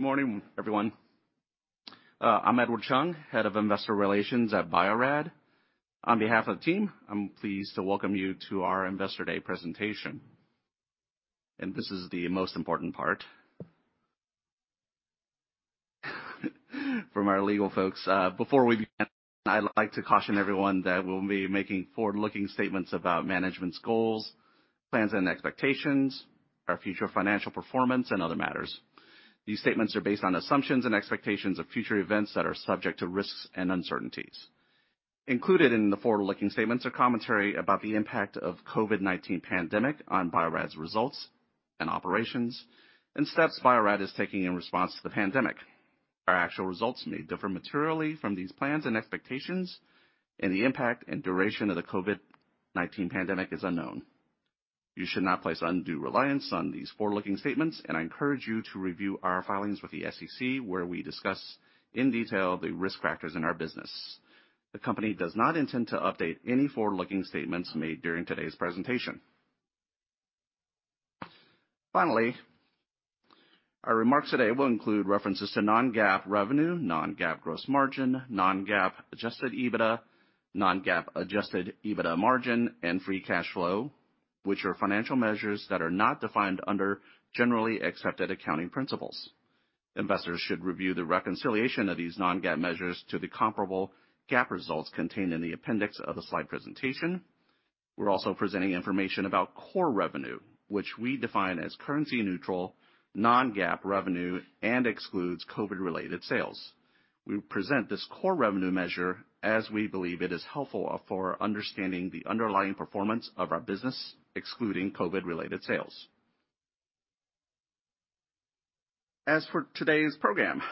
Morning, everyone. I'm Edward Chung, Head of Investor Relations at Bio-Rad. On behalf of the team, I'm pleased to welcome you to our Investor Day presentation. This is the most important part from our legal folks. Before we begin, I'd like to caution everyone that we'll be making forward-looking statements about management's goals, plans, and expectations, our future financial performance, and other matters. These statements are based on assumptions and expectations of future events that are subject to risks and uncertainties. Included in the forward-looking statements are commentary about the impact of COVID-19 pandemic on Bio-Rad's results and operations and steps Bio-Rad is taking in response to the pandemic. Our actual results may differ materially from these plans and expectations, and the impact and duration of the COVID-19 pandemic is unknown. You should not place undue reliance on these forward-looking statements, and I encourage you to review our filings with the SEC, where we discuss in detail the risk factors in our business. The company does not intend to update any forward-looking statements made during today's presentation. Finally, our remarks today will include references to non-GAAP revenue, non-GAAP gross margin, non-GAAP adjusted EBITDA, non-GAAP adjusted EBITDA margin, and free cash flow, which are financial measures that are not defined under generally accepted accounting principles. Investors should review the reconciliation of these non-GAAP measures to the comparable GAAP results contained in the appendix of the slide presentation. We're also presenting information about core revenue, which we define as currency neutral, non-GAAP revenue and excludes COVID-related sales. We present this core revenue measure as we believe it is helpful for understanding the underlying performance of our business, excluding COVID-related sales. As for today's program,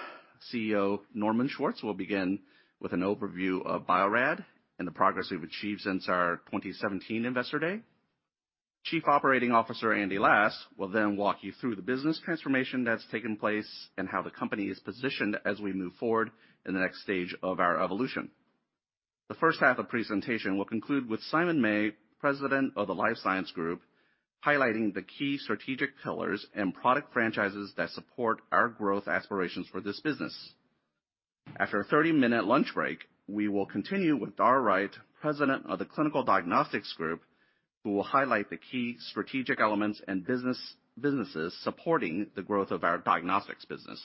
CEO Norman Schwartz will begin with an overview of Bio-Rad and the progress we've achieved since our 2017 Investor Day. Chief Operating Officer Andy Last will then walk you through the business transformation that's taken place and how the company is positioned as we move forward in the next stage of our evolution. The first half of presentation will conclude with Simon May, President of the Life Science Group, highlighting the key strategic pillars and product franchises that support our growth aspirations for this business. After a 30-minute lunch break, we will continue with Dara Wright, President of the Clinical Diagnostics Group, who will highlight the key strategic elements and businesses supporting the growth of our diagnostics business.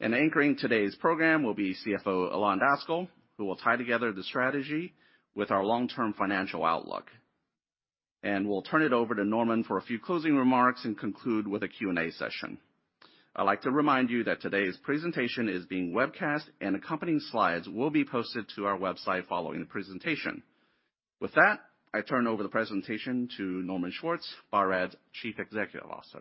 Anchoring today's program will be CFO Ilan Daskal, who will tie together the strategy with our long-term financial outlook. We'll turn it over to Norman for a few closing remarks and conclude with a Q&A session. I'd like to remind you that today's presentation is being webcast, and accompanying slides will be posted to our website following the presentation. With that, I turn over the presentation to Norman Schwartz, Bio-Rad's Chief Executive Officer.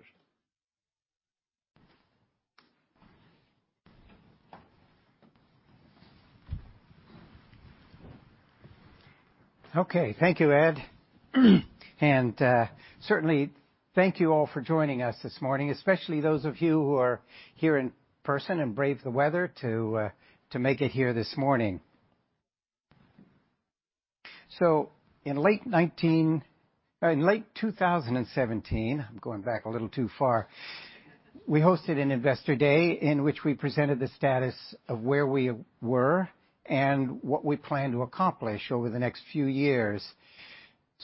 Okay. Thank you, Ed. Certainly thank you all for joining us this morning, especially those of you who are here in person and braved the weather to make it here this morning. In late 2017, I'm going back a little too far, we hosted an Investor Day in which we presented the status of where we were and what we plan to accomplish over the next few years.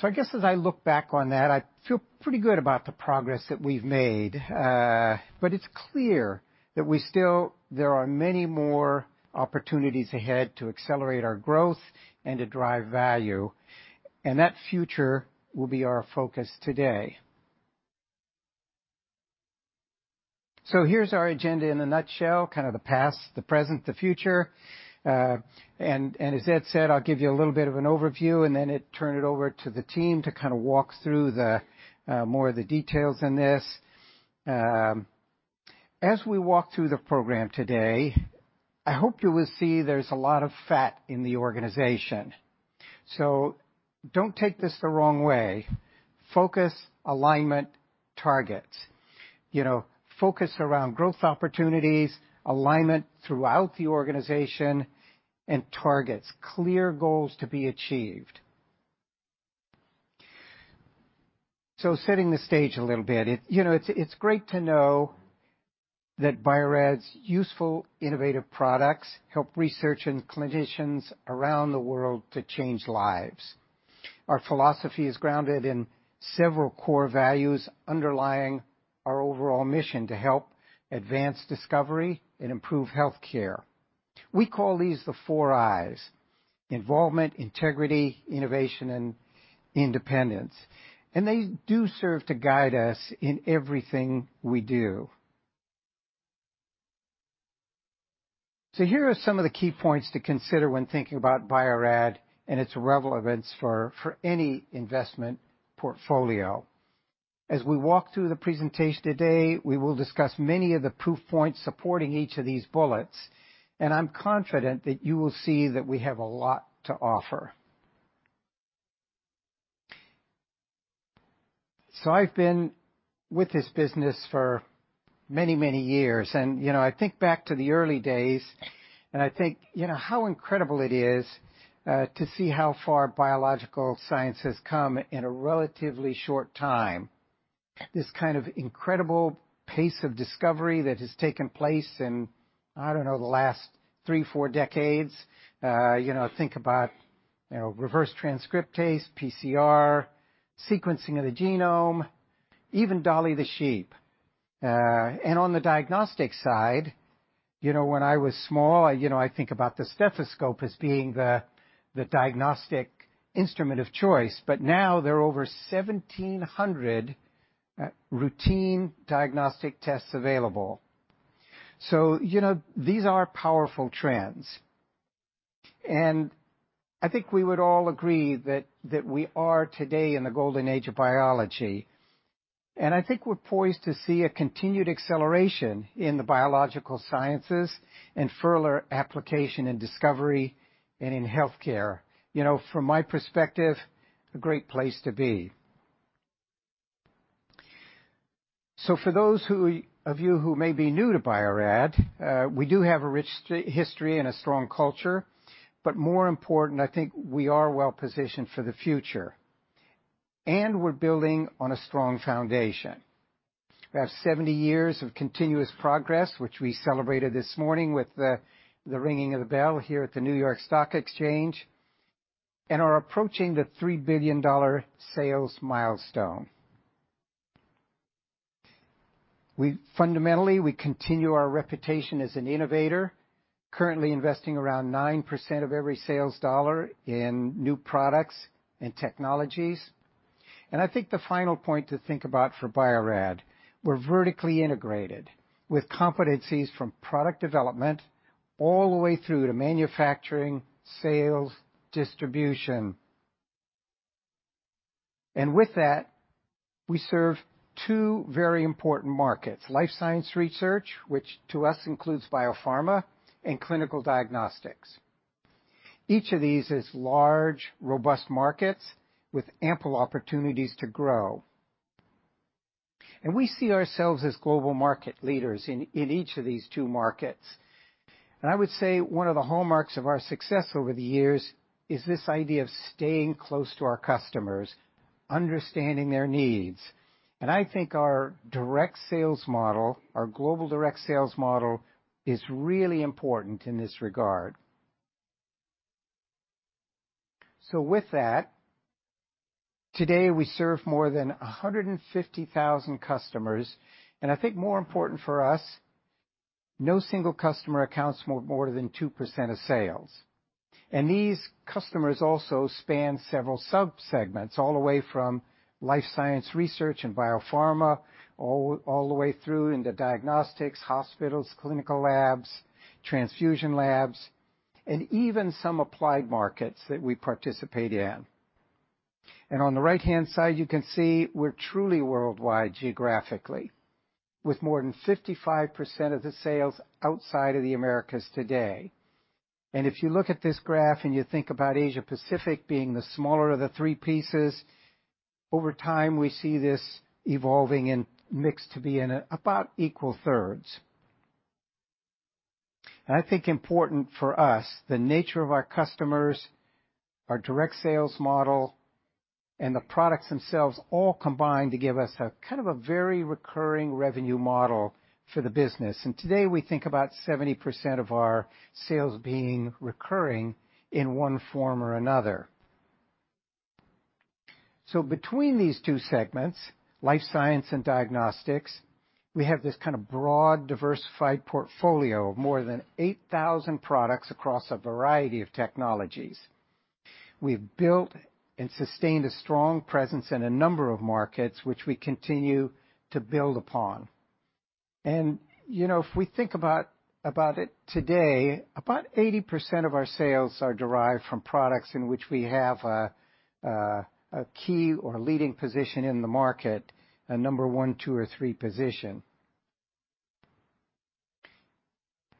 I guess as I look back on that, I feel pretty good about the progress that we've made. It's clear that there are many more opportunities ahead to accelerate our growth and to drive value, and that future will be our focus today. Here's our agenda in a nutshell, kind of the past, the present, the future. As Ed said, I'll give you a little bit of an overview and then turn it over to the team to kind of walk through more of the details in this. As we walk through the program today, I hope you will see there's a lot of fat in the organization. Don't take this the wrong way. Focus, alignment, targets. You know, focus around growth opportunities, alignment throughout the organization, and targets, clear goals to be achieved. Setting the stage a little bit, you know, it's great to know that Bio-Rad's useful innovative products help researchers and clinicians around the world to change lives. Our philosophy is grounded in several core values underlying our overall mission to help advance discovery and improve healthcare. We call these the four I's: involvement, integrity, innovation, and independence, and they do serve to guide us in everything we do. Here are some of the key points to consider when thinking about Bio-Rad and its relevance for any investment portfolio. As we walk through the presentation today, we will discuss many of the proof points supporting each of these bullets, and I'm confident that you will see that we have a lot to offer. I've been with this business for many, many years. You know, I think back to the early days, and I think, you know, to see how far biological science has come in a relatively short time. This kind of incredible pace of discovery that has taken place in, I don't know, the last three, four decades. You know, think about reverse transcriptase, PCR, sequencing of the genome, even Dolly the sheep. On the diagnostic side, you know, when I was small, you know, I think about the stethoscope as being the diagnostic instrument of choice, but now there are over 1,700 routine diagnostic tests available. You know, these are powerful trends. I think we would all agree that we are today in the golden age of biology. I think we're poised to see a continued acceleration in the biological sciences and further application and discovery and in healthcare. You know, from my perspective, a great place to be. For those of you who may be new to Bio-Rad, we do have a rich history and a strong culture, but more important, I think we are well-positioned for the future, and we're building on a strong foundation. We have 70 years of continuous progress, which we celebrated this morning with the ringing of the bell here at the New York Stock Exchange, and are approaching the $3 billion sales milestone. Fundamentally, we continue our reputation as an innovator, currently investing around 9% of every sales dollar in new products and technologies. I think the final point to think about for Bio-Rad, we're vertically integrated with competencies from product development all the way through to manufacturing, sales, distribution. With that, we serve two very important markets, life science research, which to us includes biopharma, and clinical diagnostics. Each of these is large, robust markets with ample opportunities to grow. We see ourselves as global market leaders in each of these two markets. I would say one of the hallmarks of our success over the years is this idea of staying close to our customers, understanding their needs. I think our direct sales model, our global direct sales model, is really important in this regard. With that, today we serve more than 150,000 customers, and I think more important for us, no single customer accounts more than 2% of sales. These customers also span several subsegments, all the way from life science research and biopharma, all the way through into diagnostics, hospitals, clinical labs, transfusion labs, and even some applied markets that we participate in. On the right-hand side, you can see we're truly worldwide geographically, with more than 55% of the sales outside of the Americas today. If you look at this graph and you think about Asia-Pacific being the smaller of the three pieces, over time, we see this evolving and mixed to be in about equal thirds. I think important for us, the nature of our customers, our direct sales model, and the products themselves all combine to give us a kind of a very recurring revenue model for the business. Today, we think about 70% of our sales being recurring in one form or another. Between these two segments, life science and diagnostics, we have this kind of broad, diversified portfolio of more than 8,000 products across a variety of technologies. We've built and sustained a strong presence in a number of markets, which we continue to build upon. You know, if we think about it today, about 80% of our sales are derived from products in which we have a key or leading position in the market, a number one, two, or three position.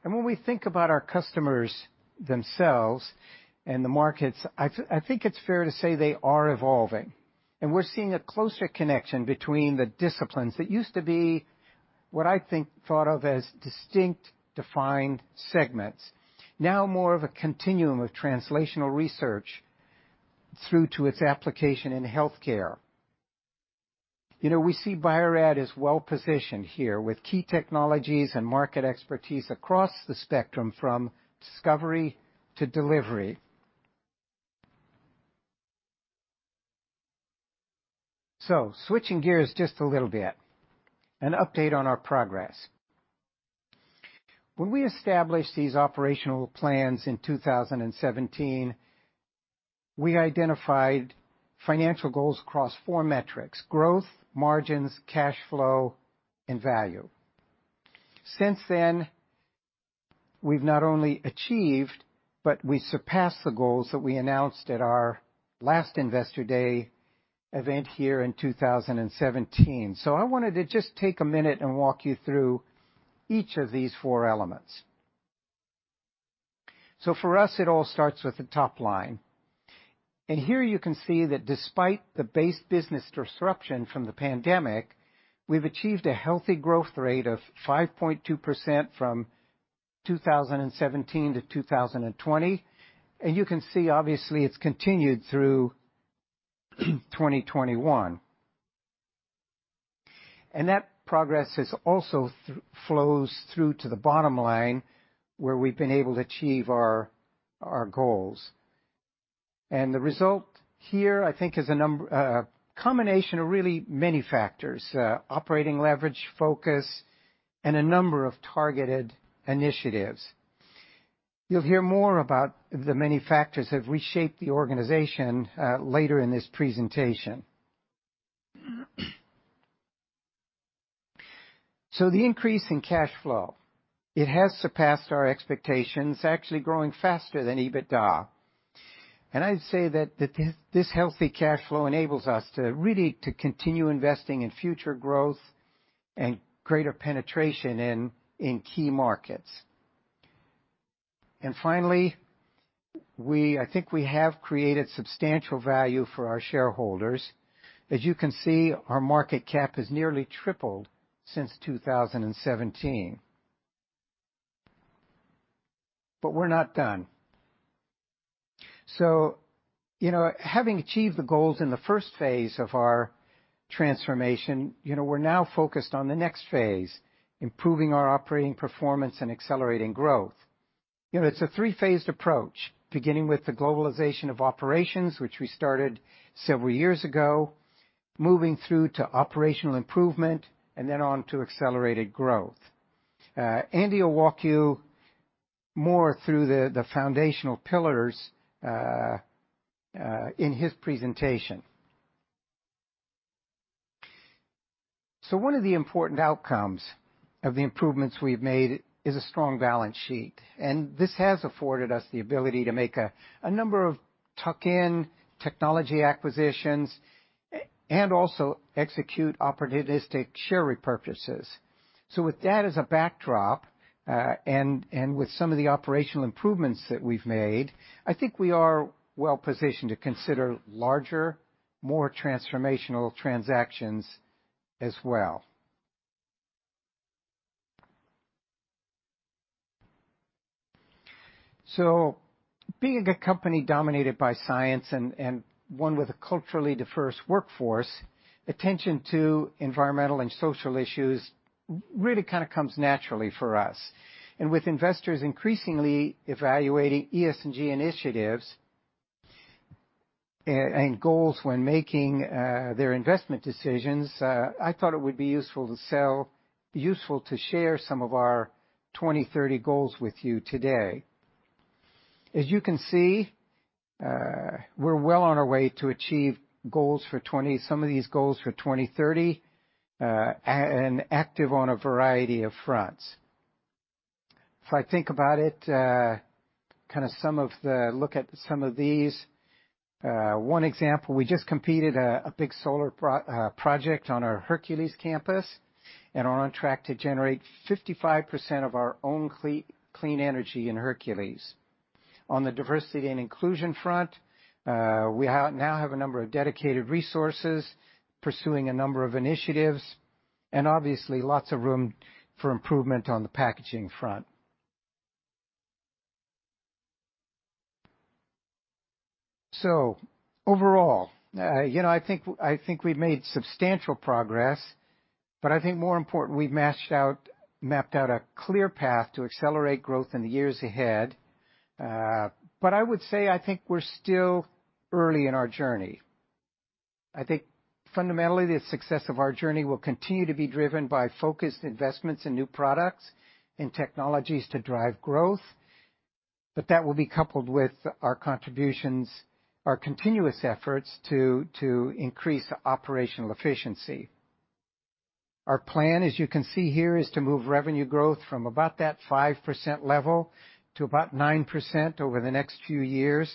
When we think about our customers themselves and the markets, I think it's fair to say they are evolving, and we're seeing a closer connection between the disciplines that used to be what I think thought of as distinct, defined segments, now more of a continuum of translational research through to its application in healthcare. You know, we see Bio-Rad as well-positioned here with key technologies and market expertise across the spectrum from discovery to delivery. Switching gears just a little bit, an update on our progress. When we established these operational plans in 2017, we identified financial goals across four metrics, growth, margins, cash flow, and value. Since then, we've not only achieved, but we surpassed the goals that we announced at our last Investor Day event here in 2017. I wanted to just take a minute and walk you through each of these four elements. For us, it all starts with the top line. Here you can see that despite the base business disruption from the pandemic, we've achieved a healthy growth rate of 5.2% from 2017 to 2020. You can see obviously it's continued through 2021. That progress is also flows through to the bottom line, where we've been able to achieve our goals. The result here, I think is a combination of really many factors, operating leverage, focus, and a number of targeted initiatives. You'll hear more about the many factors as we shape the organization, later in this presentation. The increase in cash flow, it has surpassed our expectations, actually growing faster than EBITDA. I'd say that this healthy cash flow enables us to really to continue investing in future growth and greater penetration in key markets. Finally, I think we have created substantial value for our shareholders. As you can see, our market cap has nearly tripled since 2017. We're not done. You know, having achieved the goals in the first phase of our transformation, you know, we're now focused on the next phase, improving our operating performance and accelerating growth. You know, it's a three-phased approach, beginning with the globalization of operations, which we started several years ago, moving through to operational improvement and then on to accelerated growth. Andy will walk you more through the foundational pillars in his presentation. One of the important outcomes of the improvements we've made is a strong balance sheet, and this has afforded us the ability to make a number of tuck-in technology acquisitions and also execute opportunistic share repurchases. With that as a backdrop, and with some of the operational improvements that we've made, I think we are well-positioned to consider larger, more transformational transactions as well. Being a good company dominated by science and one with a culturally diverse workforce, attention to environmental and social issues really kind of comes naturally for us. With investors increasingly evaluating ESG initiatives and goals when making their investment decisions, I thought it would be useful to share some of our 2030 goals with you today. As you can see, we're well on our way to achieve some of these goals for 2030 and active on a variety of fronts. If I think about it, look at some of these, one example, we just completed a big solar project on our Hercules campus and are on track to generate 55% of our own clean energy in Hercules. On the diversity and inclusion front, we now have a number of dedicated resources pursuing a number of initiatives, and obviously lots of room for improvement on the packaging front. Overall, you know, I think we've made substantial progress, but I think more important, we've mapped out a clear path to accelerate growth in the years ahead. I would say I think we're still early in our journey. I think fundamentally, the success of our journey will continue to be driven by focused investments in new products and technologies to drive growth, but that will be coupled with our continuous efforts to increase operational efficiency. Our plan, as you can see here, is to move revenue growth from about that 5% level to about 9% over the next few years,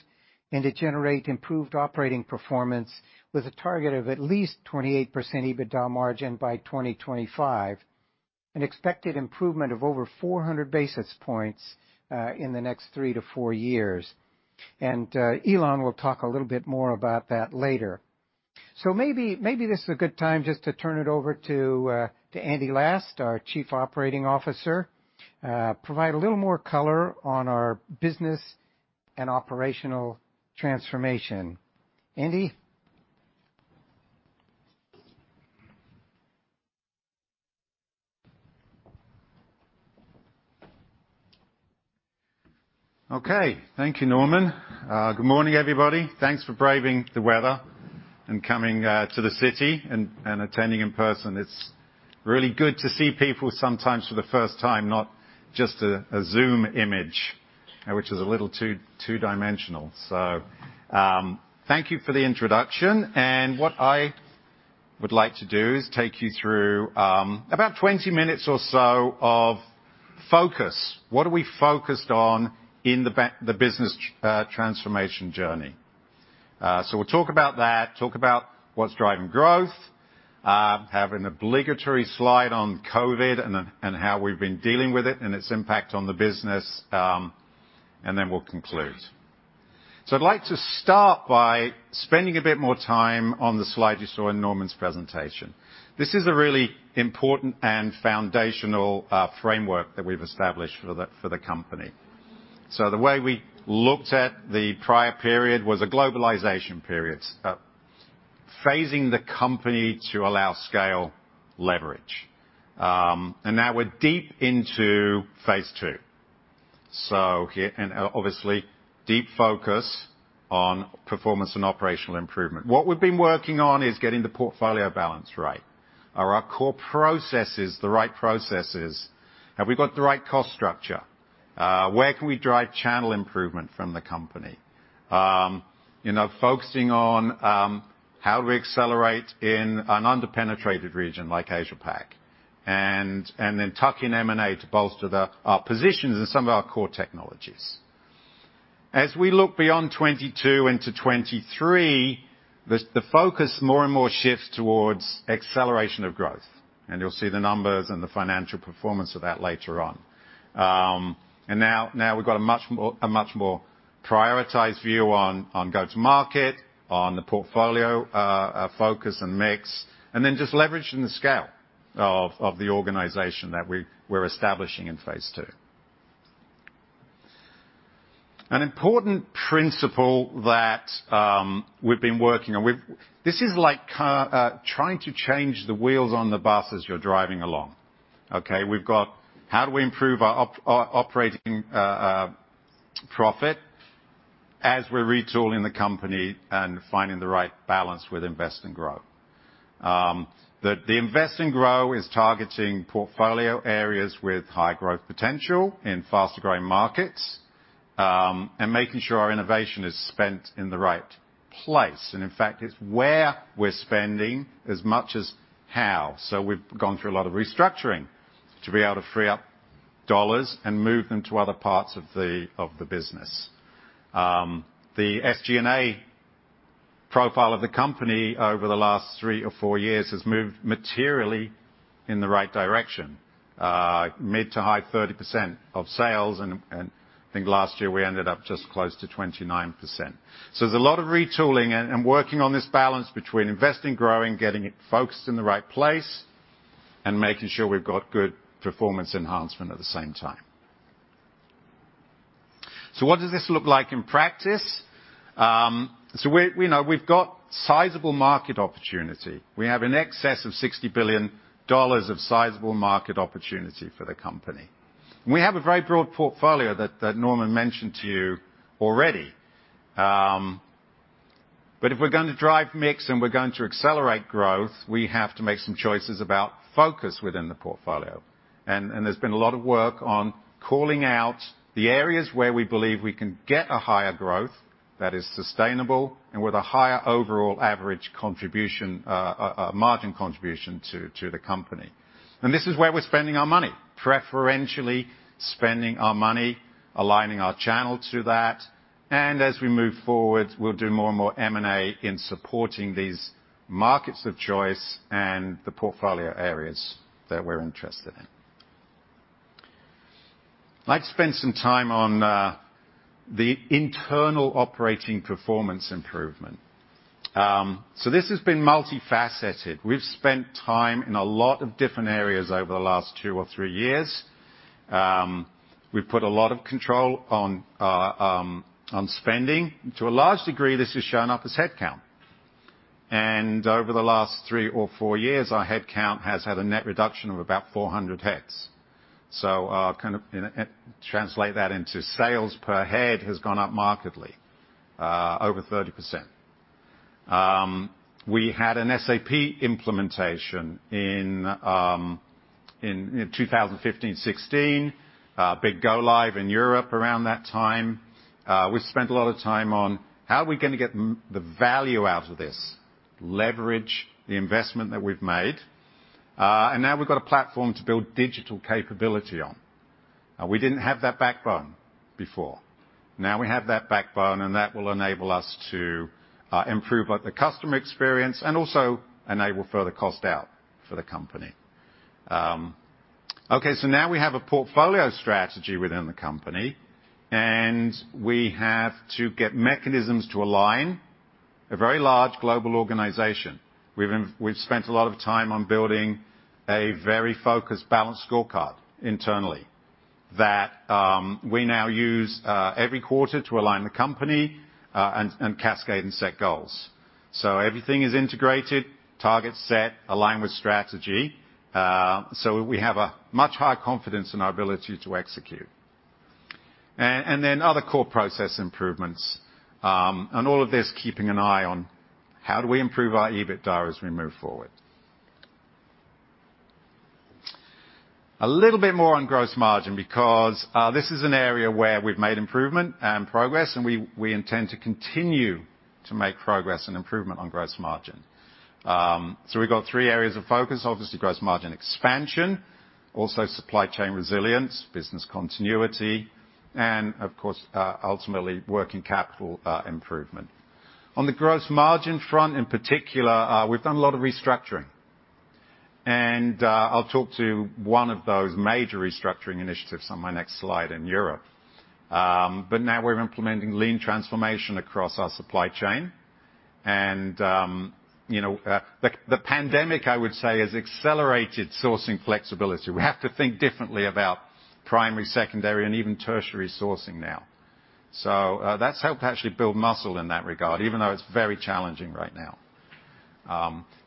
and to generate improved operating performance with a target of at least 28% EBITDA margin by 2025, an expected improvement of over 400 basis points in the next 3-4 years. Ilan Daskal will talk a little bit more about that later. Maybe this is a good time just to turn it over to Andy Last, our Chief Operating Officer, to provide a little more color on our business and operational transformation. Andy? Okay. Thank you, Norman. Good morning, everybody. Thanks for braving the weather and coming to the city and attending in person. It's really good to see people sometimes for the first time, not just a Zoom image, which is a little too two-dimensional. Thank you for the introduction. What I would like to do is take you through about 20 minutes or so of focus. What are we focused on in the business transformation journey? We'll talk about that, talk about what's driving growth, have an obligatory slide on COVID and then how we've been dealing with it and its impact on the business, and then we'll conclude. I'd like to start by spending a bit more time on the slide you saw in Norman's presentation. This is a really important and foundational framework that we've established for the company. The way we looked at the prior period was a globalization period, phasing the company to allow scale leverage. Now we're deep into phase II. Obviously, deep focus on performance and operational improvement. What we've been working on is getting the portfolio balance right. Are our core processes the right processes? Have we got the right cost structure? Where can we drive channel improvement from the company, you know, focusing on how we accelerate in an under-penetrated region like Asia-Pac, then tuck in M&A to bolster our positions in some of our core technologies. As we look beyond 2022 into 2023, the focus more and more shifts towards acceleration of growth, and you'll see the numbers and the financial performance of that later on. Now we've got a much more prioritized view on go-to-market, on the portfolio, our focus and mix, and then just leveraging the scale of the organization that we're establishing in phase II. An important principle that we've been working. This is like trying to change the wheels on the bus as you're driving along, okay? How do we improve our operating profit as we're retooling the company and finding the right balance with invest and grow? The invest and grow is targeting portfolio areas with high growth potential in faster-growing markets, and making sure our innovation is spent in the right place, and in fact, it's where we're spending as much as how. We've gone through a lot of restructuring to be able to free up dollars and move them to other parts of the business. The SG&A profile of the company over the last 3 or 4 years has moved materially in the right direction. Mid- to high-30% of sales, and I think last year we ended up just close to 29%. There's a lot of retooling and working on this balance between invest and growing, getting it focused in the right place, and making sure we've got good performance enhancement at the same time. What does this look like in practice? We know we've got sizable market opportunity. We have in excess of $60 billion of sizable market opportunity for the company. We have a very broad portfolio that Norman mentioned to you already. If we're going to drive mix and we're going to accelerate growth, we have to make some choices about focus within the portfolio. There's been a lot of work on calling out the areas where we believe we can get a higher growth that is sustainable and with a higher overall average contribution, margin contribution to the company. This is where we're spending our money. Preferentially spending our money, aligning our channel to that, and as we move forward, we'll do more and more M&A in supporting these markets of choice and the portfolio areas that we're interested in. I'd like to spend some time on the internal operating performance improvement. This has been multifaceted. We've spent time in a lot of different areas over the last 2 or 3 years. We've put a lot of control on spending. To a large degree, this has shown up as headcount. Over the last 3 or 4 years, our headcount has had a net reduction of about 400 heads. Translate that into sales per head has gone up markedly over 30%. We had an SAP implementation in 2015/2016. Big go live in Europe around that time. We've spent a lot of time on how are we gonna get the value out of this, leverage the investment that we've made. Now we've got a platform to build digital capability on. We didn't have that backbone before. Now we have that backbone, and that will enable us to improve both the customer experience and also enable further cost out for the company. Okay, now we have a portfolio strategy within the company, and we have to get mechanisms to align a very large global organization. We've spent a lot of time on building a very focused balanced scorecard internally that we now use every quarter to align the company, and cascade and set goals. Everything is integrated, targets set, aligned with strategy. We have a much higher confidence in our ability to execute, and then other core process improvements, and all of this keeping an eye on how do we improve our EBITDA as we move forward. A little bit more on gross margin because this is an area where we've made improvement and progress, and we intend to continue to make progress and improvement on gross margin. We've got three areas of focus. Obviously, gross margin expansion, also supply chain resilience, business continuity, and of course, ultimately, working capital improvement. On the gross margin front in particular, we've done a lot of restructuring. I'll talk to one of those major restructuring initiatives on my next slide in Europe. Now we're implementing lean transformation across our supply chain. You know, the pandemic, I would say, has accelerated sourcing flexibility. We have to think differently about primary, secondary, and even tertiary sourcing now. That's helped actually build muscle in that regard, even though it's very challenging right now.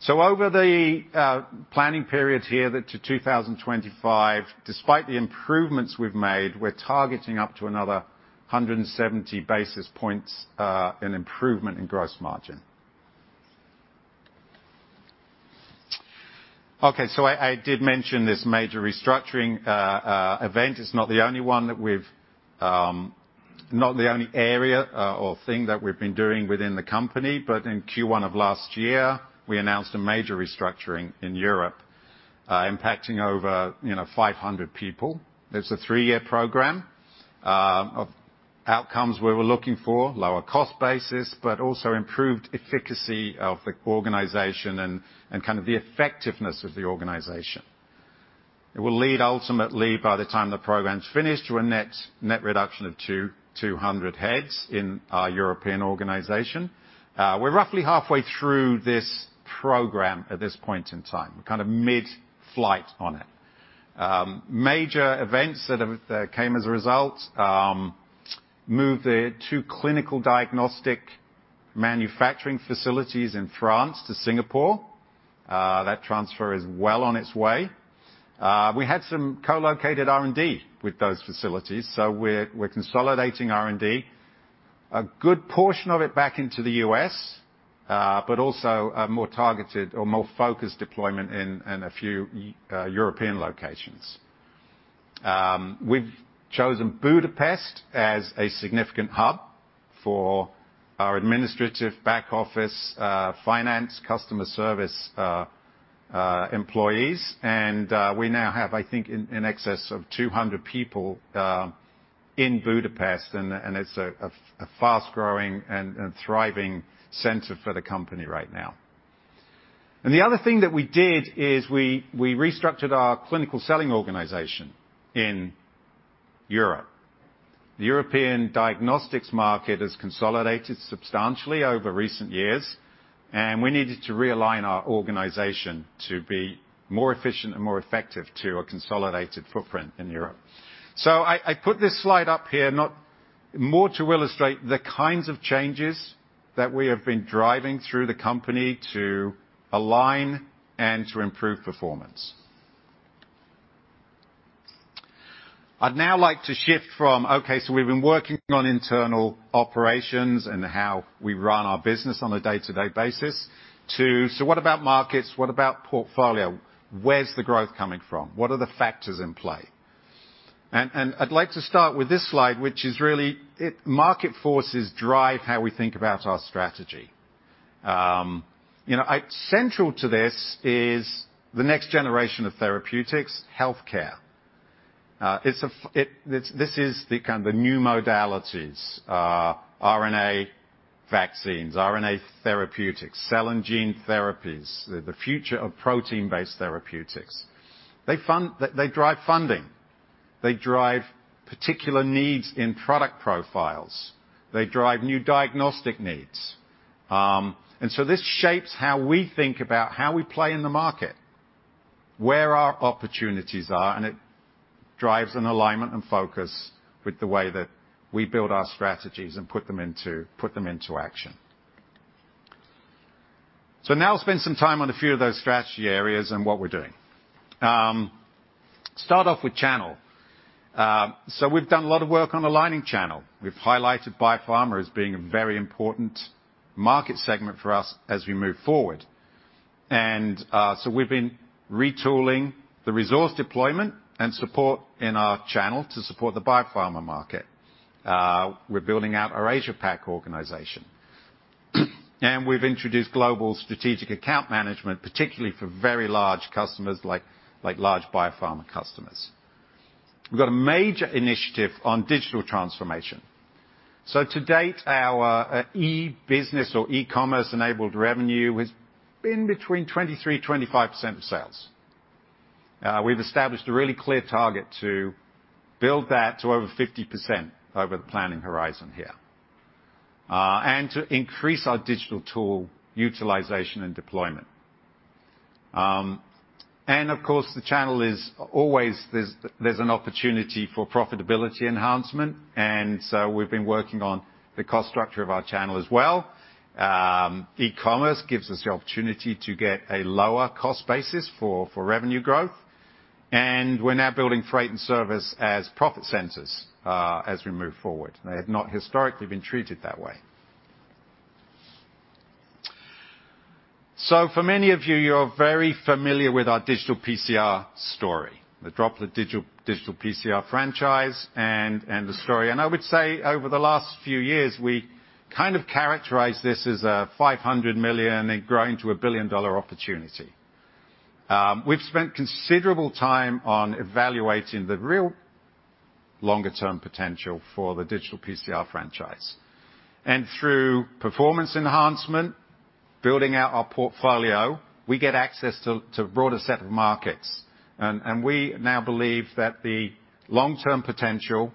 Over the planning period here to 2025, despite the improvements we've made, we're targeting up to another 170 basis points in improvement in gross margin. Okay, I did mention this major restructuring event. It's not the only one, not the only area or thing that we've been doing within the company. In Q1 of last year, we announced a major restructuring in Europe, impacting over, you know, 500 people. It's a three-year program. Outcomes we were looking for, lower cost basis, but also improved efficacy of the organization and kind of the effectiveness of the organization. It will lead ultimately by the time the program's finished to a net reduction of 200 heads in our European organization. We're roughly halfway through this program at this point in time. We're kind of mid-flight on it. Major events that have came as a result, moved the two clinical diagnostic manufacturing facilities in France to Singapore. That transfer is well on its way. We had some co-located R&D with those facilities, so we're consolidating R&D, a good portion of it back into the U.S., but also a more targeted or more focused deployment in a few European locations. We've chosen Budapest as a significant hub for our administrative back office, finance, customer service, employees. We now have, I think in excess of 200 people in Budapest, and it's a fast-growing and thriving center for the company right now. The other thing that we did is we restructured our clinical selling organization in Europe. The European diagnostics market has consolidated substantially over recent years, and we needed to realign our organization to be more efficient and more effective to a consolidated footprint in Europe. I put this slide up here more to illustrate the kinds of changes that we have been driving through the company to align and to improve performance. I'd now like to shift from we've been working on internal operations and how we run our business on a day-to-day basis to what about markets? What about portfolio? Where's the growth coming from? What are the factors in play? I'd like to start with this slide, which is really it, market forces drive how we think about our strategy. You know, central to this is the next generation of therapeutics, healthcare. This is the kind of new modalities, RNA vaccines, RNA therapeutics, cell and gene therapies, the future of protein-based therapeutics. They drive funding. They drive particular needs in product profiles. They drive new diagnostic needs. This shapes how we think about how we play in the market, where our opportunities are, and it drives an alignment and focus with the way that we build our strategies and put them into action. Now let's spend some time on a few of those strategy areas and what we're doing. Start off with channel. We've done a lot of work on aligning channel. We've highlighted biopharma as being a very important market segment for us as we move forward. We've been retooling the resource deployment and support in our channel to support the biopharma market. We're building out our Asia Pac organization. We've introduced global strategic account management, particularly for very large customers like large biopharma customers. We've got a major initiative on digital transformation. To date, our e-business or e-commerce-enabled revenue has been between 23-25% of sales. We've established a really clear target to build that to over 50% over the planning horizon here, and to increase our digital tool utilization and deployment. Of course, the channel is always there. There's an opportunity for profitability enhancement. We've been working on the cost structure of our channel as well. E-commerce gives us the opportunity to get a lower cost basis for revenue growth. We're now building freight and service as profit centers as we move forward. They have not historically been treated that way. For many of you're very familiar with our digital PCR story, the Droplet Digital PCR franchise and the story. I would say over the last few years, we kind of characterized this as a $500 million and growing to a $1 billion opportunity. We've spent considerable time on evaluating the real longer-term potential for the digital PCR franchise. Through performance enhancement, building out our portfolio, we get access to a broader set of markets. We now believe that the long-term potential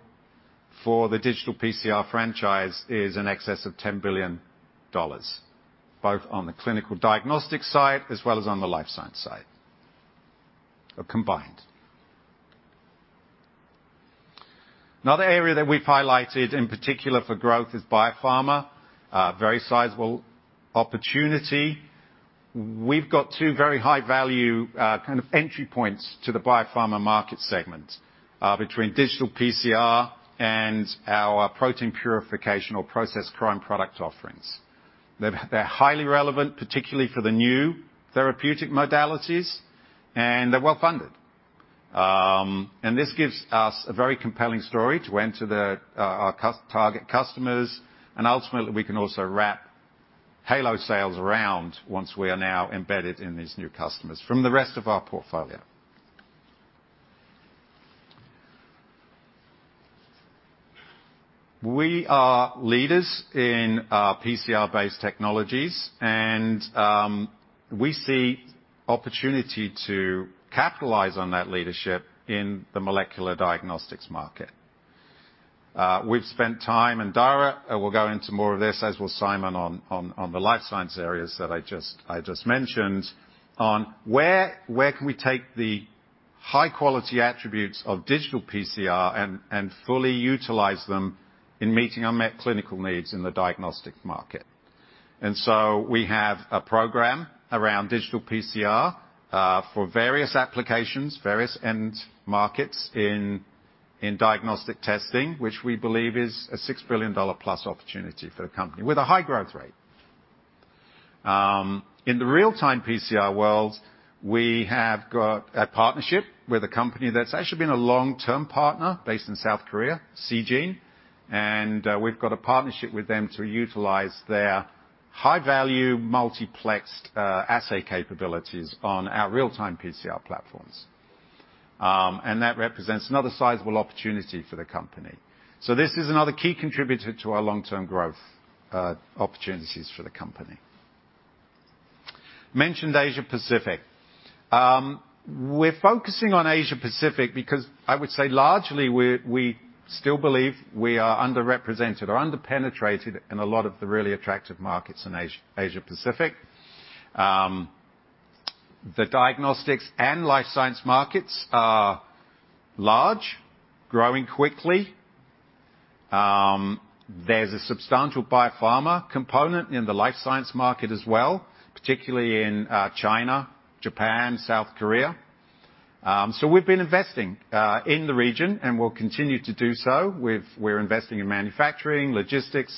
for the digital PCR franchise is in excess of $10 billion, both on the clinical diagnostics side as well as on the life science side, or combined. Another area that we've highlighted in particular for growth is biopharma, a very sizable opportunity. We've got two very high value kind of entry points to the biopharma market segment between digital PCR and our protein purification or process chromatography product offerings. They're highly relevant, particularly for the new therapeutic modalities, and they're well-funded. This gives us a very compelling story to enter our custom-target customers, and ultimately, we can also wrap halo sales around once we are now embedded in these new customers from the rest of our portfolio. We are leaders in PCR-based technologies and we see opportunity to capitalize on that leadership in the molecular diagnostics market. We've spent time, and Dara will go into more of this, as will Simon on the life science areas that I just mentioned, on where we can take the high quality attributes of digital PCR and fully utilize them in meeting unmet clinical needs in the diagnostic market. We have a program around digital PCR for various applications, various end markets in diagnostic testing, which we believe is a $6 billion+ opportunity for the company with a high growth rate. In the real-time PCR world, we have got a partnership with a company that's actually been a long-term partner based in South Korea, Seegene, and we've got a partnership with them to utilize their high-value multiplexed assay capabilities on our real-time PCR platforms. That represents another sizable opportunity for the company. This is another key contributor to our long-term growth opportunities for the company. We mentioned Asia-Pacific. We're focusing on Asia-Pacific because I would say largely we still believe we are underrepresented or under-penetrated in a lot of the really attractive markets in Asia-Pacific. The diagnostics and life science markets are large, growing quickly. There's a substantial biopharma component in the life science market as well, particularly in China, Japan, South Korea. We've been investing in the region, and we'll continue to do so. We're investing in manufacturing, logistics,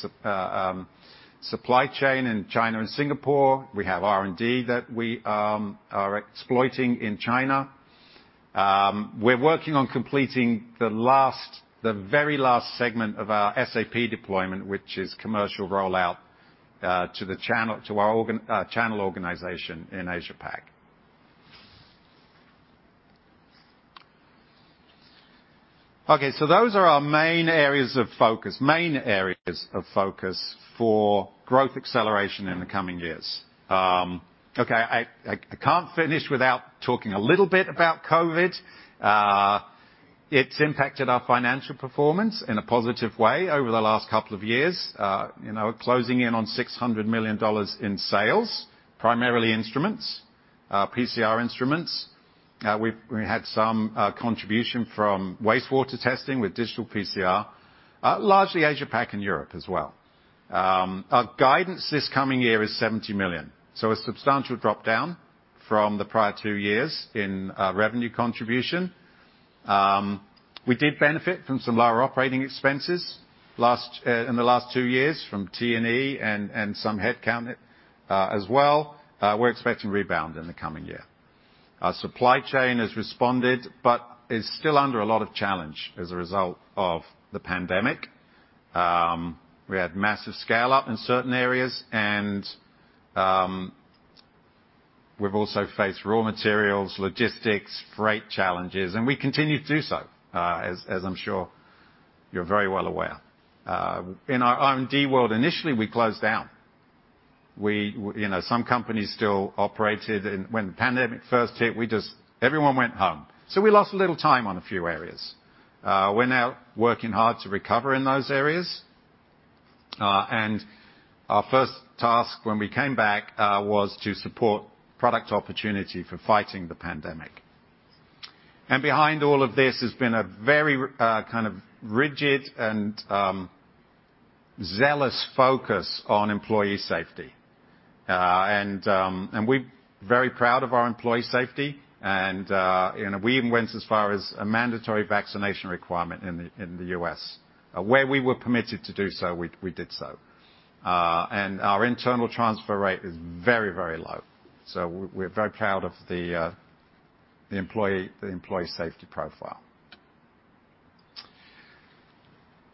supply chain in China and Singapore. We have R&D that we are exploiting in China. We're working on completing the last, the very last segment of our SAP deployment, which is commercial rollout to the channel, to our channel organization in Asia Pac. Okay, those are our main areas of focus for growth acceleration in the coming years. Okay, I can't finish without talking a little bit about COVID. It's impacted our financial performance in a positive way over the last couple of years, you know, closing in on $600 million in sales, primarily instruments, PCR instruments. We've had some contribution from wastewater testing with digital PCR, largely Asia Pac and Europe as well. Our guidance this coming year is $70 million, so a substantial drop-down from the prior two years in revenue contribution. We did benefit from some lower operating expenses in the last two years from T&E and some headcount as well. We're expecting rebound in the coming year. Our supply chain has responded but is still under a lot of challenge as a result of the pandemic. We had massive scale up in certain areas, and we've also faced raw materials, logistics, freight challenges, and we continue to do so, as I'm sure you're very well aware. In our R&D world, initially, we closed down. You know, some companies still operated and when the pandemic first hit, everyone went home. We lost a little time on a few areas. We're now working hard to recover in those areas. Our first task when we came back was to support product opportunity for fighting the pandemic. Behind all of this has been a very kind of rigid and zealous focus on employee safety. We're very proud of our employee safety, you know, we even went as far as a mandatory vaccination requirement in the U.S. Where we were permitted to do so, we did so. Our internal transfer rate is very low. We're very proud of the employee safety profile.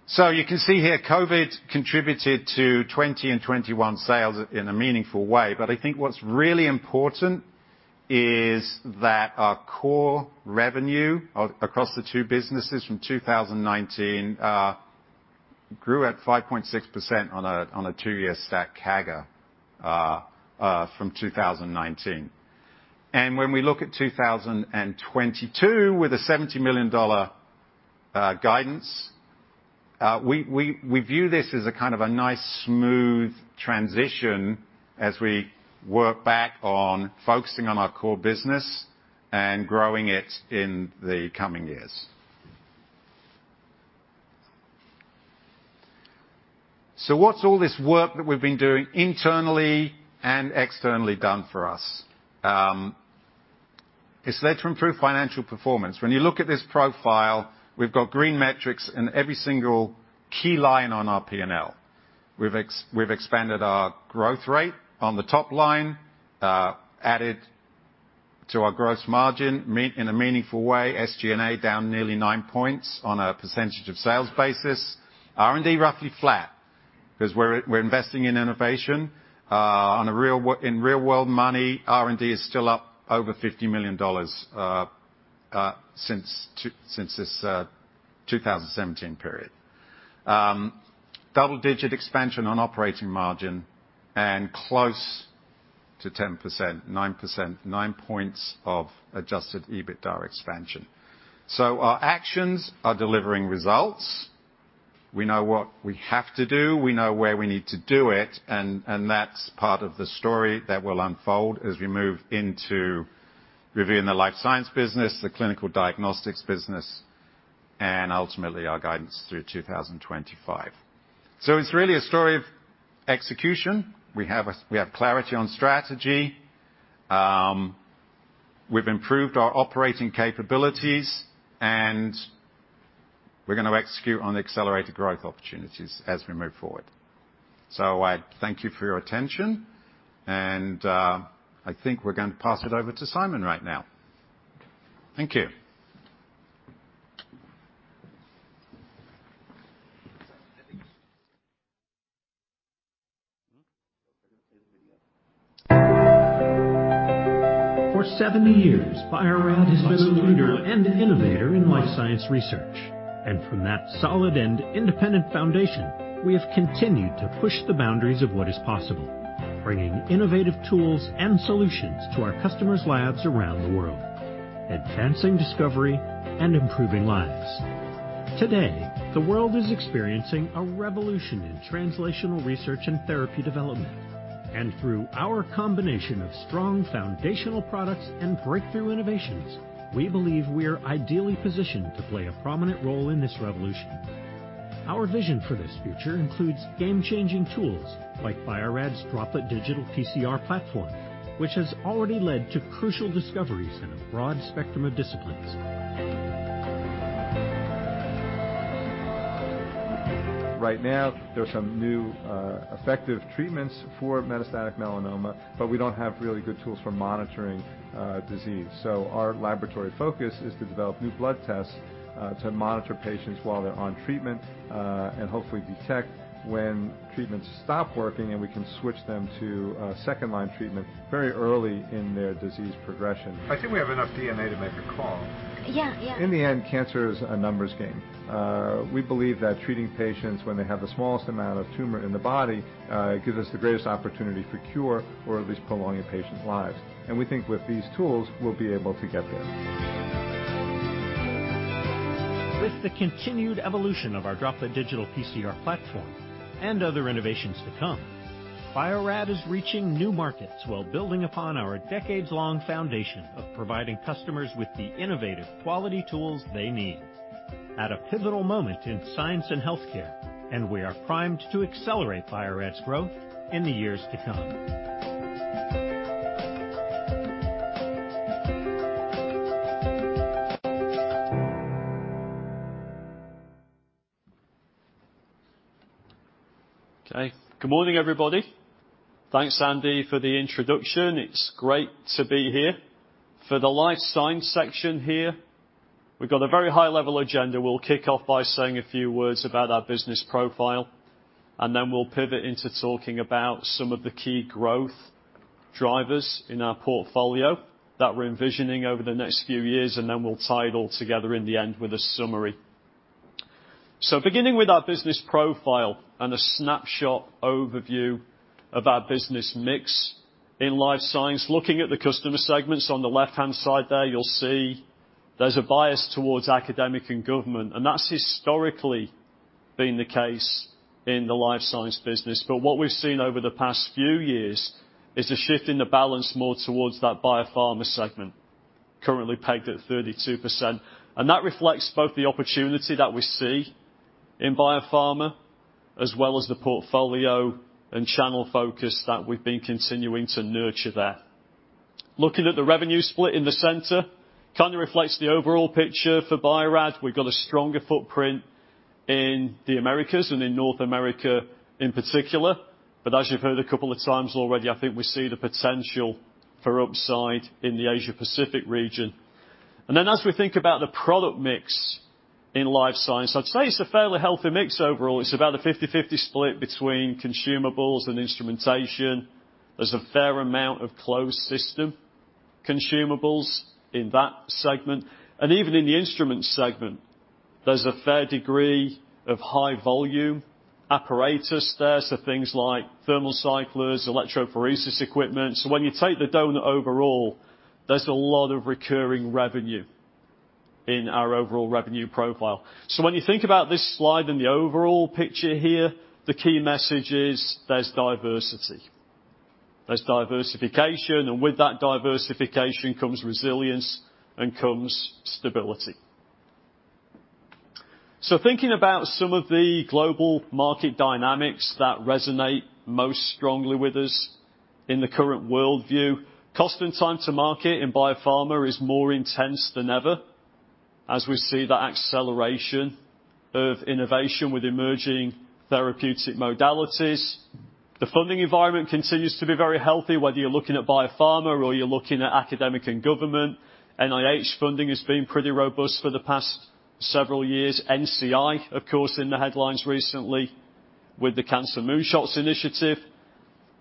You can see here, COVID contributed to 2020 and 2021 sales in a meaningful way. I think what's really important is that our core revenue across the two businesses from 2019 grew at 5.6% on a two-year stack CAGR from 2019. When we look at 2022 with a $70 million guidance, we view this as a kind of a nice smooth transition as we work back on focusing on our core business and growing it in the coming years. What's all this work that we've been doing internally and externally done for us? It's led to improved financial performance. When you look at this profile, we've got green metrics in every single key line on our P&L. We've expanded our growth rate on the top line, added to our gross margin in a meaningful way. SG&A down nearly 9 points on a percentage of sales basis. R&D roughly flat 'cause we're investing in innovation, in real-world money, R&D is still up over $50 million since this 2017 period. Double-digit expansion on operating margin and close to 10%, 9 points of adjusted EBITDA expansion. Our actions are delivering results. We know what we have to do, we know where we need to do it, and that's part of the story that will unfold as we move into reviewing the Life Science business, the Clinical Diagnostics business, and ultimately our guidance through 2025. It's really a story of execution. We have clarity on strategy. We've improved our operating capabilities, and we're gonna execute on the accelerated growth opportunities as we move forward. I thank you for your attention, and I think we're gonna pass it over to Simon right now. Thank you. For 70 years, Bio-Rad has been a leader and innovator in life science research. From that solid and independent foundation, we have continued to push the boundaries of what is possible, bringing innovative tools and solutions to our customers' labs around the world, advancing discovery and improving lives. Today, the world is experiencing a revolution in translational research and therapy development. Through our combination of strong foundational products and breakthrough innovations, we believe we are ideally positioned to play a prominent role in this revolution. Our vision for this future includes game-changing tools like Bio-Rad's Droplet Digital PCR platform, which has already led to crucial discoveries in a broad spectrum of disciplines. Right now, there are some new, effective treatments for metastatic melanoma, but we don't have really good tools for monitoring, disease. Our laboratory focus is to develop new blood tests, to monitor patients while they're on treatment, and hopefully detect when treatments stop working, and we can switch them to, second-line treatment very early in their disease progression. I think we have enough DNA to make a call. Yeah. Yeah. In the end, cancer is a numbers game. We believe that treating patients when they have the smallest amount of tumor in the body gives us the greatest opportunity for cure or at least prolong a patient's lives. We think with these tools, we'll be able to get there. With the continued evolution of our Droplet Digital PCR platform and other innovations to come, Bio-Rad is reaching new markets while building upon our decades-long foundation of providing customers with the innovative quality tools they need at a pivotal moment in science and healthcare, and we are primed to accelerate Bio-Rad's growth in the years to come. Okay. Good morning, everybody. Thanks, Andy, for the introduction. It's great to be here. For the Life Science section here, we've got a very high-level agenda. We'll kick off by saying a few words about our business profile, and then we'll pivot into talking about some of the key growth drivers in our portfolio that we're envisioning over the next few years, and then we'll tie it all together in the end with a summary. Beginning with our business profile and a snapshot overview of our business mix in Life Science. Looking at the customer segments on the left-hand side there, you'll see there's a bias towards academic and government, and that's historically been the case in the Life Science business. What we've seen over the past few years is a shift in the balance more towards that biopharma segment, currently pegged at 32%. That reflects both the opportunity that we see in biopharma, as well as the portfolio and channel focus that we've been continuing to nurture there. Looking at the revenue split in the center, kinda reflects the overall picture for Bio-Rad. We've got a stronger footprint in the Americas and in North America in particular. As you've heard a couple of times already, I think we see the potential for upside in the Asia-Pacific region. As we think about the product mix in Life Science, I'd say it's a fairly healthy mix overall. It's about a 50/50 split between consumables and instrumentation. There's a fair amount of closed system consumables in that segment. Even in the instrument segment, there's a fair degree of high-volume apparatus there, so things like thermal cyclers, electrophoresis equipment. When you take the donut overall, there's a lot of recurring revenue in our overall revenue profile. When you think about this slide and the overall picture here, the key message is there's diversity. There's diversification, and with that diversification comes resilience and comes stability. Thinking about some of the global market dynamics that resonate most strongly with us in the current worldview, cost and time to market in biopharma is more intense than ever as we see the acceleration of innovation with emerging therapeutic modalities. The funding environment continues to be very healthy, whether you're looking at biopharma or you're looking at academic and government. NIH funding has been pretty robust for the past several years. NCI, of course, in the headlines recently with the Cancer Moonshot Initiative.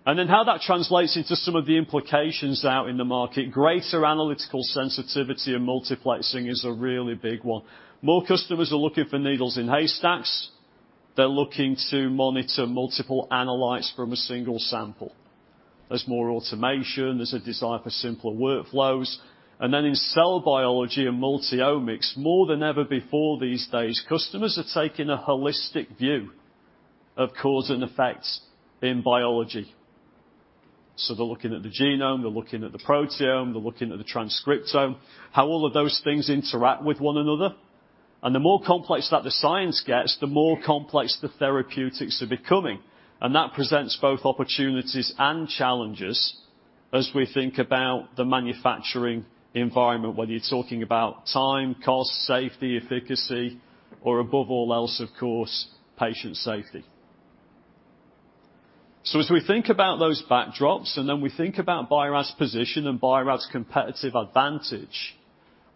How that translates into some of the implications out in the market, greater analytical sensitivity and multiplexing is a really big one. More customers are looking for needles in haystacks. They're looking to monitor multiple analytes from a single sample. There's more automation, there's a desire for simpler workflows. In cell biology and multi-omics, more than ever before these days, customers are taking a holistic view of cause and effects in biology. They're looking at the genome, they're looking at the proteome, they're looking at the transcriptome, how all of those things interact with one another. The more complex that the science gets, the more complex the therapeutics are becoming. That presents both opportunities and challenges as we think about the manufacturing environment, whether you're talking about time, cost, safety, efficacy, or above all else, of course, patient safety. As we think about those backdrops, and then we think about Bio-Rad's position and Bio-Rad's competitive advantage,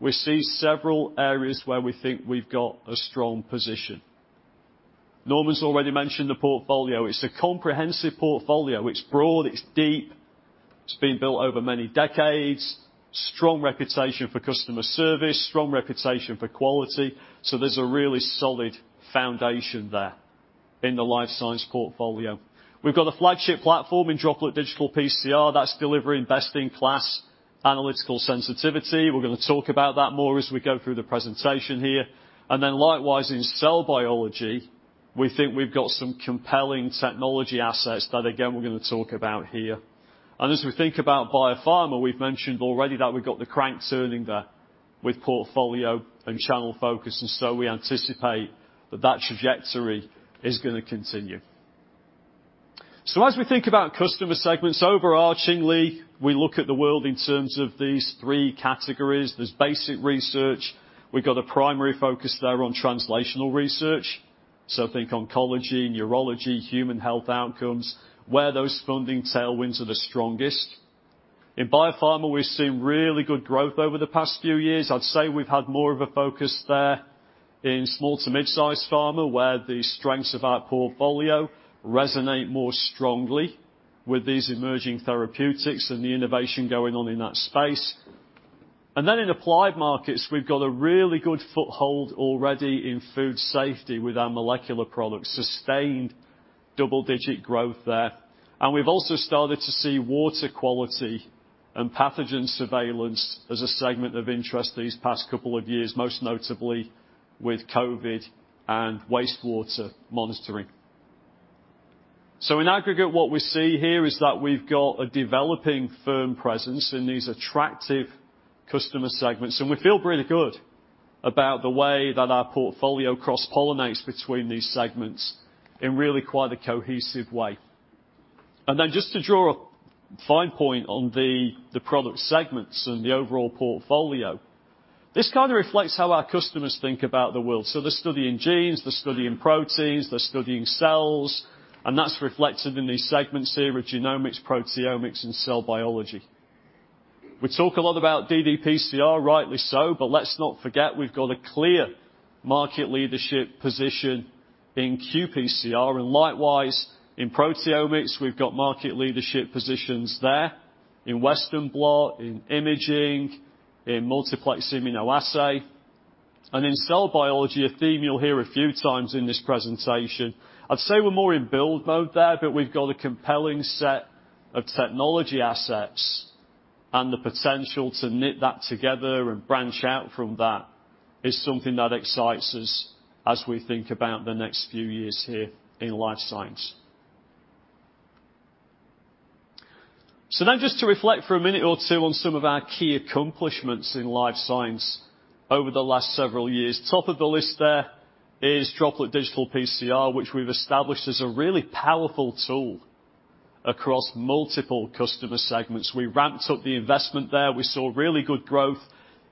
we see several areas where we think we've got a strong position. Norman's already mentioned the portfolio. It's a comprehensive portfolio. It's broad, it's deep. It's been built over many decades. Strong reputation for customer service. Strong reputation for quality. There's a really solid foundation there in the life science portfolio. We've got a flagship platform in Droplet Digital PCR that's delivering best-in-class analytical sensitivity. We're gonna talk about that more as we go through the presentation here. Then likewise, in cell biology, we think we've got some compelling technology assets that, again, we're gonna talk about here. As we think about biopharma, we've mentioned already that we've got the crank turning there with portfolio and channel focus, and so we anticipate that that trajectory is gonna continue. As we think about customer segments, overarchingly, we look at the world in terms of these three categories. There's basic research. We've got a primary focus there on translational research. Think oncology, neurology, human health outcomes, where those funding tailwinds are the strongest. In biopharma, we've seen really good growth over the past few years. I'd say we've had more of a focus there in small to mid-size pharma, where the strengths of our portfolio resonate more strongly with these emerging therapeutics and the innovation going on in that space. Then in applied markets, we've got a really good foothold already in food safety with our molecular products, sustained double-digit growth there. We've also started to see water quality and pathogen surveillance as a segment of interest these past couple of years, most notably with COVID and wastewater monitoring. In aggregate, what we see here is that we've got a developing firm presence in these attractive customer segments, and we feel really good about the way that our portfolio cross-pollinates between these segments in really quite a cohesive way. Just to draw a fine point on the product segments and the overall portfolio, this kinda reflects how our customers think about the world. They're studying genes, they're studying proteins, they're studying cells, and that's reflected in these segments here of genomics, proteomics, and cell biology. We talk a lot about ddPCR, rightly so, but let's not forget we've got a clear market leadership position in qPCR. Likewise in proteomics, we've got market leadership positions there in Western blot, in imaging, in multiplex immunoassay. In cell biology, a theme you'll hear a few times in this presentation, I'd say we're more in build mode there, but we've got a compelling set of technology assets and the potential to knit that together and branch out from that is something that excites us as we think about the next few years here in life science. Just to reflect for a minute or two on some of our key accomplishments in life science over the last several years. Top of the list there is Droplet Digital PCR, which we've established as a really powerful tool across multiple customer segments. We ramped up the investment there. We saw really good growth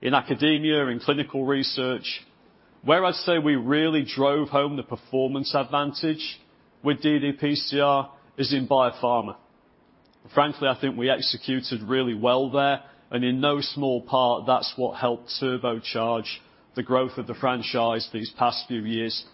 in academia, in clinical research. Where I'd say we really drove home the performance advantage with ddPCR is in biopharma. Frankly, I think we executed really well there, and in no small part, that's what helped turbocharge the growth of the franchise these past few years.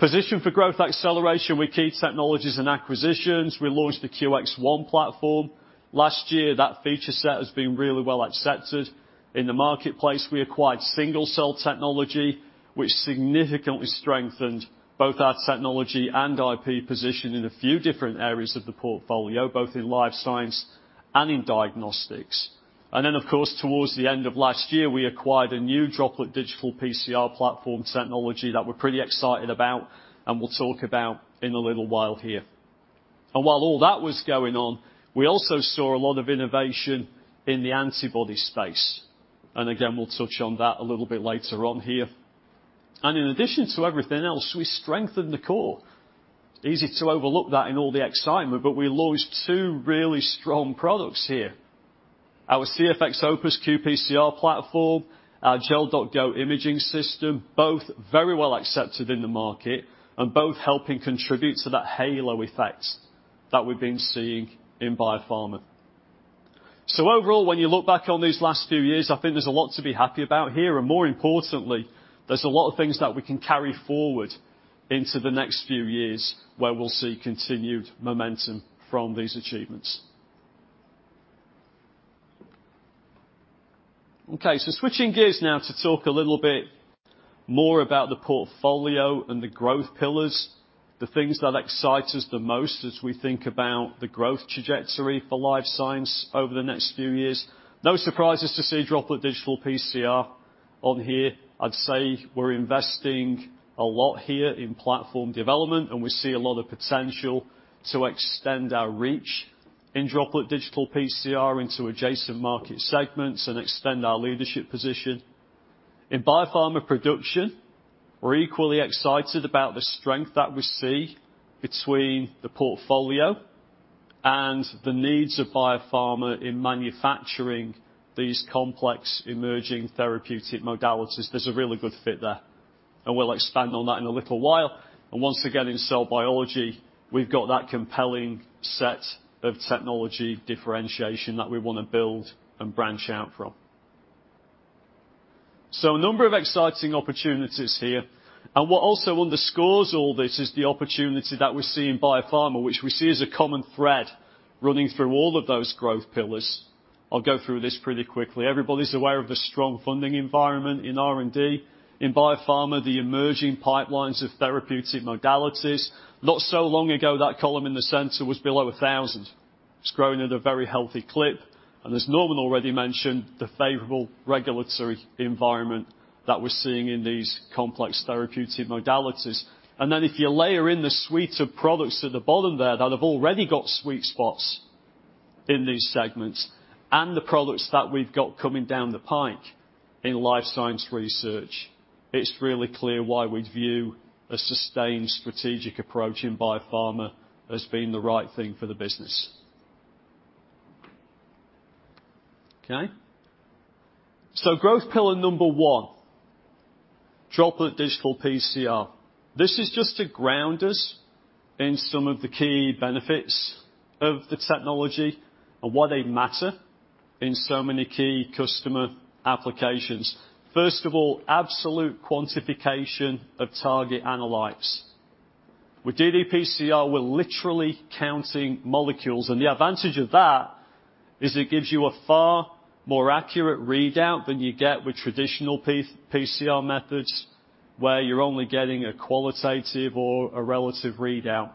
Position for growth acceleration with key technologies and acquisitions. We launched the QX ONE platform last year. That feature set has been really well accepted in the marketplace. We acquired single-cell technology, which significantly strengthened both our technology and IP position in a few different areas of the portfolio, both in Life Science and in Diagnostics. Then, of course, towards the end of last year, we acquired a new Droplet Digital PCR platform technology that we're pretty excited about and will talk about in a little while here. While all that was going on, we also saw a lot of innovation in the antibody space. Again, we'll touch on that a little bit later on here. In addition to everything else, we strengthened the core. Easy to overlook that in all the excitement, but we launched two really strong products here. Our CFX Opus qPCR platform, our GelDoc Go imaging system, both very well accepted in the market and both helping contribute to that halo effect that we've been seeing in biopharma. Overall, when you look back on these last few years, I think there's a lot to be happy about here, and more importantly, there's a lot of things that we can carry forward into the next few years where we'll see continued momentum from these achievements. Okay, switching gears now to talk a little bit more about the portfolio and the growth pillars, the things that excite us the most as we think about the growth trajectory for Life Science over the next few years. No surprises to see Droplet Digital PCR on here. I'd say we're investing a lot here in platform development, and we see a lot of potential to extend our reach in Droplet Digital PCR into adjacent market segments and extend our leadership position. In biopharma production, we're equally excited about the strength that we see between the portfolio and the needs of biopharma in manufacturing these complex emerging therapeutic modalities. There's a really good fit there, and we'll expand on that in a little while. Once again, in cell biology, we've got that compelling set of technology differentiation that we wanna build and branch out from. A number of exciting opportunities here, and what also underscores all this is the opportunity that we see in biopharma, which we see as a common thread running through all of those growth pillars. I'll go through this pretty quickly. Everybody's aware of the strong funding environment in R&D in biopharma, the emerging pipelines of therapeutic modalities. Not so long ago, that column in the center was below 1,000. It's growing at a very healthy clip, and as Norman already mentioned, the favorable regulatory environment that we're seeing in these complex therapeutic modalities. If you layer in the suite of products at the bottom there that have already got sweet spots in these segments and the products that we've got coming down the pipe in life science research, it's really clear why we view a sustained strategic approach in biopharma as being the right thing for the business. Okay. Growth pillar number one, Droplet Digital PCR. This is just to ground us in some of the key benefits of the technology and why they matter in so many key customer applications. First of all, absolute quantification of target analytes. With ddPCR, we're literally counting molecules, and the advantage of that is it gives you a far more accurate readout than you get with traditional qPCR methods, where you're only getting a qualitative or a relative readout.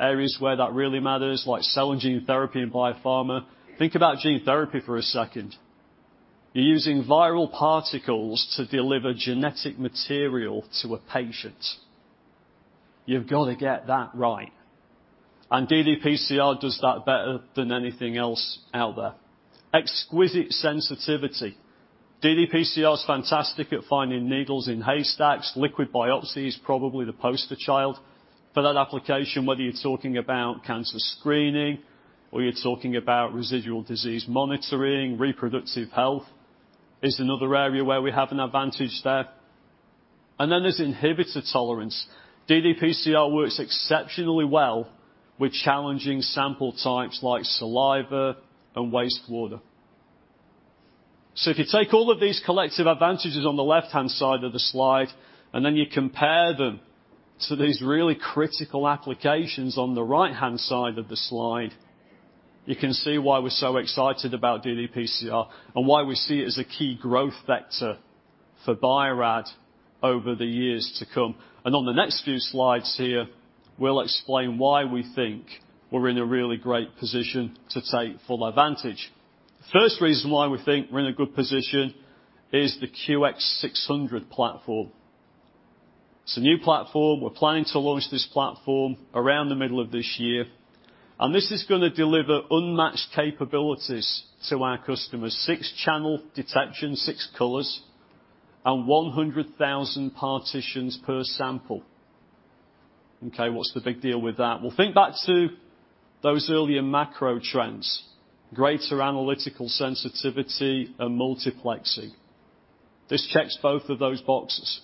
Areas where that really matters, like cell and gene therapy and biopharma. Think about gene therapy for a second. You're using viral particles to deliver genetic material to a patient. You've got to get that right. ddPCR does that better than anything else out there. Exquisite sensitivity. ddPCR is fantastic at finding needles in haystacks. Liquid biopsy is probably the poster child for that application, whether you're talking about cancer screening or you're talking about residual disease monitoring. Reproductive health is another area where we have an advantage there. Then there's inhibitor tolerance. ddPCR works exceptionally well with challenging sample types like saliva and wastewater. If you take all of these collective advantages on the left-hand side of the slide, and then you compare them to these really critical applications on the right-hand side of the slide, you can see why we're so excited about ddPCR and why we see it as a key growth vector for Bio-Rad over the years to come. On the next few slides here, we'll explain why we think we're in a really great position to take full advantage. First reason why we think we're in a good position is the QX600 platform. It's a new platform. We're planning to launch this platform around the middle of this year, and this is gonna deliver unmatched capabilities to our customers. Six-channel detection, six colors, and 100,000 partitions per sample. Okay, what's the big deal with that? Well, think back to those earlier macro trends, greater analytical sensitivity and multiplexing. This checks both of those boxes.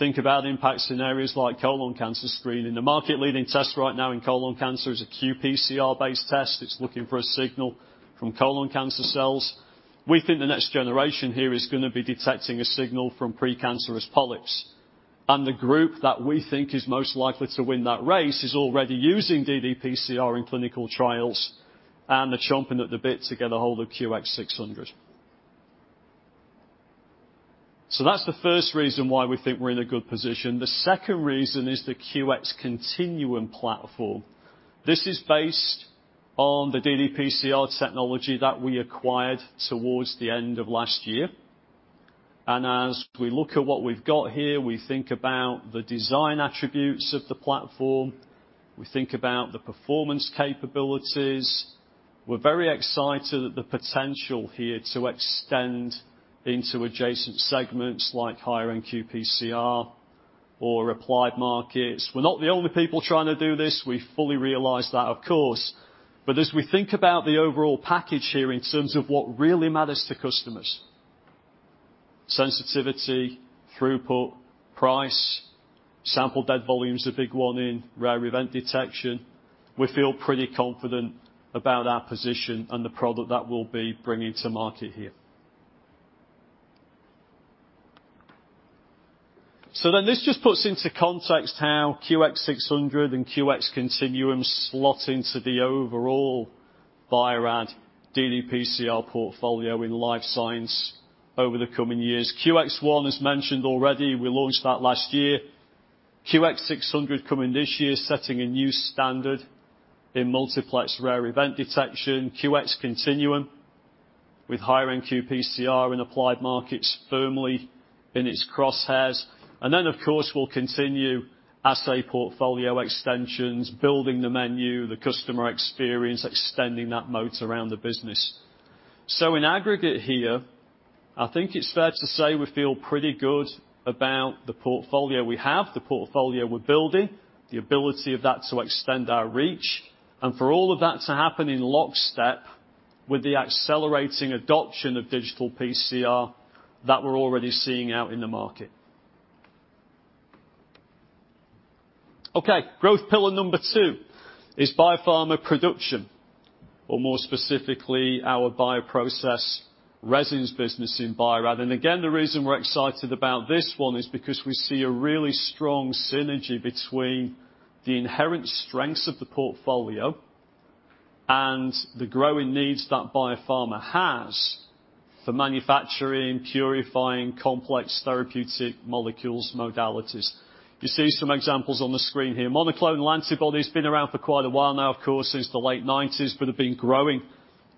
Think about the impacts in areas like colon cancer screening. The market leading test right now in colon cancer is a qPCR-based test. It's looking for a signal from colon cancer cells. We think the next generation here is gonna be detecting a signal from pre-cancerous polyps, and the group that we think is most likely to win that race is already using ddPCR in clinical trials, and they're chomping at the bit to get a hold of QX600. So that's the first reason why we think we're in a good position. The second reason is the QX Continuum platform. This is based on the ddPCR technology that we acquired towards the end of last year. As we look at what we've got here, we think about the design attributes of the platform, we think about the performance capabilities. We're very excited at the potential here to extend into adjacent segments like higher-end qPCR or applied markets. We're not the only people trying to do this, we fully realize that, of course. As we think about the overall package here in terms of what really matters to customers, sensitivity, throughput, price, sample dead volume's a big one in rare event detection, we feel pretty confident about our position and the product that we'll be bringing to market here. This just puts into context how QX600 and QX Continuum slot into the overall Bio-Rad ddPCR portfolio in life science over the coming years. QX ONE is mentioned already. We launched that last year. QX600 coming this year, setting a new standard in multiplex rare event detection. QX Continuum with higher-end qPCR in applied markets firmly in its crosshairs. Of course, we'll continue assay portfolio extensions, building the menu, the customer experience, extending that moat around the business. In aggregate here, I think it's fair to say we feel pretty good about the portfolio we have, the portfolio we're building, the ability of that to extend our reach, and for all of that to happen in lockstep with the accelerating adoption of digital PCR that we're already seeing out in the market. Okay, growth pillar number 2 is biopharma production, or more specifically, our bioprocess resins business in Bio-Rad. Again, the reason we're excited about this one is because we see a really strong synergy between the inherent strengths of the portfolio and the growing needs that biopharma has for manufacturing, purifying complex therapeutic molecular modalities. You see some examples on the screen here. Monoclonal antibodies have been around for quite a while now, of course, since the late 1990s, but have been growing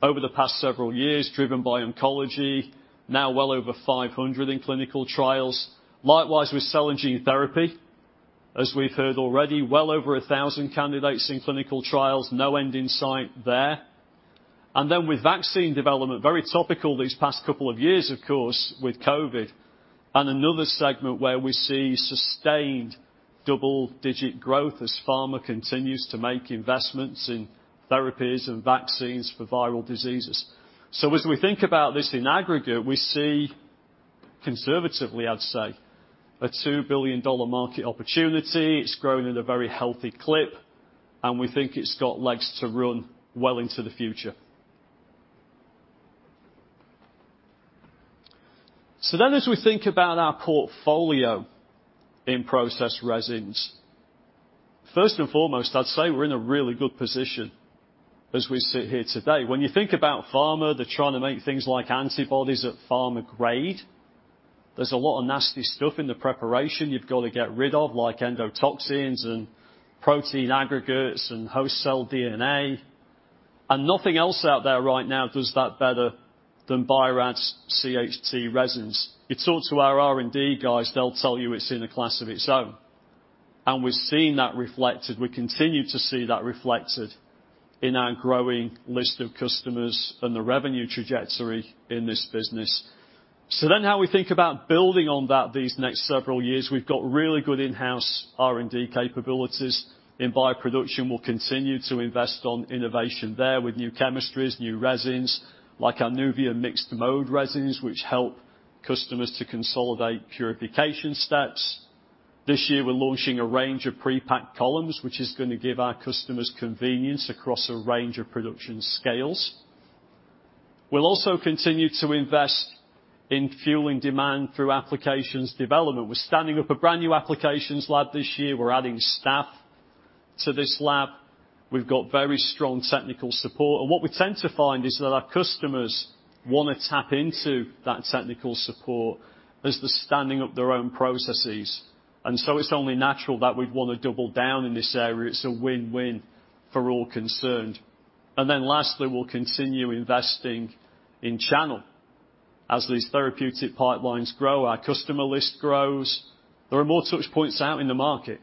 over the past several years, driven by oncology, now well over 500 in clinical trials. Likewise with cell and gene therapy, as we've heard already, well over 1,000 candidates in clinical trials. No end in sight there. And then with vaccine development, very topical these past couple of years, of course, with COVID, and another segment where we see sustained double-digit growth as pharma continues to make investments in therapies and vaccines for viral diseases. As we think about this in aggregate, we see, conservatively I'd say, a $2 billion market opportunity. It's growing at a very healthy clip, and we think it's got legs to run well into the future. As we think about our portfolio in process resins, first and foremost, I'd say we're in a really good position as we sit here today. When you think about pharma, they're trying to make things like antibodies at pharma grade. There's a lot of nasty stuff in the preparation you've got to get rid of, like endotoxins and protein aggregates and host cell DNA. Nothing else out there right now does that better than Bio-Rad's CHT resins. You talk to our R&D guys, they'll tell you it's in a class of its own. We've seen that reflected, we continue to see that reflected in our growing list of customers and the revenue trajectory in this business. How we think about building on that these next several years, we've got really good in-house R&D capabilities in bioproduction. We'll continue to invest on innovation there with new chemistries, new resins, like our Nuvia mixed-mode resins, which help customers to consolidate purification steps. This year, we're launching a range of pre-packed columns, which is gonna give our customers convenience across a range of production scales. We'll also continue to invest in fueling demand through applications development. We're standing up a brand new applications lab this year. We're adding staff to this lab. We've got very strong technical support. What we tend to find is that our customers wanna tap into that technical support as they're standing up their own processes. It's only natural that we'd wanna double down in this area. It's a win-win for all concerned. Lastly, we'll continue investing in channel. As these therapeutic pipelines grow, our customer list grows. There are more touch points out in the market,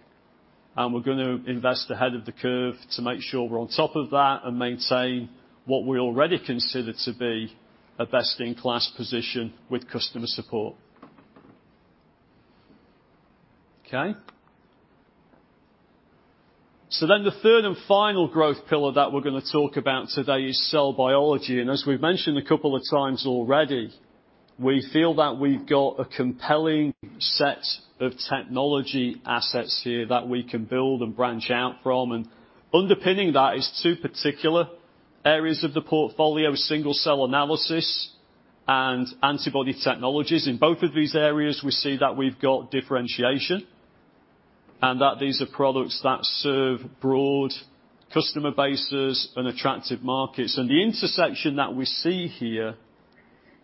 and we're gonna invest ahead of the curve to make sure we're on top of that and maintain what we already consider to be a best-in-class position with customer support. Okay. The third and final growth pillar that we're gonna talk about today is cell biology. As we've mentioned a couple of times already, we feel that we've got a compelling set of technology assets here that we can build and branch out from. Underpinning that is two particular areas of the portfolio, single-cell analysis and antibody technologies. In both of these areas, we see that we've got differentiation and that these are products that serve broad customer bases and attractive markets. The intersection that we see here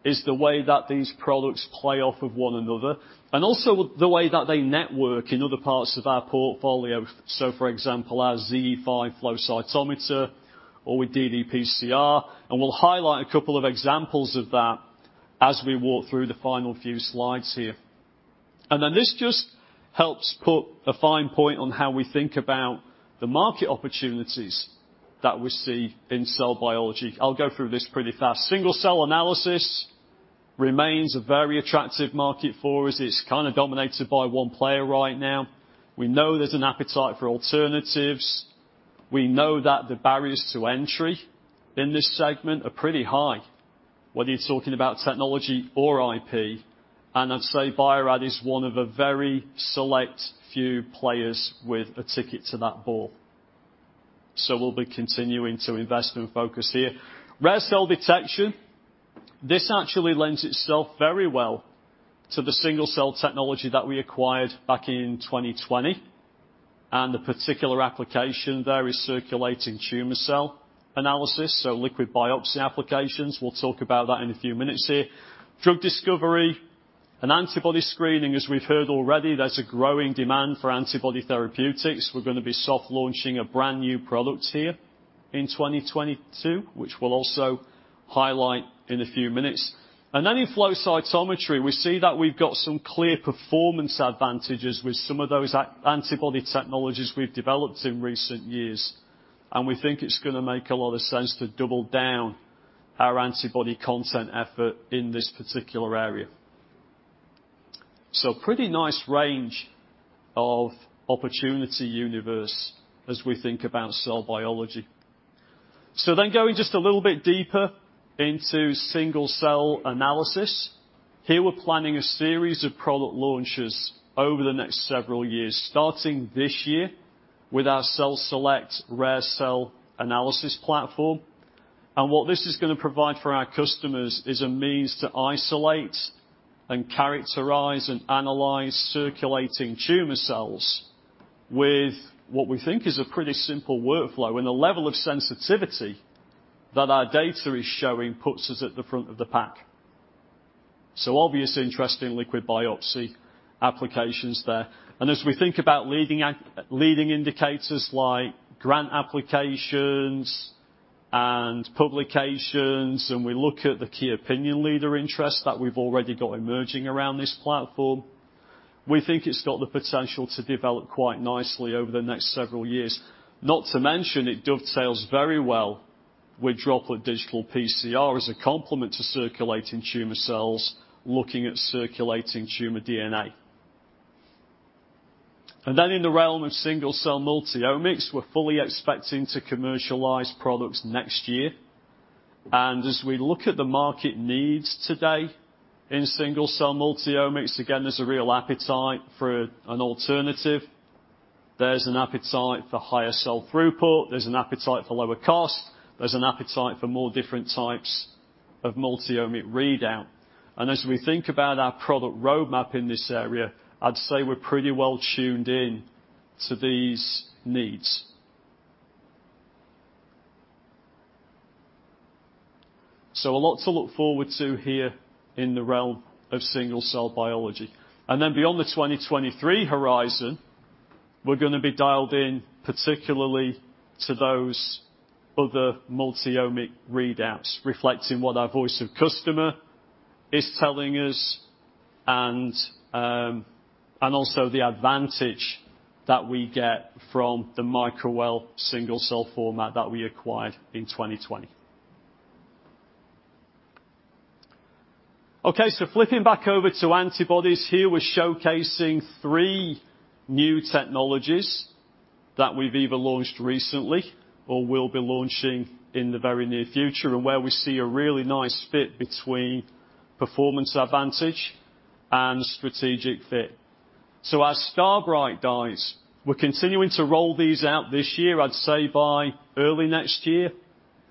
is the way that these products play off of one another and also the way that they network in other parts of our portfolio. For example, our ZE5 flow cytometer or with ddPCR, and we'll highlight a couple of examples of that as we walk through the final few slides here. Then this just helps put a fine point on how we think about the market opportunities that we see in cell biology. I'll go through this pretty fast. Single-cell analysis remains a very attractive market for us. It's kinda dominated by one player right now. We know there's an appetite for alternatives. We know that the barriers to entry in this segment are pretty high, whether you're talking about technology or IP, and I'd say Bio-Rad is one of a very select few players with a ticket to that ball. We'll be continuing to invest and focus here. Rare cell detection. This actually lends itself very well to the single-cell technology that we acquired back in 2020, and the particular application there is circulating tumor cell analysis, so liquid biopsy applications. We'll talk about that in a few minutes here. Drug discovery and antibody screening, as we've heard already, there's a growing demand for antibody therapeutics. We're gonna be soft launching a brand-new product here in 2022, which we'll also highlight in a few minutes. Then in flow cytometry, we see that we've got some clear performance advantages with some of those antibody technologies we've developed in recent years, and we think it's gonna make a lot of sense to double down our antibody content effort in this particular area. Pretty nice range of opportunity universe as we think about cell biology. Going just a little bit deeper into single-cell analysis. Here, we're planning a series of product launches over the next several years, starting this year with our Celselect rare cell analysis platform. What this is gonna provide for our customers is a means to isolate and characterize and analyze circulating tumor cells with what we think is a pretty simple workflow. The level of sensitivity that our data is showing puts us at the front of the pack. Obviously interesting liquid biopsy applications there. As we think about leading indicators like grant applications and publications, and we look at the key opinion leader interest that we've already got emerging around this platform, we think it's got the potential to develop quite nicely over the next several years. Not to mention, it dovetails very well with Droplet Digital PCR as a complement to circulating tumor cells, looking at circulating tumor DNA. In the realm of single-cell multiomics, we're fully expecting to commercialize products next year. As we look at the market needs today in single-cell multiomics, again, there's a real appetite for an alternative. There's an appetite for higher cell throughput. There's an appetite for lower cost. There's an appetite for more different types of multiomics readout. As we think about our product roadmap in this area, I'd say we're pretty well tuned in to these needs. A lot to look forward to here in the realm of single-cell biology. Beyond the 2023 horizon, we're gonna be dialed in particularly to those other multiomic readouts, reflecting what our voice of customer is telling us and also the advantage that we get from the microwell single-cell format that we acquired in 2020. Okay, flipping back over to antibodies. Here, we're showcasing three new technologies that we've either launched recently or will be launching in the very near future and where we see a really nice fit between performance advantage and strategic fit. Our StarBright dyes, we're continuing to roll these out this year. I'd say by early next year,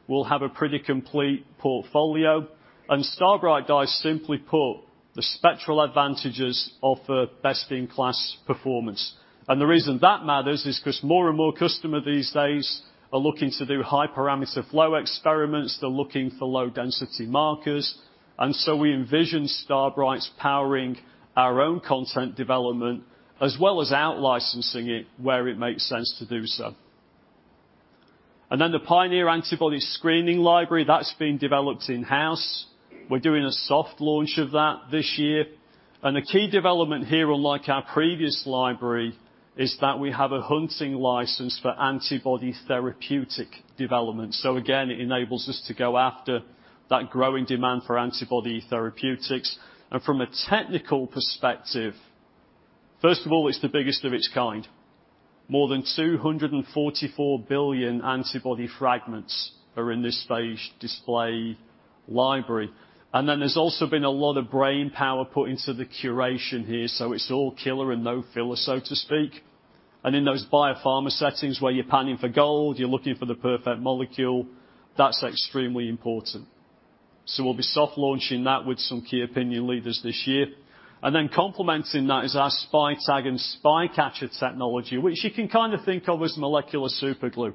we'll have a pretty complete portfolio. StarBright dyes simply put the spectral advantages offer best-in-class performance. The reason that matters is 'cause more and more customers these days are looking to do high-parameter flow experiments. They're looking for low-density markers. We envision StarBright powering our own content development, as well as out licensing it where it makes sense to do so. The Pioneer Antibody Library, that's been developed in-house. We're doing a soft launch of that this year. The key development here, unlike our previous library, is that we have a hunting license for antibody therapeutic development. Again, it enables us to go after that growing demand for antibody therapeutics. From a technical perspective. First of all, it's the biggest of its kind. More than 244 billion antibody fragments are in this phage display library. There's also been a lot of brainpower put into the curation here, so it's all killer and no filler, so to speak. In those biopharma settings where you're panning for gold, you're looking for the perfect molecule, that's extremely important. We'll be soft launching that with some key opinion leaders this year. Complementing that is our SpyTag and SpyCatcher technology, which you can kind of think of as molecular superglue.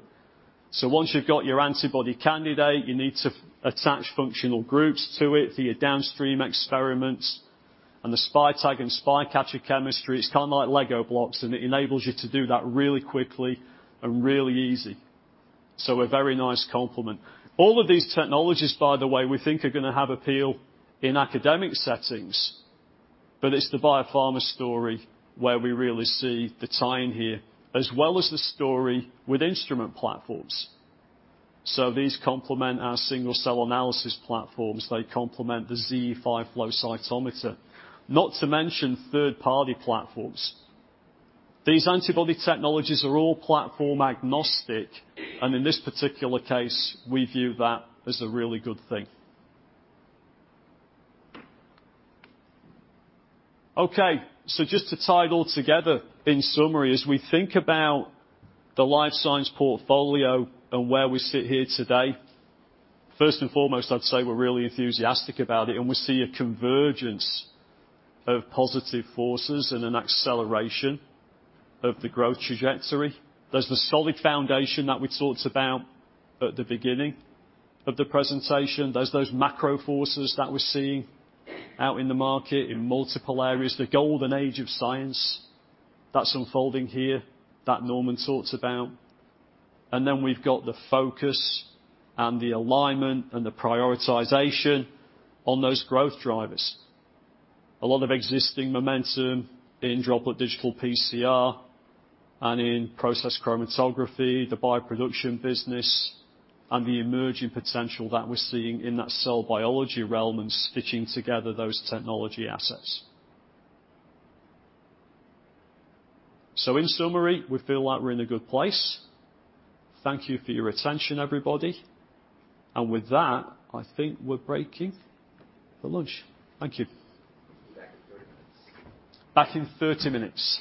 Once you've got your antibody candidate, you need to attach functional groups to it for your downstream experiments. The SpyTag and SpyCatcher chemistry, it's kind of like Lego blocks, and it enables you to do that really quickly and really easy. A very nice complement. All of these technologies, by the way, we think are gonna have appeal in academic settings, but it's the biopharma story where we really see the tie-in here, as well as the story with instrument platforms. These complement our single-cell analysis platforms. They complement the ZE5 flow cytometer. Not to mention third-party platforms. These antibody technologies are all platform agnostic, and in this particular case, we view that as a really good thing. Okay, just to tie it all together, in summary, as we think about the life science portfolio and where we sit here today, first and foremost, I'd say we're really enthusiastic about it, and we see a convergence of positive forces and an acceleration of the growth trajectory. There's the solid foundation that we talked about at the beginning of the presentation. There's those macro forces that we're seeing out in the market in multiple areas. The golden age of science that's unfolding here, that Norman talked about. We've got the focus and the alignment and the prioritization on those growth drivers. A lot of existing momentum in Droplet Digital PCR and in process chromatography, the bioproduction business, and the emerging potential that we're seeing in that cell biology realm and stitching together those technology assets. In summary, we feel like we're in a good place. Thank you for your attention, everybody. With that, I think we're breaking for lunch. Thank you. Back in 30 minutes.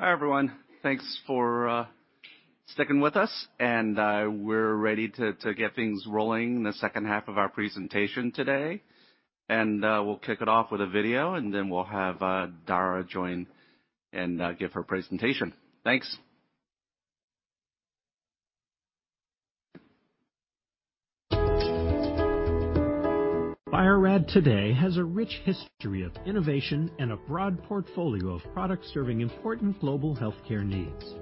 Hi, everyone. Thanks for sticking with us. We're ready to get things rolling in the second half of our presentation today. We'll kick it off with a video, and then we'll have Dara join and give her presentation. Thanks. Bio-Rad today has a rich history of innovation and a broad portfolio of products serving important global healthcare needs.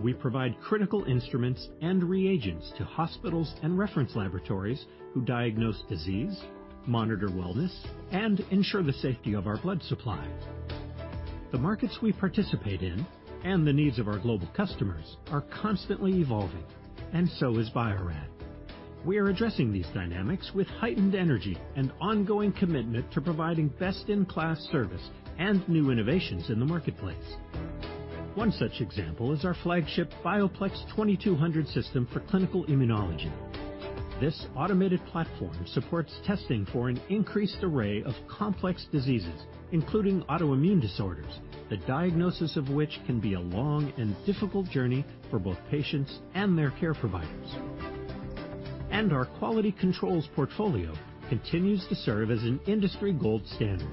We provide critical instruments and reagents to hospitals and reference laboratories who diagnose disease, monitor wellness, and ensure the safety of our blood supply. The markets we participate in and the needs of our global customers are constantly evolving, and so is Bio-Rad. We are addressing these dynamics with heightened energy and ongoing commitment to providing best-in-class service and new innovations in the marketplace. One such example is our flagship Bio-Plex 2200 system for clinical immunology. This automated platform supports testing for an increased array of complex diseases, including autoimmune disorders, the diagnosis of which can be a long and difficult journey for both patients and their care providers. Our quality controls portfolio continues to serve as an industry gold standard.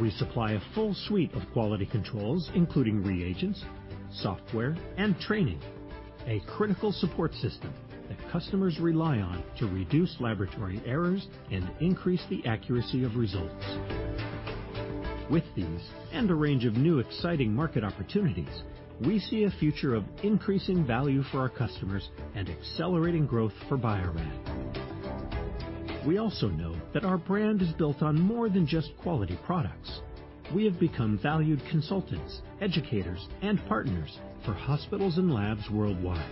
We supply a full suite of quality controls, including reagents, software, and training, a critical support system that customers rely on to reduce laboratory errors and increase the accuracy of results. With these, and a range of new exciting market opportunities, we see a future of increasing value for our customers and accelerating growth for Bio-Rad. We also know that our brand is built on more than just quality products. We have become valued consultants, educators, and partners for hospitals and labs worldwide.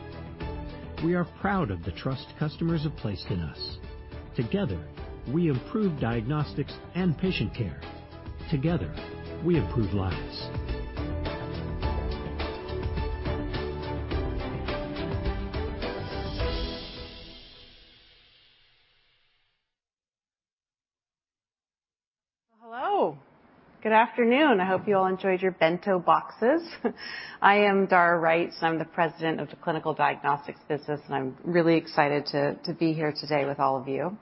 We are proud of the trust customers have placed in us. Together, we improve diagnostics and patient care. Together, we improve lives. Hello, good afternoon. I hope you all enjoyed your bento boxes. I am Dara Wright, and I'm the President of the Clinical Diagnostics business, and I'm really excited to be here today with all of you.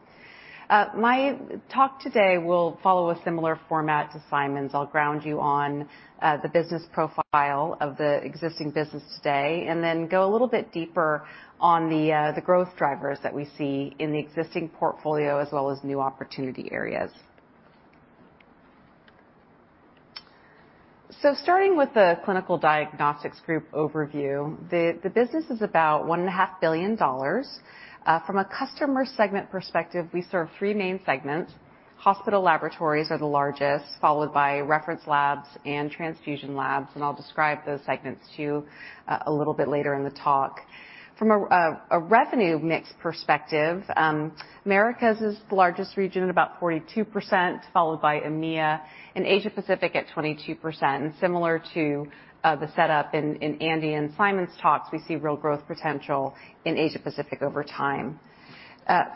My talk today will follow a similar format to Simon's. I'll ground you on the business profile of the existing business today, and then go a little bit deeper on the growth drivers that we see in the existing portfolio as well as new opportunity areas. Starting with the Clinical Diagnostics group overview, the business is about $1.5 billion. From a customer segment perspective, we serve three main segments. Hospital laboratories are the largest, followed by reference labs and transfusion labs, and I'll describe those segments to you a little bit later in the talk. From a revenue mix perspective, Americas is the largest region at about 42%, followed by EMEA and Asia Pacific at 22%. Similar to the setup in Andy and Simon's talks, we see real growth potential in Asia Pacific over time.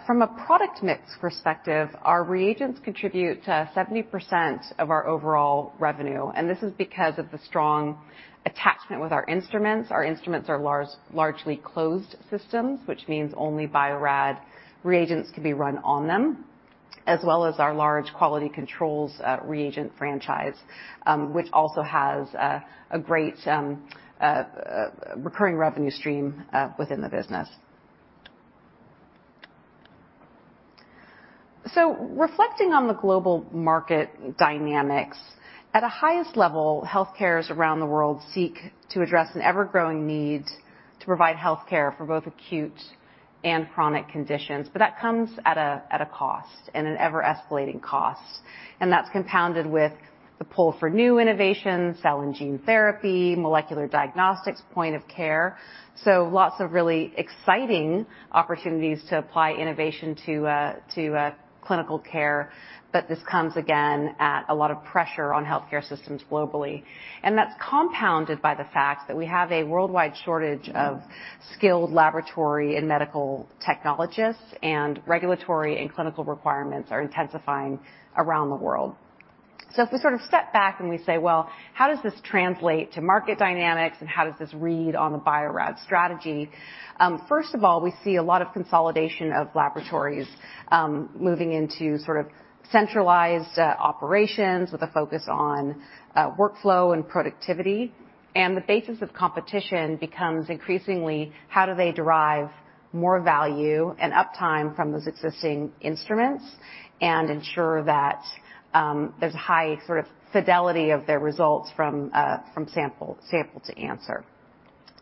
From a product mix perspective, our reagents contribute to 70% of our overall revenue, and this is because of the strong attachment with our instruments. Our instruments are largely closed systems, which means only Bio-Rad reagents can be run on them, as well as our large quality controls, reagent franchise, which also has a great recurring revenue stream within the business. Reflecting on the global market dynamics, at the highest level, healthcare around the world seeks to address an ever-growing need to provide healthcare for both acute and chronic conditions, but that comes at a cost and an ever-escalating cost. That's compounded with the pull for new innovation, cell and gene therapy, molecular diagnostics, point of care. Lots of really exciting opportunities to apply innovation to clinical care, but this comes again at a lot of pressure on healthcare systems globally. That's compounded by the fact that we have a worldwide shortage of skilled laboratory and medical technologists, and regulatory and clinical requirements are intensifying around the world. If we sort of step back and we say, "Well, how does this translate to market dynamics and how does this read on the Bio-Rad strategy?" First of all, we see a lot of consolidation of laboratories, moving into sort of centralized operations with a focus on workflow and productivity. The basis of competition becomes increasingly how do they derive more value and uptime from those existing instruments and ensure that there's a high sort of fidelity of their results from sample to answer.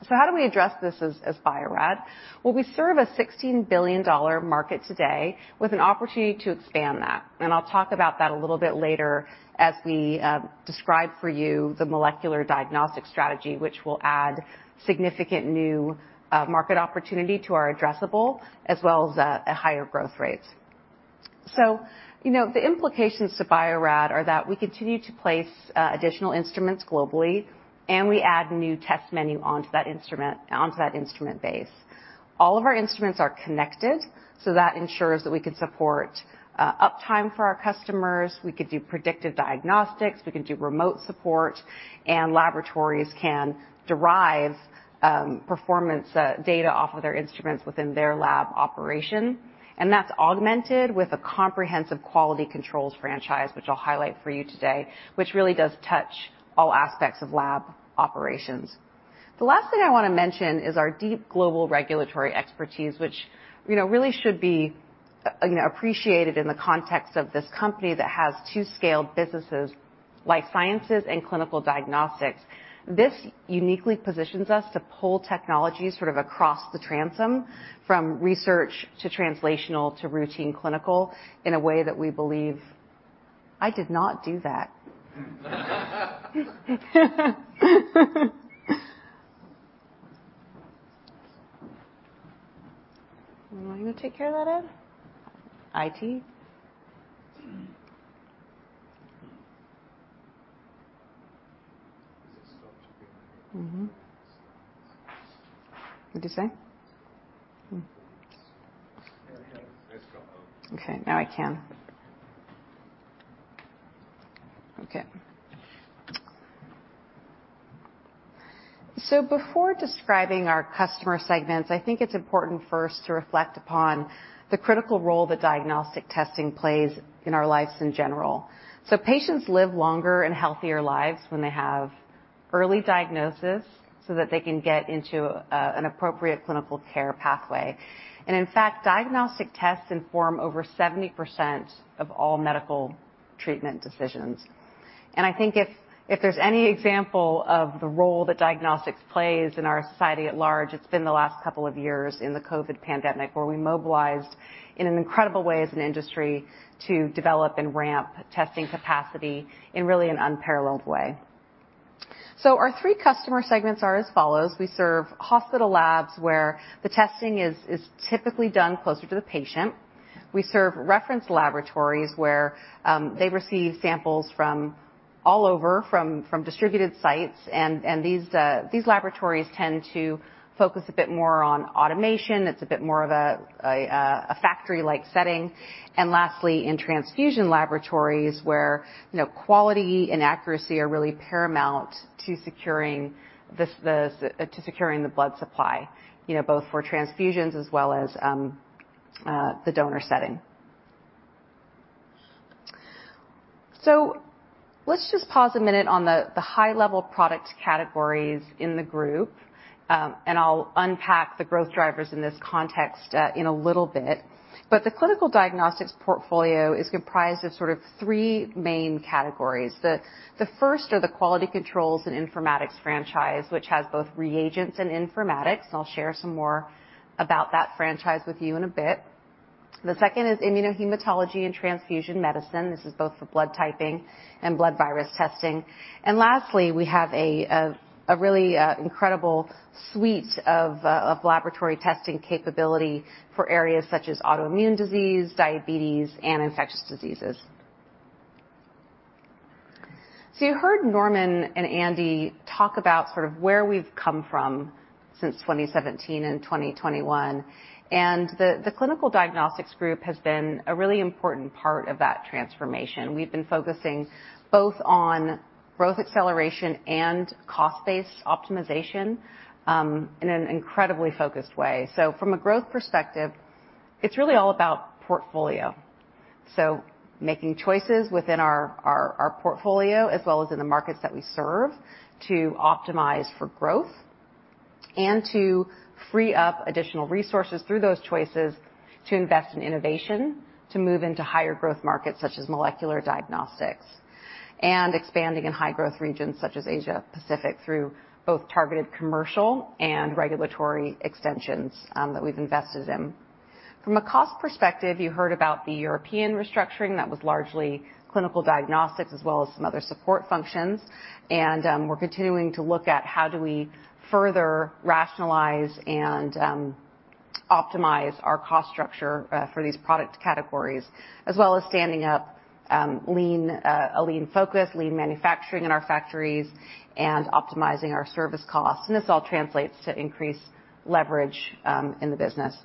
How do we address this as Bio-Rad? Well, we serve a $16 billion market today with an opportunity to expand that, and I'll talk about that a little bit later as we describe for you the molecular diagnostic strategy, which will add significant new market opportunity to our addressable as well as a higher growth rate. You know, the implications to Bio-Rad are that we continue to place additional instruments globally, and we add new test menu onto that instrument, onto that instrument base. All of our instruments are connected, so that ensures that we can support uptime for our customers. We could do predictive diagnostics. We can do remote support, and laboratories can derive performance data off of their instruments within their lab operation. That's augmented with a comprehensive quality control franchise, which I'll highlight for you today, which really does touch all aspects of lab operations. The last thing I wanna mention is our deep global regulatory expertise, which, you know, really should be, you know, appreciated in the context of this company that has two scaled businesses, Life Science and Clinical Diagnostics. This uniquely positions us to pull technologies sort of across the transom from research to translational to routine clinical in a way that we believe. Let's go. Before describing our customer segments, I think it's important first to reflect upon the critical role that diagnostic testing plays in our lives in general. Patients live longer and healthier lives when they have early diagnosis so that they can get into an appropriate clinical care pathway. In fact, diagnostic tests inform over 70% of all medical treatment decisions. I think if there's any example of the role that diagnostics plays in our society at large, it's been the last couple of years in the COVID pandemic, where we mobilized in an incredible way as an industry to develop and ramp testing capacity in really an unparalleled way. Our three customer segments are as follows. We serve hospital labs, where the testing is typically done closer to the patient. We serve reference laboratories where they receive samples from all over from distributed sites. These laboratories tend to focus a bit more on automation. It's a bit more of a factory-like setting. Lastly, in transfusion laboratories where quality and accuracy are really paramount to securing the blood supply, you know, both for transfusions as well as the donor setting. Let's just pause a minute on the high-level product categories in the group. I'll unpack the growth drivers in this context in a little bit. The clinical diagnostics portfolio is comprised of sort of three main categories. The first are the quality controls and informatics franchise, which has both reagents and informatics. I'll share some more about that franchise with you in a bit. The second is immunohematology and transfusion medicine. This is both for blood typing and blood virus testing. Lastly, we have a really incredible suite of laboratory testing capability for areas such as autoimmune disease, diabetes, and infectious diseases. You heard Norman and Andy talk about sort of where we've come from since 2017 and 2021, and the Clinical Diagnostics Group has been a really important part of that transformation. We've been focusing both on growth acceleration and cost-based optimization in an incredibly focused way. From a growth perspective, it's really all about portfolio. Making choices within our portfolio as well as in the markets that we serve to optimize for growth and to free up additional resources through those choices to invest in innovation, to move into higher growth markets such as molecular diagnostics and expanding in high growth regions such as Asia Pacific through both targeted commercial and regulatory extensions that we've invested in. From a cost perspective, you heard about the European restructuring that was largely clinical diagnostics as well as some other support functions. We're continuing to look at how we further rationalize and optimize our cost structure for these product categories, as well as standing up a lean-focused manufacturing in our factories and optimizing our service costs. This all translates to increased leverage in the business.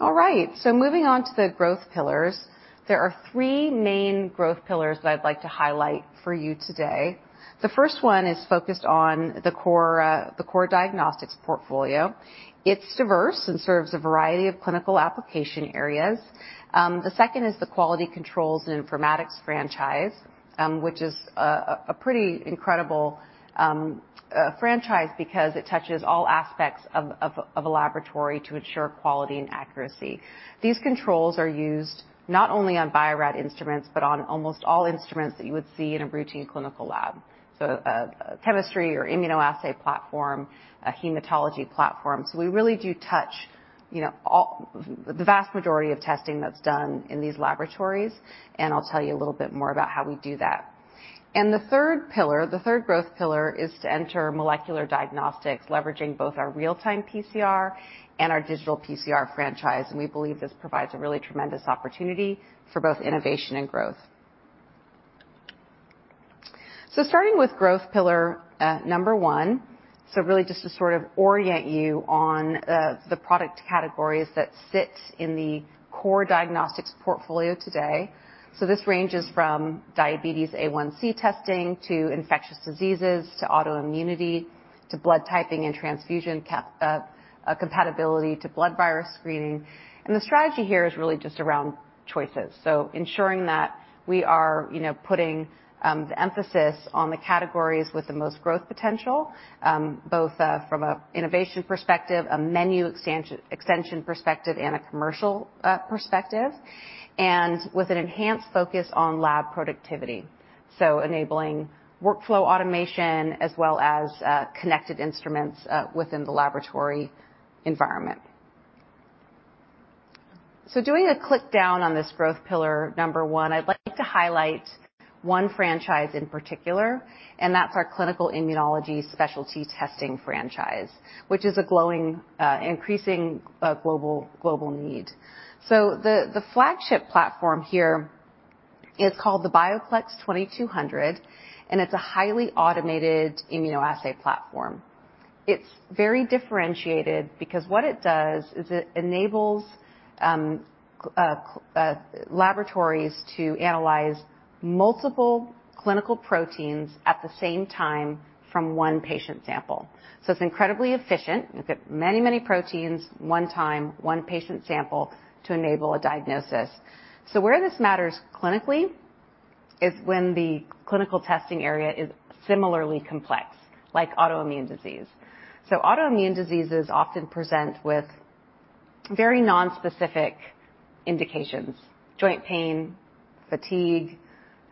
All right, moving on to the growth pillars. There are three main growth pillars that I'd like to highlight for you today. The first one is focused on the core diagnostics portfolio. It's diverse and serves a variety of clinical application areas. The second is the quality controls and informatics franchise, which is a pretty incredible franchise because it touches all aspects of a laboratory to ensure quality and accuracy. These controls are used not only on Bio-Rad instruments, but on almost all instruments that you would see in a routine clinical lab, chemistry or immunoassay platform, hematology platform. We really do touch, you know, all the vast majority of testing that's done in these laboratories, and I'll tell you a little bit more about how we do that. The third pillar, the third growth pillar is to enter molecular diagnostics, leveraging both our real-time PCR and our digital PCR franchise. We believe this provides a really tremendous opportunity for both innovation and growth. Starting with growth pillar number one. Really just to sort of orient you on the product categories that sit in the core diagnostics portfolio today. This ranges from diabetes A1C testing to infectious diseases, to autoimmunity, to blood typing and transfusion compatibility to blood virus screening. The strategy here is really just around choices. Ensuring that we are, you know, putting the emphasis on the categories with the most growth potential, both from an innovation perspective, a menu extension perspective, and a commercial perspective. With an enhanced focus on lab productivity. Enabling workflow automation as well as connected instruments within the laboratory environment. Doing a drill down on this growth pillar number one, I'd like to highlight one franchise in particular, and that's our clinical immunology specialty testing franchise, which is a growing, increasing global need. The flagship platform here is called the Bio-Plex 2200, and it's a highly automated immunoassay platform. It's very differentiated because what it does is it enables laboratories to analyze multiple clinical proteins at the same time from one patient sample. It's incredibly efficient. You'll get many proteins, one time, one patient sample to enable a diagnosis. Where this matters clinically is when the clinical testing area is similarly complex, like autoimmune disease. Autoimmune diseases often present with very non-specific indications, joint pain, fatigue,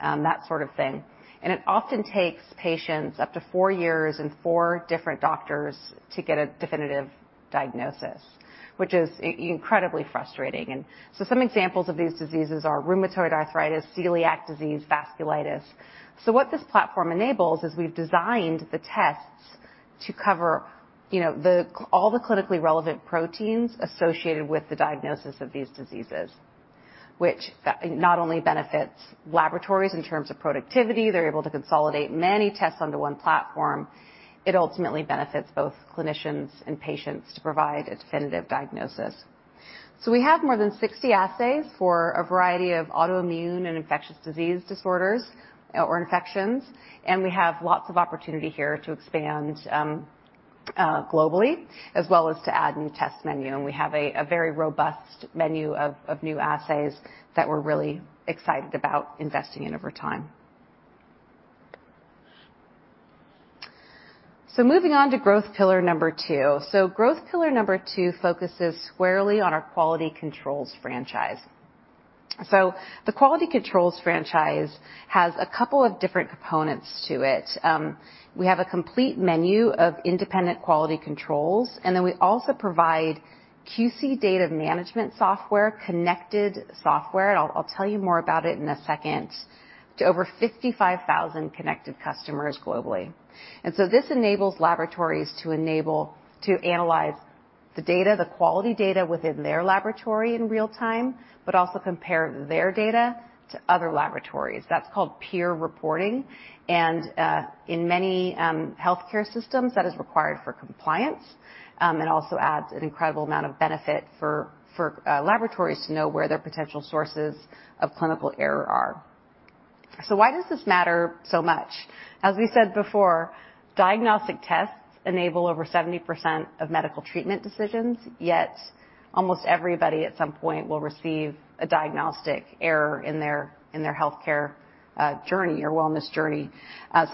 that sort of thing. It often takes patients up to 4 years and 4 different doctors to get a definitive diagnosis, which is incredibly frustrating. Some examples of these diseases are rheumatoid arthritis, celiac disease, vasculitis. What this platform enables is we've designed the tests to cover, you know, all the clinically relevant proteins associated with the diagnosis of these diseases, which not only benefits laboratories in terms of productivity, they're able to consolidate many tests onto one platform. It ultimately benefits both clinicians and patients to provide a definitive diagnosis. We have more than 60 assays for a variety of autoimmune and infectious disease disorders or infections, and we have lots of opportunity here to expand globally, as well as to add new test menu. We have a very robust menu of new assays that we're really excited about investing in over time. Moving on to growth pillar number two. Growth pillar number two focuses squarely on our quality controls franchise. The quality controls franchise has a couple of different components to it. We have a complete menu of independent quality controls, and then we also provide QC data management software, connected software, and I'll tell you more about it in a second, to over 55,000 connected customers globally. This enables laboratories to analyze the data, the quality data within their laboratory in real time, but also compare their data to other laboratories. That's called peer reporting. In many healthcare systems, that is required for compliance and also adds an incredible amount of benefit for laboratories to know where their potential sources of clinical error are. Why does this matter so much? As we said before, diagnostic tests enable over 70% of medical treatment decisions, yet almost everybody at some point will receive a diagnostic error in their healthcare journey or wellness journey.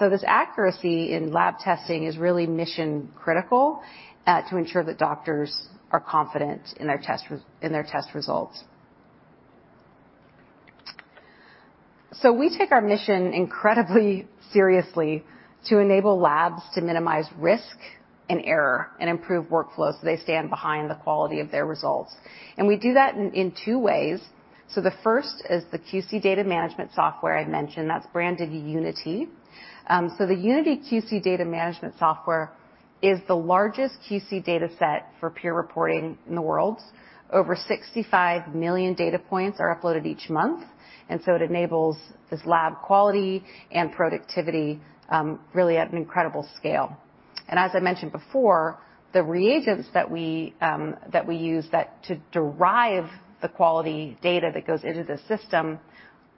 This accuracy in lab testing is really mission critical to ensure that doctors are confident in their test results. We take our mission incredibly seriously to enable labs to minimize risk and error and improve workflows, so they stand behind the quality of their results. We do that in two ways. The first is the QC data management software I mentioned, that's branded Unity. The Unity QC data management software is the largest QC data set for peer reporting in the world. Over 65 million data points are uploaded each month, and it enables this lab quality and productivity, really at an incredible scale. As I mentioned before, the reagents that we use that to derive the quality data that goes into the system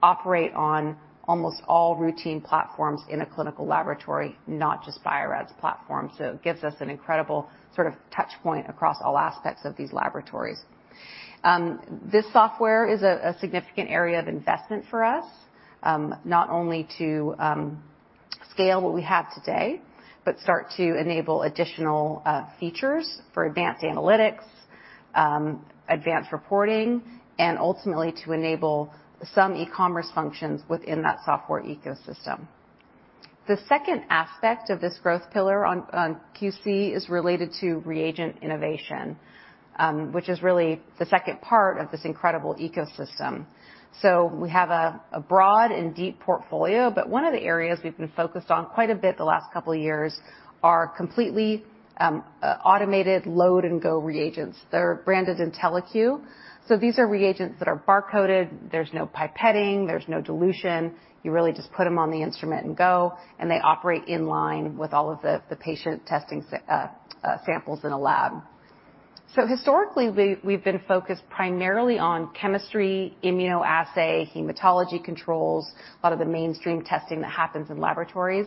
operate on almost all routine platforms in a clinical laboratory, not just Bio-Rad's platform. It gives us an incredible sort of touch point across all aspects of these laboratories. This software is a significant area of investment for us, not only to scale what we have today, but start to enable additional features for advanced analytics, advanced reporting, and ultimately to enable some e-commerce functions within that software ecosystem. The second aspect of this growth pillar on QC is related to reagent innovation, which is really the second part of this incredible ecosystem. We have a broad and deep portfolio, but one of the areas we've been focused on quite a bit the last couple of years are completely automated load and go reagents. They're branded InteliQ. These are reagents that are bar-coded, there's no pipetting, there's no dilution. You really just put them on the instrument and go, and they operate in line with all of the patient testing samples in a lab. Historically, we've been focused primarily on chemistry, immunoassay, hematology controls, a lot of the mainstream testing that happens in laboratories.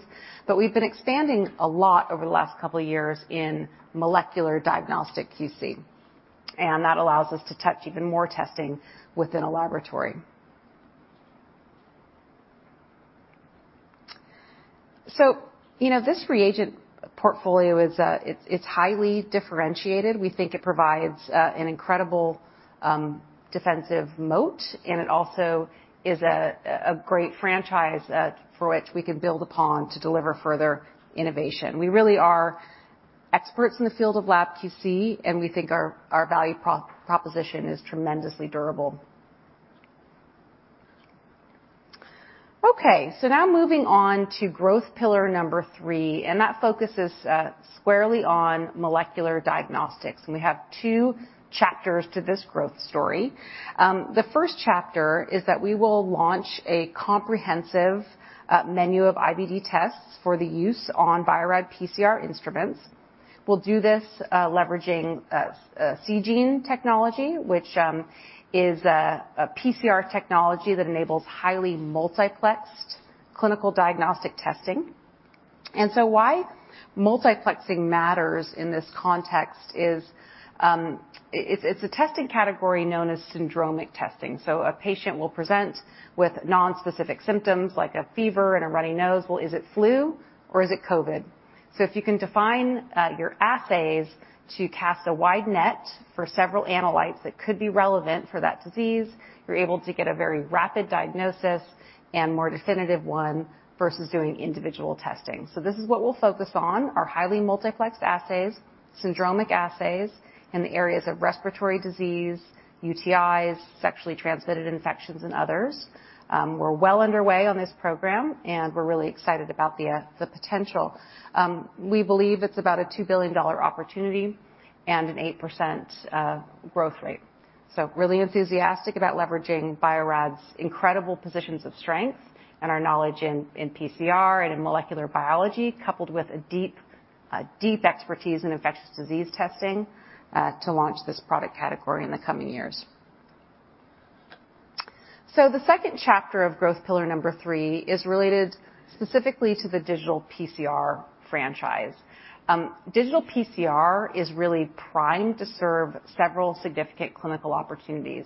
We've been expanding a lot over the last couple of years in molecular diagnostic QC. That allows us to touch even more testing within a laboratory. You know, this reagent portfolio is—it's highly differentiated. We think it provides an incredible defensive moat, and it also is a great franchise that for which we can build upon to deliver further innovation. We really are experts in the field of lab QC, and we think our value proposition is tremendously durable. Okay, now moving on to growth pillar number three, and that focuses squarely on molecular diagnostics, and we have two chapters to this growth story. The first chapter is that we will launch a comprehensive menu of IVD tests for use on Bio-Rad PCR instruments. We'll do this leveraging a Seegene technology, which is a PCR technology that enables highly multiplexed clinical diagnostic testing. Why multiplexing matters in this context is it's a testing category known as syndromic testing. A patient will present with non-specific symptoms like a fever and a runny nose. Well, is it flu, or is it COVID? If you can define your assays to cast a wide net for several analytes that could be relevant for that disease, you're able to get a very rapid diagnosis and more definitive one versus doing individual testing. This is what we'll focus on, are highly multiplexed assays, syndromic assays in the areas of respiratory disease, UTIs, sexually transmitted infections, and others. We're well underway on this program, and we're really excited about the potential. We believe it's about a $2 billion opportunity and an 8% growth rate. Really enthusiastic about leveraging Bio-Rad's incredible positions of strength and our knowledge in PCR and in molecular biology, coupled with a deep expertise in infectious disease testing to launch this product category in the coming years. The second chapter of growth pillar number three is related specifically to the digital PCR franchise. Digital PCR is really primed to serve several significant clinical opportunities.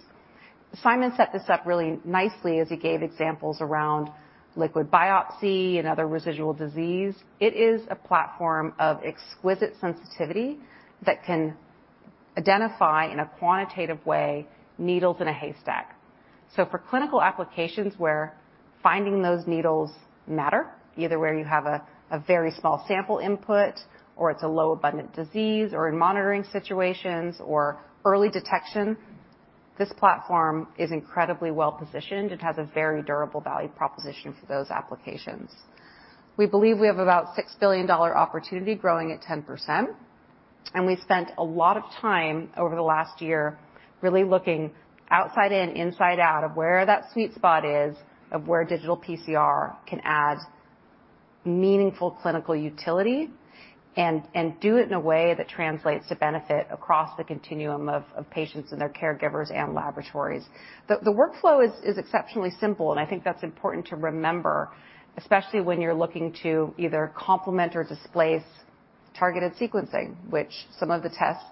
Simon set this up really nicely as he gave examples around liquid biopsy and other residual disease. It is a platform of exquisite sensitivity that can identify, in a quantitative way, needles in a haystack. For clinical applications where finding those needles matter, either where you have a very small sample input, or it's a low abundant disease, or in monitoring situations or early detection, this platform is incredibly well-positioned. It has a very durable value proposition for those applications. We believe we have about $6 billion opportunity growing at 10%, and we spent a lot of time over the last year really looking outside in, inside out of where that sweet spot is of where digital PCR can add meaningful clinical utility and do it in a way that translates to benefit across the continuum of patients and their caregivers and laboratories. The workflow is exceptionally simple, and I think that's important to remember, especially when you're looking to either complement or displace targeted sequencing, which some of the tests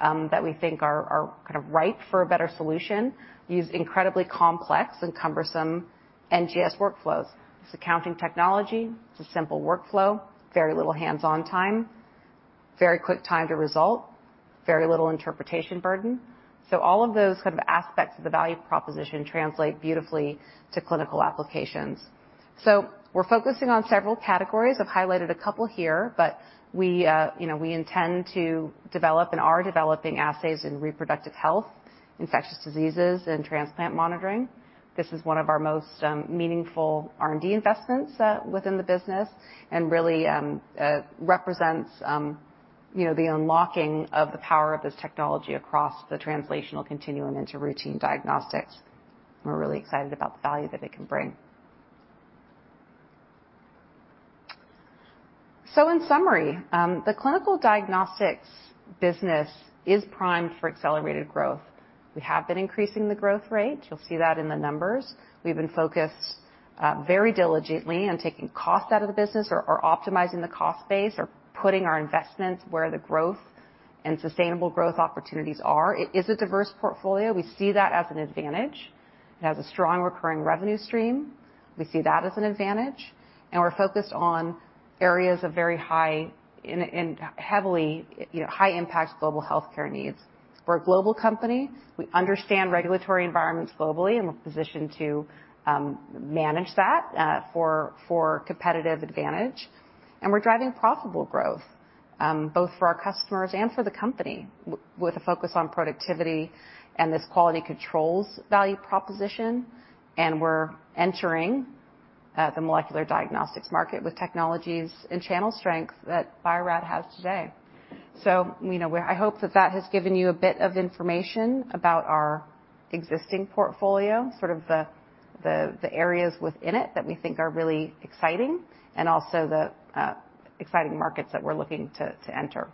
that we think are kind of ripe for a better solution use incredibly complex and cumbersome NGS workflows. It's a counting technology. It's a simple workflow, very little hands-on time, very quick time to result, very little interpretation burden. All of those kind of aspects of the value proposition translate beautifully to clinical applications. We're focusing on several categories. I've highlighted a couple here, but we intend to develop and are developing assays in reproductive health, infectious diseases, and transplant monitoring. This is one of our most meaningful R&D investments within the business and really represents the unlocking of the power of this technology across the translational continuum into routine diagnostics. We're really excited about the value that it can bring. In summary, the clinical diagnostics business is primed for accelerated growth. We have been increasing the growth rate. You'll see that in the numbers. We've been focused very diligently on taking cost out of the business or optimizing the cost base or putting our investments where the growth and sustainable growth opportunities are. It is a diverse portfolio. We see that as an advantage. It has a strong recurring revenue stream. We see that as an advantage, and we're focused on areas of very high and heavily, you know, high-impact global healthcare needs. We're a global company. We understand regulatory environments globally, and we're positioned to manage that for competitive advantage. We're driving profitable growth both for our customers and for the company with a focus on productivity and this quality controls value proposition. We're entering the molecular diagnostics market with technologies and channel strength that Bio-Rad has today. You know, we're... I hope that that has given you a bit of information about our existing portfolio, sort of the areas within it that we think are really exciting and also the exciting markets that we're looking to enter.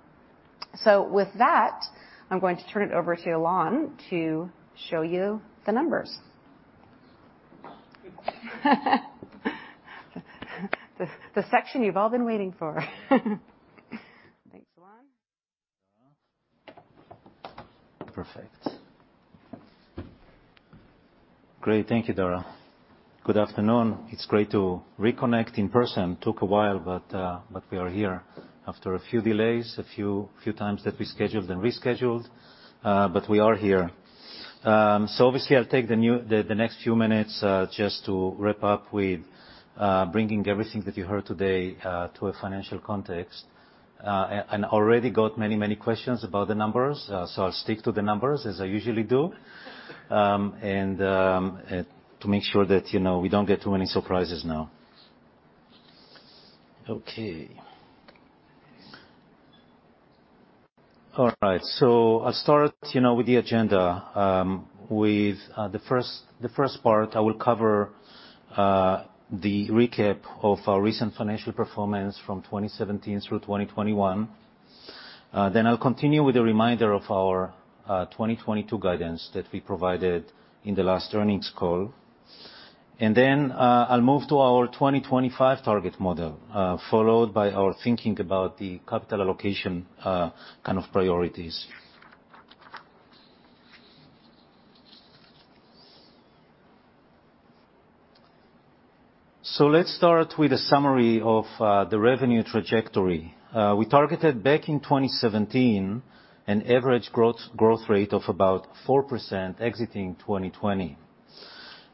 With that, I'm going to turn it over to Ilan to show you the numbers. The section you've all been waiting for. Perfect. Great. Thank you, Dara. Good afternoon. It's great to reconnect in person. Took a while, but we are here after a few delays, a few times that we scheduled and rescheduled, but we are here. So obviously I'll take the next few minutes just to wrap up with bringing everything that you heard today to a financial context. And already got many questions about the numbers, so I'll stick to the numbers as I usually do. To make sure that, you know, we don't get too many surprises now. Okay. All right, I'll start, you know, with the agenda, with the first part I will cover, the recap of our recent financial performance from 2017 through 2021. I'll continue with a reminder of our 2022 guidance that we provided in the last earnings call. I'll move to our 2025 target model, followed by our thinking about the capital allocation kind of priorities. Let's start with a summary of the revenue trajectory. We targeted back in 2017 an average growth rate of about 4% exiting 2020.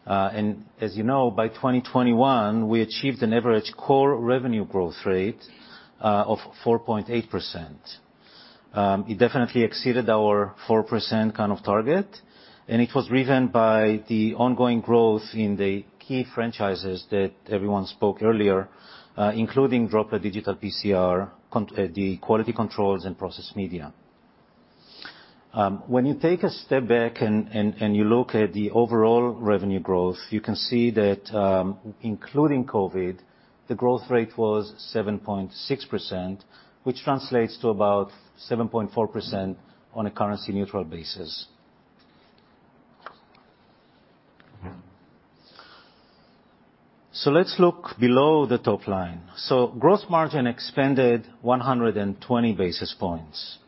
As you know, by 2021, we achieved an average core revenue growth rate of 4.8%. It definitely exceeded our 4% kind of target, and it was driven by the ongoing growth in the key franchises that everyone spoke earlier, including Droplet Digital PCR, the quality controls and process media. When you take a step back and you look at the overall revenue growth, you can see that, including COVID, the growth rate was 7.6%, which translates to about 7.4% on a currency neutral basis. Let's look below the top line. Gross margin expanded 120 basis points.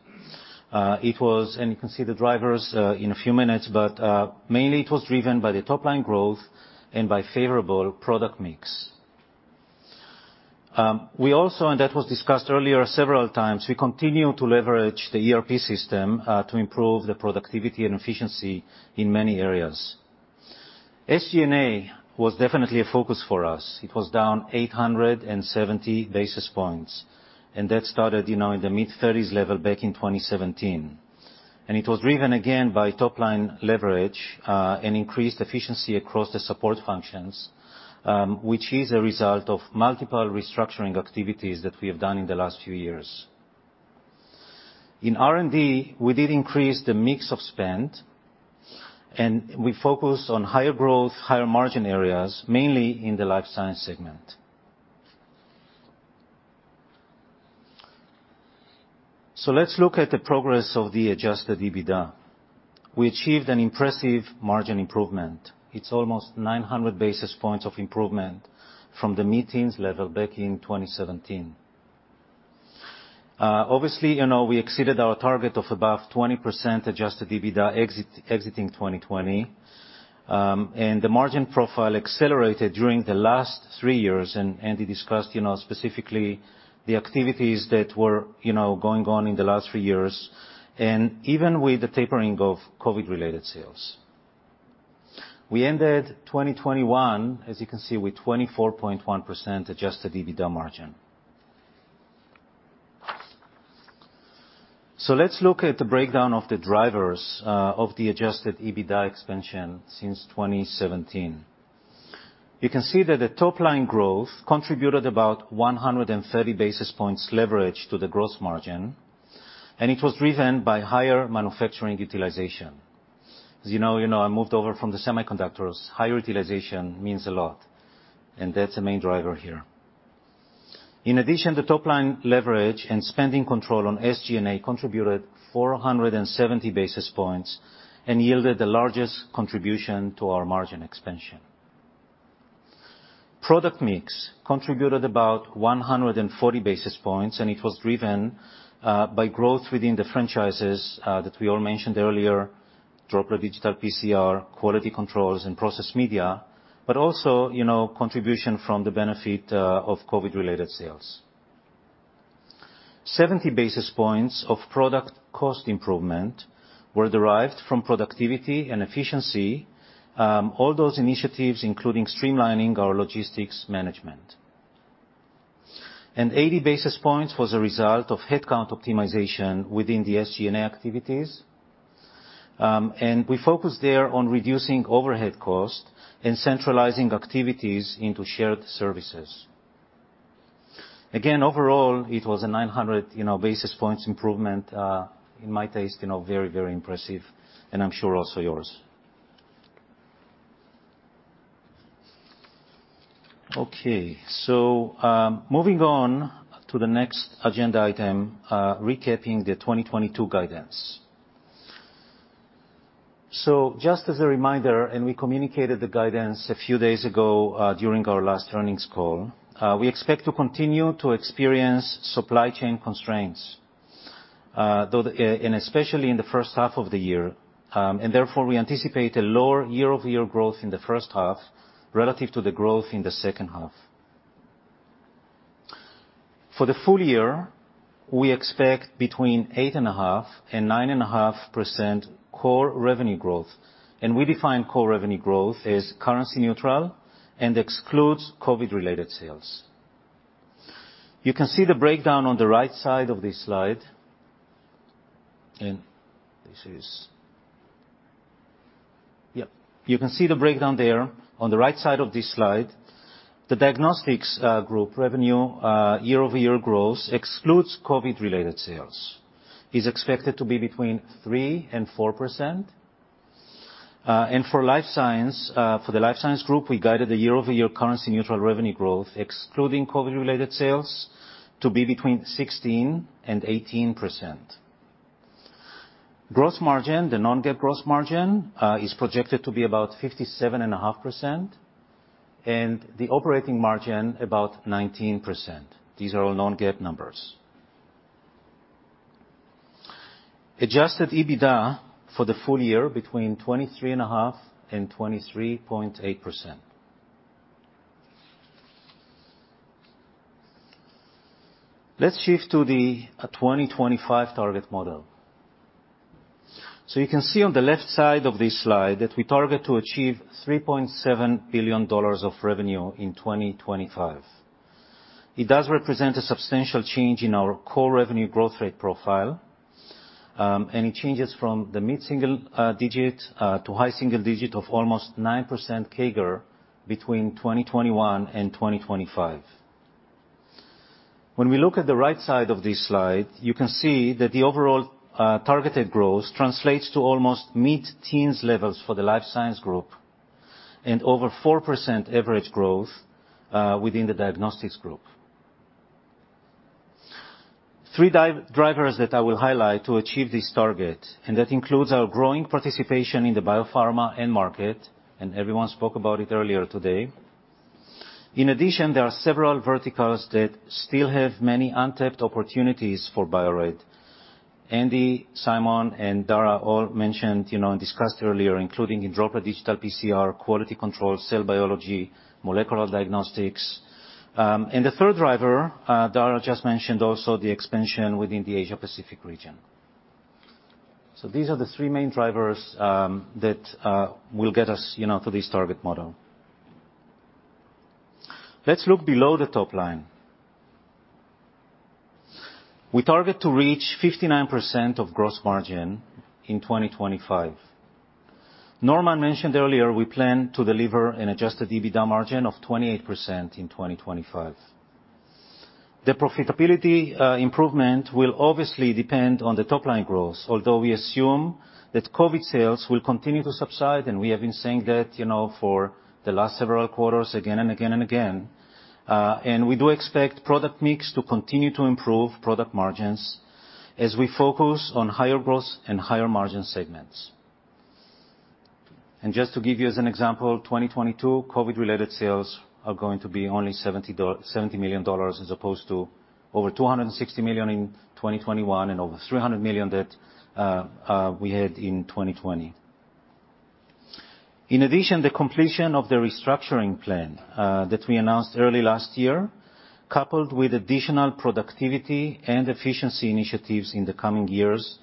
You can see the drivers in a few minutes, but mainly it was driven by the top line growth and by favorable product mix. We also, and that was discussed earlier several times, we continue to leverage the ERP system to improve the productivity and efficiency in many areas. SG&A was definitely a focus for us. It was down 870 basis points, and that started, you know, in the mid-30s level back in 2017. It was driven again by top-line leverage, and increased efficiency across the support functions, which is a result of multiple restructuring activities that we have done in the last few years. In R&D, we did increase the mix of spend, and we focused on higher growth, higher margin areas, mainly in the Life Science segment. Let's look at the progress of the adjusted EBITDA. We achieved an impressive margin improvement. It's almost 900 basis points of improvement from the mid-teens level back in 2017. Obviously, you know, we exceeded our target of above 20% adjusted EBITDA exiting 2020, and the margin profile accelerated during the last three years and we discussed, you know, specifically the activities that were, you know, going on in the last three years, and even with the tapering of COVID-related sales. We ended 2021, as you can see, with 24.1% adjusted EBITDA margin. Let's look at the breakdown of the drivers of the adjusted EBITDA expansion since 2017. You can see that the top line growth contributed about 130 basis points leverage to the gross margin, and it was driven by higher manufacturing utilization. As you know, you know, I moved over from the semiconductors. Higher utilization means a lot, and that's the main driver here. In addition, the top-line leverage and spending control on SG&A contributed 470 basis points and yielded the largest contribution to our margin expansion. Product mix contributed about 140 basis points, and it was driven by growth within the franchises that we all mentioned earlier, Droplet Digital PCR, quality controls, and process media, but also, you know, contribution from the benefit of COVID-related sales. 70 basis points of product cost improvement were derived from productivity and efficiency, all those initiatives including streamlining our logistics management. Eighty basis points was a result of headcount optimization within the SG&A activities. We focused there on reducing overhead cost and centralizing activities into shared services. Again, overall, it was a 900, you know, basis points improvement. In my taste, you know, very, very impressive, and I'm sure also yours. Okay. Moving on to the next agenda item, recapping the 2022 guidance. Just as a reminder, we communicated the guidance a few days ago during our last earnings call. We expect to continue to experience supply chain constraints, though and especially in the first half of the year. Therefore, we anticipate a lower year-over-year growth in the first half relative to the growth in the second half. For the full year, we expect 8.5%-9.5% core revenue growth. We define core revenue growth as currency neutral and excludes COVID-related sales. You can see the breakdown on the right side of this slide. You can see the breakdown there. On the right side of this slide, the Diagnostics Group revenue year-over-year growth excludes COVID-related sales is expected to be between 3% and 4%. For the Life Science Group, we guided the year-over-year currency neutral revenue growth, excluding COVID-related sales, to be between 16% and 18%. Gross margin, the non-GAAP gross margin, is projected to be about 57.5%, and the operating margin, about 19%. These are all non-GAAP numbers. Adjusted EBITDA for the full year between 23.5% and 23.8%. Let's shift to the 2025 target model. You can see on the left side of this slide that we target to achieve $3.7 billion of revenue in 2025. It does represent a substantial change in our core revenue growth rate profile, and it changes from the mid-single digit to high single digit of almost 9% CAGR between 2021 and 2025. When we look at the right side of this slide, you can see that the overall targeted growth translates to almost mid-teens levels for the Life Science Group and over 4% average growth within the Diagnostics Group. Three drivers that I will highlight to achieve this target, and that includes our growing participation in the biopharma end market, and everyone spoke about it earlier today. In addition, there are several verticals that still have many untapped opportunities for Bio-Rad. Andy, Simon, and Dara all mentioned, you know, and discussed earlier, including in Droplet Digital PCR, quality control, cell biology, molecular diagnostics. The third driver Dara just mentioned, also the expansion within the Asia Pacific region. These are the three main drivers that will get us, you know, to this target model. Let's look below the top line. We target to reach 59% gross margin in 2025. Norman mentioned earlier we plan to deliver an adjusted EBITDA margin of 28% in 2025. The profitability improvement will obviously depend on the top-line growth. Although we assume that COVID sales will continue to subside, and we have been saying that, you know, for the last several quarters again and again and again. We do expect product mix to continue to improve product margins as we focus on higher growth and higher margin segments. Just to give you as an example, 2022 COVID-related sales are going to be only $70 million as opposed to over $260 million in 2021 and over $300 million that we had in 2020. In addition, the completion of the restructuring plan that we announced early last year, coupled with additional productivity and efficiency initiatives in the coming years,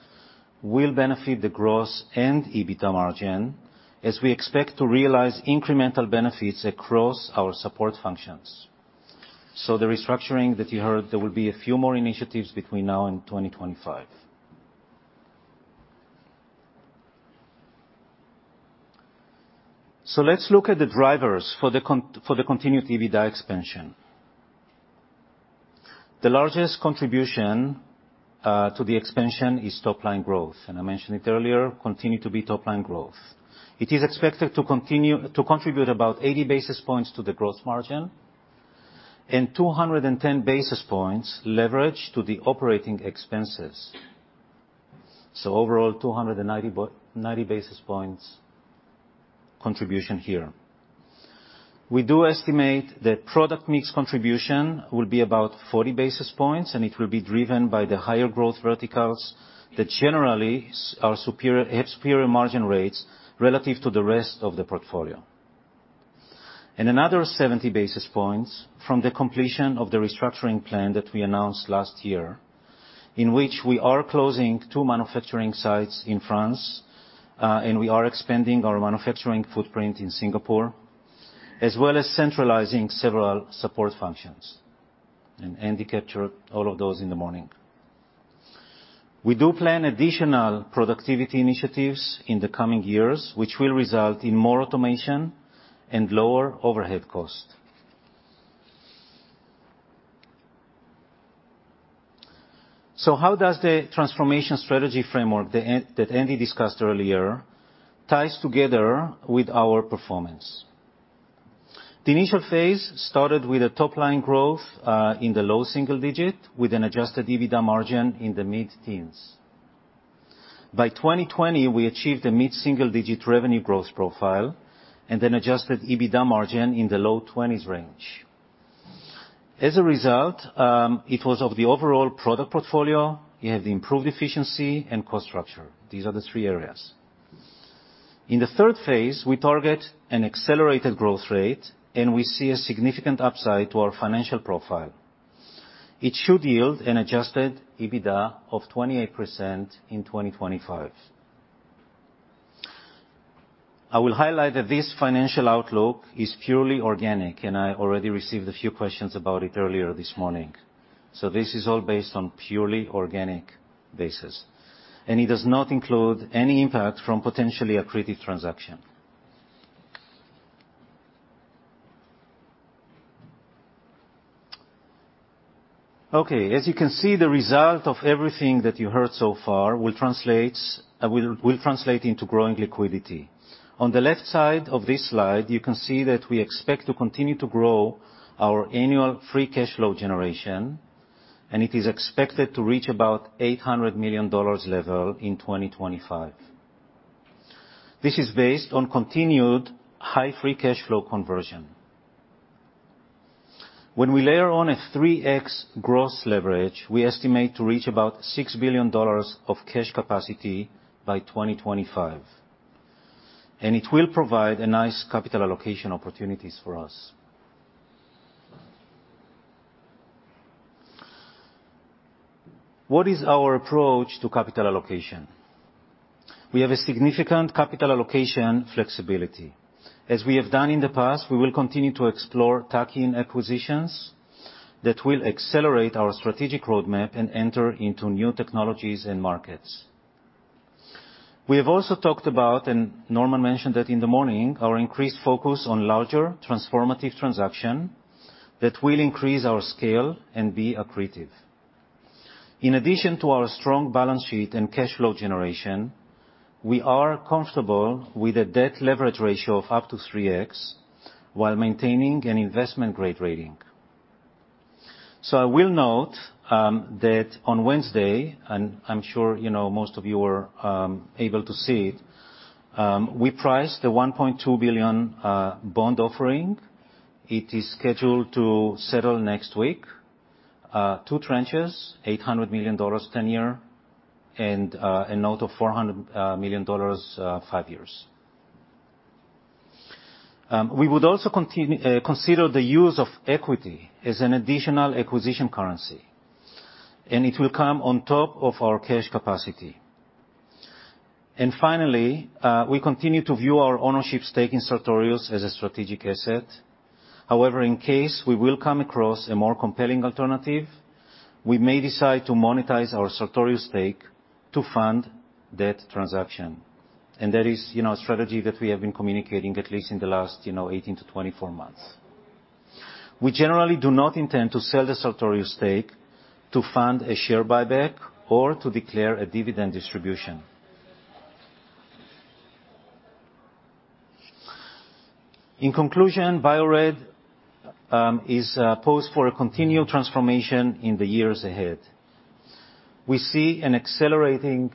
will benefit the gross and EBITDA margin as we expect to realize incremental benefits across our support functions. The restructuring that you heard, there will be a few more initiatives between now and 2025. Let's look at the drivers for the continued EBITDA expansion. The largest contribution to the expansion is top-line growth, and I mentioned it earlier, continue to be top-line growth. It is expected to continue to contribute about 80 basis points to the growth margin and 210 basis points leverage to the operating expenses. So overall, 290 basis points contribution here. We do estimate that product mix contribution will be about 40 basis points, and it will be driven by the higher growth verticals that generally are superior, have superior margin rates relative to the rest of the portfolio. Another 70 basis points from the completion of the restructuring plan that we announced last year, in which we are closing two manufacturing sites in France, and we are expanding our manufacturing footprint in Singapore, as well as centralizing several support functions. Andy captured all of those in the morning. We do plan additional productivity initiatives in the coming years, which will result in more automation and lower overhead cost. How does the transformation strategy framework that Andy discussed earlier tie together with our performance? The initial phase started with a top-line growth in the low single-digit with an adjusted EBITDA margin in the mid-teens. By 2020, we achieved a mid-single-digit revenue growth profile and an adjusted EBITDA margin in the low 20s range. As a result, it was of the overall product portfolio, we have the improved efficiency and cost structure. These are the three areas. In the third phase, we target an accelerated growth rate, and we see a significant upside to our financial profile. It should yield an adjusted EBITDA of 28% in 2025. I will highlight that this financial outlook is purely organic, and I already received a few questions about it earlier this morning. This is all based on purely organic basis, and it does not include any impact from potentially accretive transaction. Okay. As you can see, the result of everything that you heard so far will translate into growing liquidity. On the left side of this slide, you can see that we expect to continue to grow our annual free cash flow generation, and it is expected to reach about $800 million level in 2025. This is based on continued high free cash flow conversion. When we layer on a 3x gross leverage, we estimate to reach about $6 billion of cash capacity by 2025, and it will provide a nice capital allocation opportunities for us. What is our approach to capital allocation? We have a significant capital allocation flexibility. As we have done in the past, we will continue to explore tuck-in acquisitions that will accelerate our strategic roadmap and enter into new technologies and markets. We have also talked about, and Norman mentioned that in the morning, our increased focus on larger transformative transaction that will increase our scale and be accretive. In addition to our strong balance sheet and cash flow generation, we are comfortable with a debt leverage ratio of up to 3x while maintaining an investment-grade rating. I will note that on Wednesday, and I'm sure you know most of you were able to see, we priced the $1.2 billion bond offering. It is scheduled to settle next week. Two tranches, $800 million 10-year and a note of $400 million, 5 years. We would also consider the use of equity as an additional acquisition currency, and it will come on top of our cash capacity. Finally, we continue to view our ownership stake in Sartorius as a strategic asset. However, in case we will come across a more compelling alternative, we may decide to monetize our Sartorius stake to fund that transaction. That is, you know, a strategy that we have been communicating at least in the last 18-24 months. We generally do not intend to sell the Sartorius stake to fund a share buyback or to declare a dividend distribution. In conclusion, Bio-Rad is poised for a continued transformation in the years ahead. We see an accelerating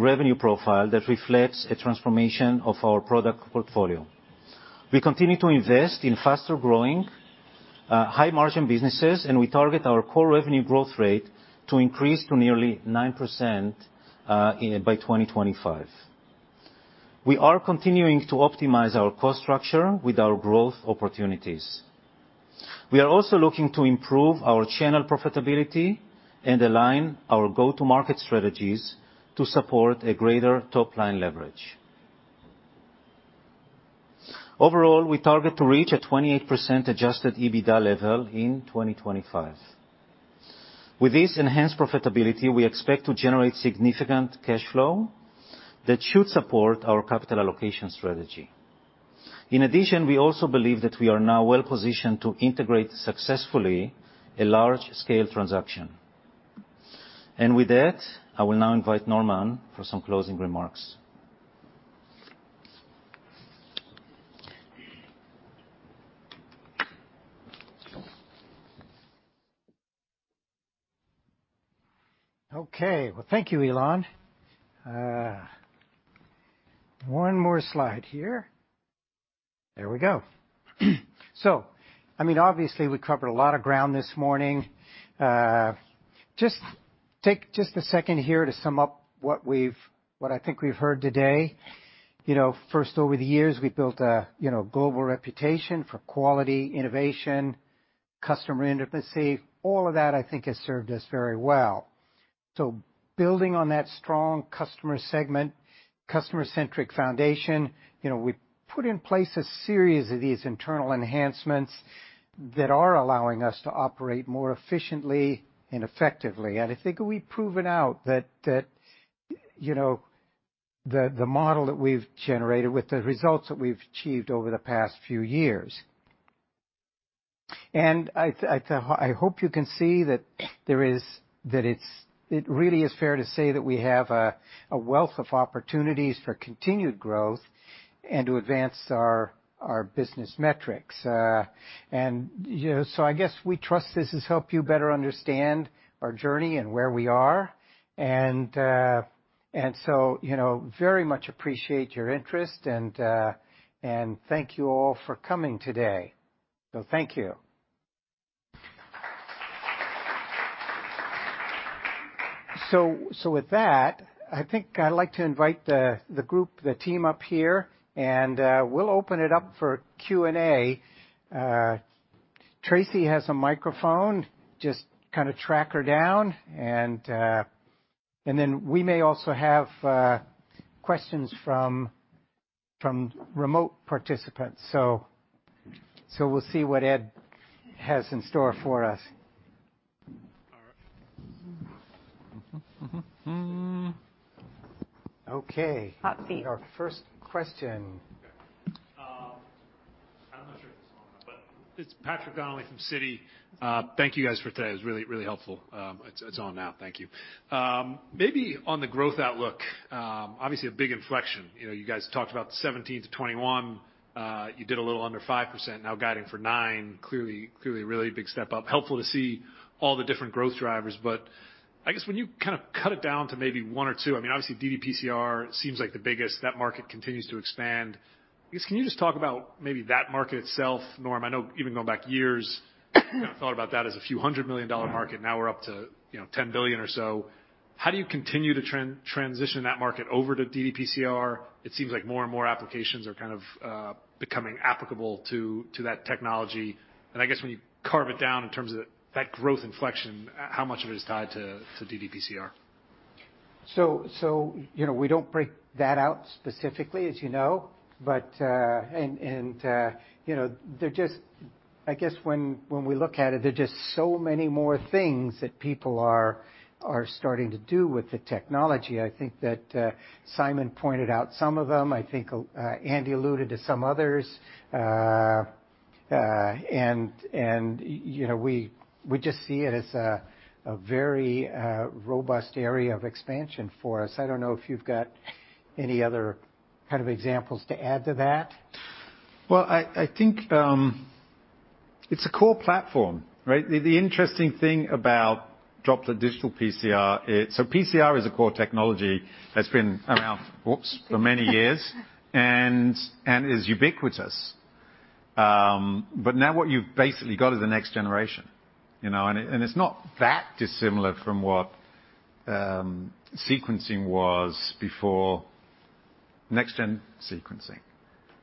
revenue profile that reflects a transformation of our product portfolio. We continue to invest in faster-growing, high-margin businesses, and we target our core revenue growth rate to increase to nearly 9% by 2025. We are continuing to optimize our cost structure with our growth opportunities. We are also looking to improve our channel profitability and align our go-to-market strategies to support a greater top-line leverage. Overall, we target to reach a 28% adjusted EBITDA level in 2025. With this enhanced profitability, we expect to generate significant cash flow that should support our capital allocation strategy. In addition, we also believe that we are now well-positioned to integrate successfully a large-scale transaction. With that, I will now invite Norman for some closing remarks. Okay. Well, thank you, Ilan. One more slide here. There we go. I mean, obviously, we covered a lot of ground this morning. Just take a second here to sum up what I think we've heard today. You know, first, over the years, we've built a you know, global reputation for quality, innovation, customer intimacy. All of that, I think, has served us very well. Building on that strong customer segment, customer-centric foundation, you know, we put in place a series of these internal enhancements that are allowing us to operate more efficiently and effectively. I think we've proven out that the model that we've generated with the results that we've achieved over the past few years. I hope you can see that it's really fair to say that we have a wealth of opportunities for continued growth and to advance our business metrics. You know, I guess we trust this has helped you better understand our journey and where we are. I very much appreciate your interest and thank you all for coming today. Thank you. With that, I think I'd like to invite the group, the team up here, and we'll open it up for Q&A. Tracy has a microphone, just kinda track her down. We may also have questions from remote participants. We'll see what Ed has in store for us. All right. Okay. Hot seat. Our first question. Okay. I'm not sure if it's on or not, but it's Patrick Donnelly from Citi. Thank you guys for today. It was really helpful. It's on now. Thank you. Maybe on the growth outlook, obviously a big inflection. You know, you guys talked about 17%-21%. You did a little under 5%, now guiding for 9%. Clearly a really big step up. Helpful to see all the different growth drivers, but I guess when you kind of cut it down to maybe one or two, I mean, obviously ddPCR seems like the biggest. That market continues to expand. I guess, can you just talk about maybe that market itself, Norm? I know even going back years kind of thought about that as a few hundred million dollar market. Now we're up to, you know, $10 billion or so. How do you continue to transition that market over to ddPCR? It seems like more and more applications are kind of becoming applicable to that technology. I guess when you carve it down in terms of that growth inflection, how much of it is tied to ddPCR? You know, we don't break that out specifically, as you know. You know, I guess when we look at it, there are just so many more things that people are starting to do with the technology. I think that Simon pointed out some of them. I think Andy alluded to some others. You know, we just see it as a very robust area of expansion for us. I don't know if you've got any other kind of examples to add to that. Well, I think it's a core platform, right? The interesting thing about Droplet Digital PCR is PCR is a core technology that's been around, oops, for many years and is ubiquitous. But now what you've basically got is the next generation, you know. It's not that dissimilar from what sequencing was before next gen sequencing,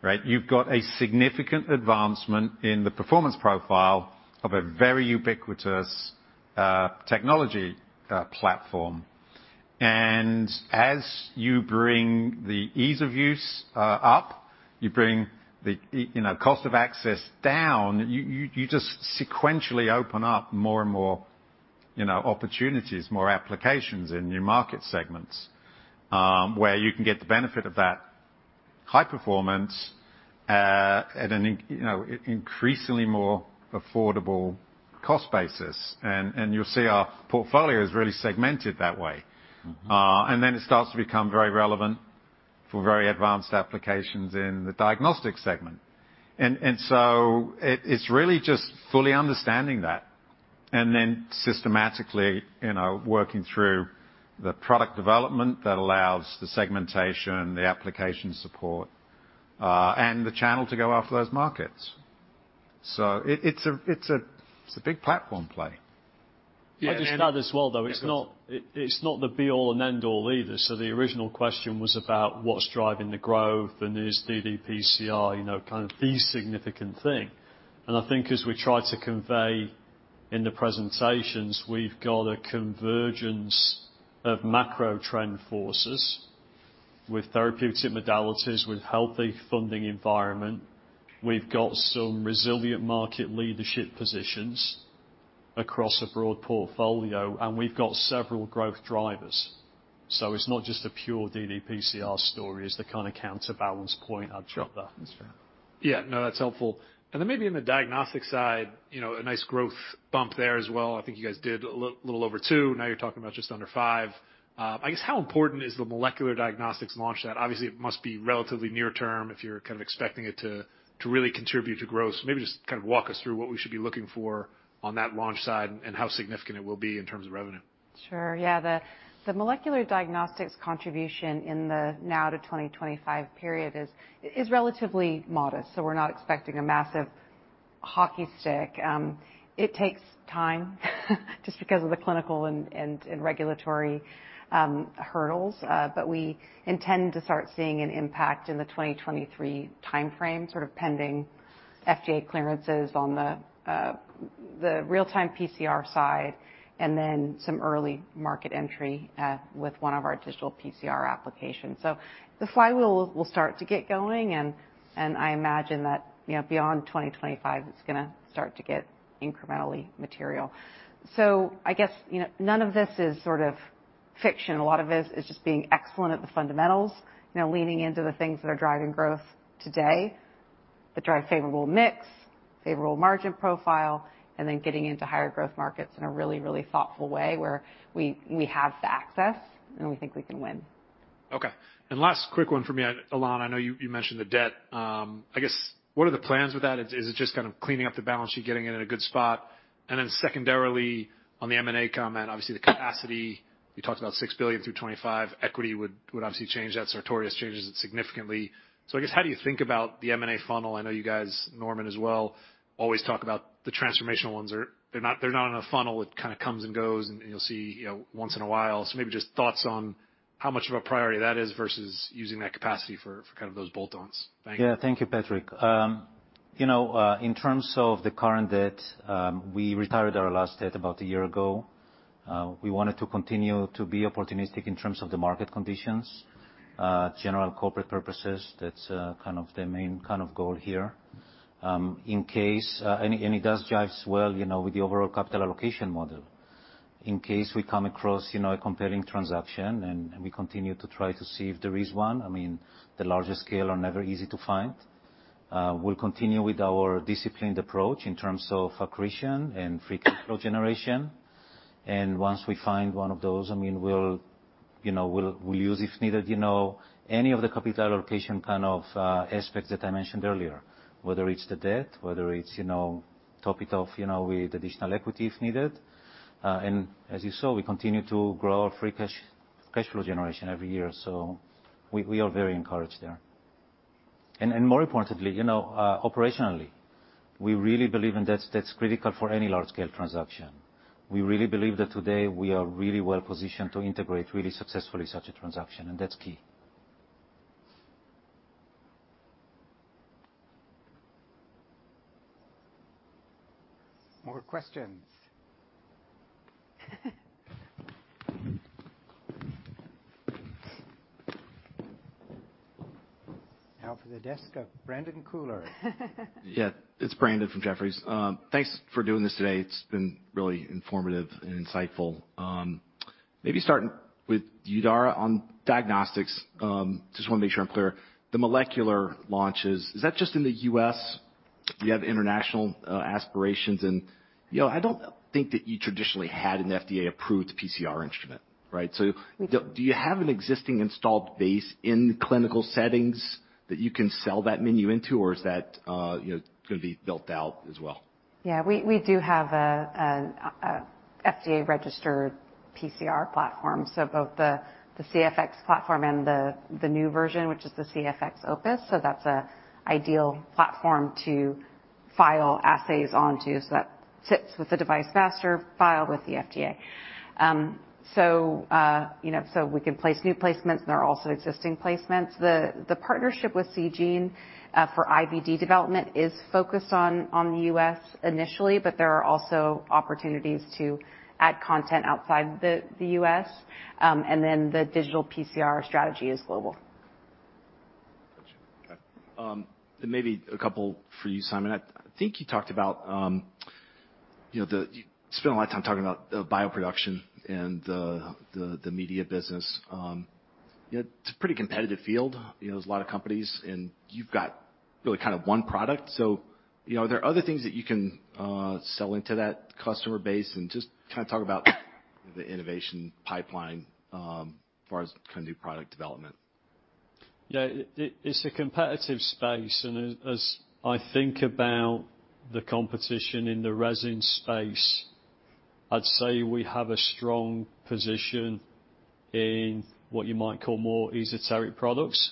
right? You've got a significant advancement in the performance profile of a very ubiquitous technology platform. As you bring the ease of use up, you bring the cost of access down, you know. You just sequentially open up more and more, you know, opportunities, more applications in new market segments, where you can get the benefit of that high performance at an increasingly more affordable cost basis. You'll see our portfolio is really segmented that way. Mm-hmm. It starts to become very relevant for very advanced applications in the diagnostic segment. It's really just fully understanding that and then systematically, you know, working through the product development that allows the segmentation, the application support, and the channel to go after those markets. It's a big platform play. Yeah. I'll just add as well, though. Yeah. It's not, it's not the be all and end all either. The original question was about what's driving the growth, and is ddPCR, you know, kind of the significant thing. I think as we tried to convey in the presentations, we've got a convergence of macro trend forces with therapeutic modalities, with healthy funding environment. We've got some resilient market leadership positions across a broad portfolio, and we've got several growth drivers. It's not just a pure ddPCR story is the kind of counterbalance point I'd drop there. That's fair. Yeah. No, that's helpful. Maybe in the diagnostic side, you know, a nice growth bump there as well. I think you guys did a little over 2%. Now you're talking about just under 5%. I guess how important is the molecular diagnostics launch that obviously it must be relatively near-term if you're kind of expecting it to really contribute to growth. Maybe just kind of walk us through what we should be looking for on that launch side and how significant it will be in terms of revenue. Sure, yeah. The molecular diagnostics contribution in the now to 2025 period is relatively modest, so we're not expecting a massive hockey stick. It takes time, just because of the clinical and regulatory hurdles. But we intend to start seeing an impact in the 2023 timeframe, sort of pending FDA clearances on the real-time PCR side, and then some early market entry with one of our digital PCR applications. The flywheel will start to get going and I imagine that, you know, beyond 2025, it's gonna start to get incrementally material. I guess, you know, none of this is sort of fiction, a lot of it is just being excellent at the fundamentals, you know, leaning into the things that are driving growth today, that drive favorable mix, favorable margin profile, and then getting into higher growth markets in a really, really thoughtful way where we have the access, and we think we can win. Okay. Last quick one for me. Ilan, I know you mentioned the debt. I guess, what are the plans with that? Is it just kind of cleaning up the balance sheet, getting it in a good spot? Secondarily, on the M&A comment, obviously the capacity, you talked about $6 billion through 2025, equity would obviously change that. Sartorius changes it significantly. I guess, how do you think about the M&A funnel? I know you guys, Norman as well, always talk about the transformational ones are. They're not in a funnel. It kind of comes and goes, and you'll see, you know, once in a while. Maybe just thoughts on how much of a priority that is versus using that capacity for kind of those bolt-ons. Thank you. Yeah. Thank you, Patrick. In terms of the current debt, we retired our last debt about a year ago. We wanted to continue to be opportunistic in terms of the market conditions, general corporate purposes. That's kind of the main kind of goal here. It does jive as well, you know, with the overall capital allocation model. In case we come across, you know, a compelling transaction, and we continue to try to see if there is one, I mean, the larger scale are never easy to find. We'll continue with our disciplined approach in terms of accretion and free cash flow generation. Once we find one of those, I mean, we'll, you know, use, if needed, you know, any of the capital allocation kind of aspects that I mentioned earlier, whether it's the debt, whether it's, you know, top it off, you know, with additional equity if needed. As you saw, we continue to grow our free cash flow generation every year, so we are very encouraged there. More importantly, you know, operationally, we really believe, and that's critical for any large scale transaction. We really believe that today we are really well positioned to integrate really successfully such a transaction, and that's key. More questions. Now for the desk of Brandon Couillard. Yeah. It's Brandon from Jefferies. Thanks for doing this today. It's been really informative and insightful. Maybe starting with you, Dara, on diagnostics, just wanna make sure I'm clear. The molecular launches, is that just in the U.S.? Do you have international aspirations? You know, I don't think that you traditionally had an FDA-approved PCR instrument, right? So do you have an existing installed base in clinical settings that you can sell that menu into, or is that you know, gonna be built out as well? Yeah. We do have an FDA-registered PCR platform, so both the CFX platform and the new version, which is the CFX Opus, so that's an ideal platform to file assays onto, so that sits with the device master file with the FDA. You know, we can place new placements. There are also existing placements. The partnership with Seegene for IVD development is focused on the U.S. initially, but there are also opportunities to add content outside the U.S. The digital PCR strategy is global. Gotcha. Okay. Maybe a couple for you, Simon. I think you talked about, you know. You spent a lot of time talking about the bioproduction and the media business. You know, it's a pretty competitive field. You know, there's a lot of companies, and you've got really kind of one product. So, you know, are there other things that you can sell into that customer base? Just kind of talk about the innovation pipeline, as far as kind of new product development. Yeah. It's a competitive space, and as I think about the competition in the resin space, I'd say we have a strong position in what you might call more esoteric products.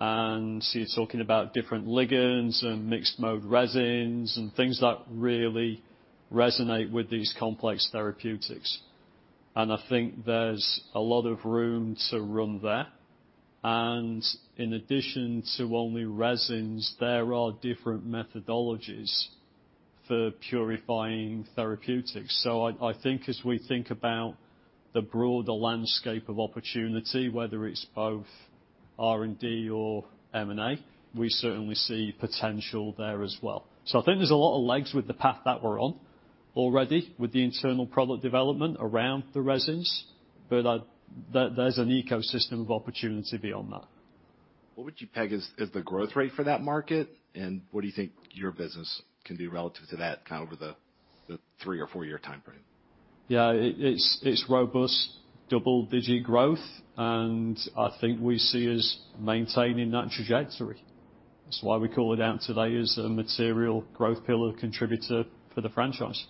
You're talking about different ligands and mixed mode resins and things that really resonate with these complex therapeutics. I think there's a lot of room to run there. In addition to only resins, there are different methodologies for purifying therapeutics. I think as we think about the broader landscape of opportunity, whether it's both R&D or M&A, we certainly see potential there as well. I think there's a lot of legs with the path that we're on already with the internal product development around the resins, but there's an ecosystem of opportunity beyond that. What would you peg as the growth rate for that market, and what do you think your business can do relative to that kind of over the 3- or 4-year timeframe? Yeah. It's robust double-digit growth, and I think we see us maintaining that trajectory. That's why we call it out today as a material growth pillar contributor for the franchise.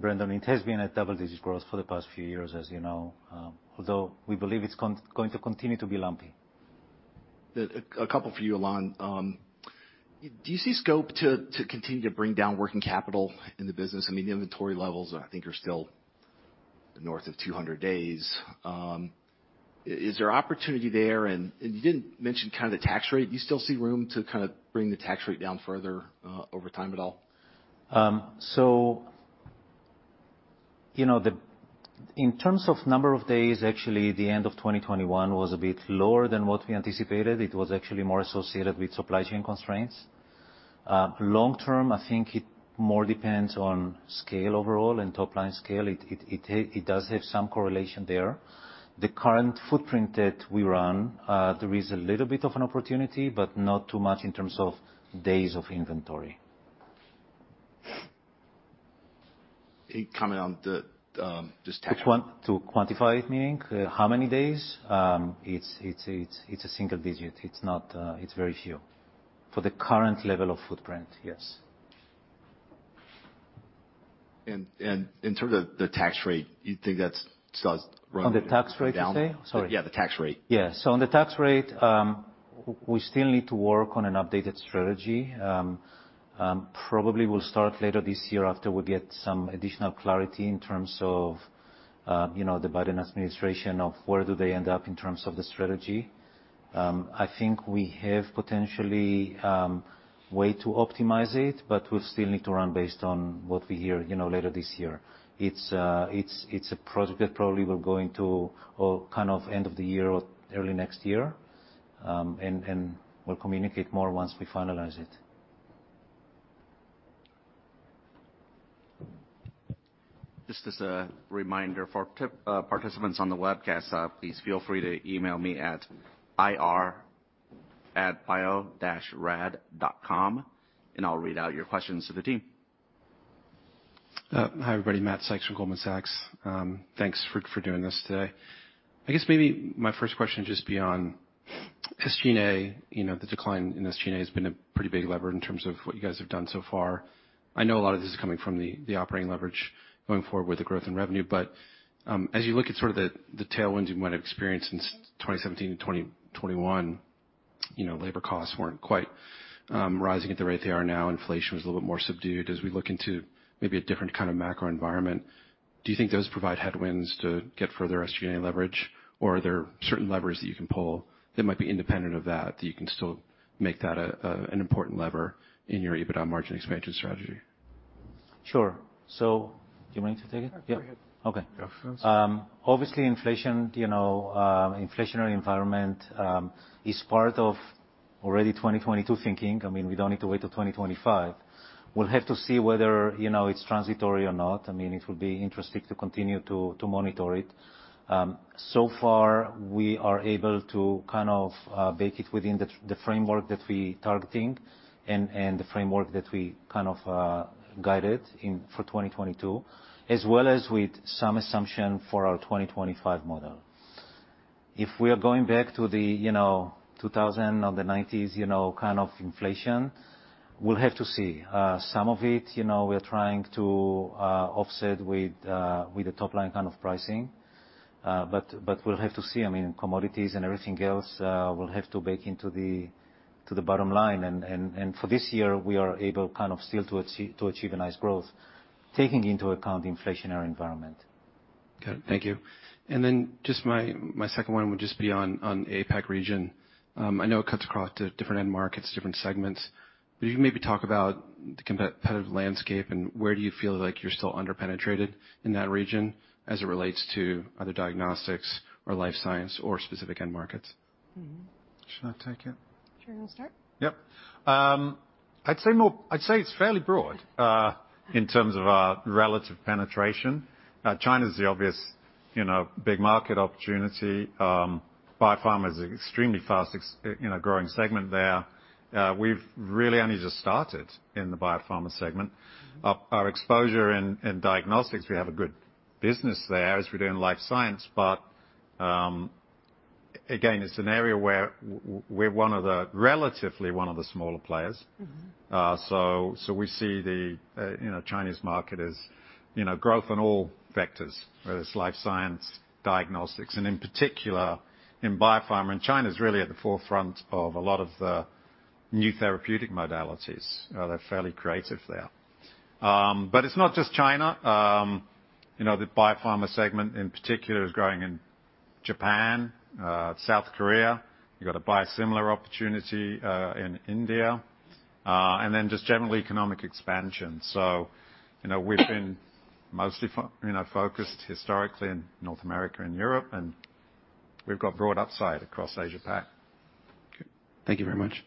Brandon, it has been at double-digit growth for the past few years, as you know, although we believe it's going to continue to be lumpy. A couple for you, Ilan. Do you see scope to continue to bring down working capital in the business? I mean, the inventory levels I think are still north of 200 days. Is there opportunity there? You didn't mention kind of the tax rate. Do you still see room to kind of bring the tax rate down further over time at all? You know, in terms of number of days, actually, the end of 2021 was a bit lower than what we anticipated. It was actually more associated with supply chain constraints. Long term, I think it more depends on scale overall and top line scale. It does have some correlation there. The current footprint that we run, there is a little bit of an opportunity, but not too much in terms of days of inventory. Any comment on the just tax? Which one? To quantify it, meaning how many days? It's a single digit. It's not. It's very few. For the current level of footprint, yes. In terms of the tax rate, you think that's still has room to come down? On the tax rate you say? Sorry. Yeah, the tax rate. On the tax rate, we still need to work on an updated strategy. Probably we'll start later this year after we get some additional clarity in terms of, you know, the Biden Administration on where they end up in terms of the strategy. I think we have potentially a way to optimize it, but we still need to run based on what we hear, you know, later this year. It's a project that probably we're going to or kind of end of the year or early next year. We'll communicate more once we finalize it. Just as a reminder for participants on the webcast, please feel free to email me at ir@bio-rad.com and I'll read out your questions to the team. Hi, everybody. Matt Sykes from Goldman Sachs. Thanks for doing this today. I guess maybe my first question just be on SG&A. You know, the decline in SG&A has been a pretty big lever in terms of what you guys have done so far. I know a lot of this is coming from the operating leverage going forward with the growth in revenue. As you look at sort of the tailwinds you might have experienced since 2017-2021, you know, labor costs weren't quite rising at the rate they are now. Inflation was a little bit more subdued. As we look into maybe a different kind of macro environment, do you think those provide headwinds to get further SG&A leverage, or are there certain levers that you can pull that might be independent of that you can still make that, an important lever in your EBITDA margin expansion strategy? Sure. Do you want me to take it? Yeah, go ahead. Okay. Yeah. Obviously inflation, you know, inflationary environment, is part of already 2022 thinking. I mean, we don't need to wait till 2025. We'll have to see whether, you know, it's transitory or not. I mean, it will be interesting to continue to monitor it. So far we are able to kind of bake it within the framework that we targeting and the framework that we kind of guided for 2022, as well as with some assumption for our 2025 model. If we are going back to the, you know, 2000 or the 1990s, you know, kind of inflation, we'll have to see. Some of it, you know, we are trying to offset with the top line kind of pricing. We'll have to see. I mean, commodities and everything else will have to bake into the bottom line. For this year, we are able kind of still to achieve a nice growth, taking into account the inflationary environment. Got it. Thank you. Just my second one would just be on APAC region. I know it cuts across to different end markets, different segments. Can you maybe talk about the competitive landscape and where do you feel like you're still under-penetrated in that region as it relates to other diagnostics or life science or specific end markets? Mm-hmm. Should I take it? Sure, you want to start? Yep. I'd say it's fairly broad in terms of relative penetration. China's the obvious, you know, big market opportunity. Biopharma is extremely fast growing segment there. We've really only just started in the biopharma segment. Our exposure in diagnostics, we have a good business there as we do in life science. Again, it's an area where we're one of the relatively smaller players. Mm-hmm. We see the Chinese market as growth on all vectors, whether it's Life Science, Diagnostics, and in particular in biopharma. China's really at the forefront of a lot of the new therapeutic modalities. They're fairly creative there. But it's not just China. You know, the biopharma segment in particular is growing in Japan, South Korea. You got a biosimilar opportunity in India, and then just general economic expansion. You know, we've been mostly focused historically in North America and Europe, and we've got broad upside across Asia Pac. Okay. Thank you very much.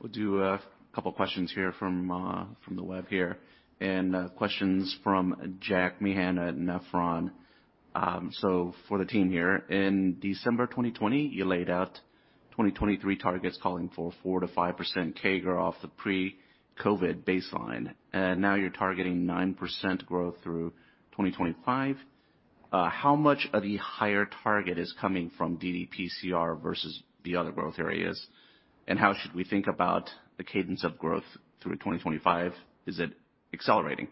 We'll do a couple questions here from the web here, and questions from Jack Meehan at Nephron. So for the team here. In December 2020, you laid out 2023 targets calling for 4%-5% CAGR off the pre-COVID baseline, and now you're targeting 9% growth through 2025. How much of the higher target is coming from ddPCR versus the other growth areas? And how should we think about the cadence of growth through 2025? Is it accelerating?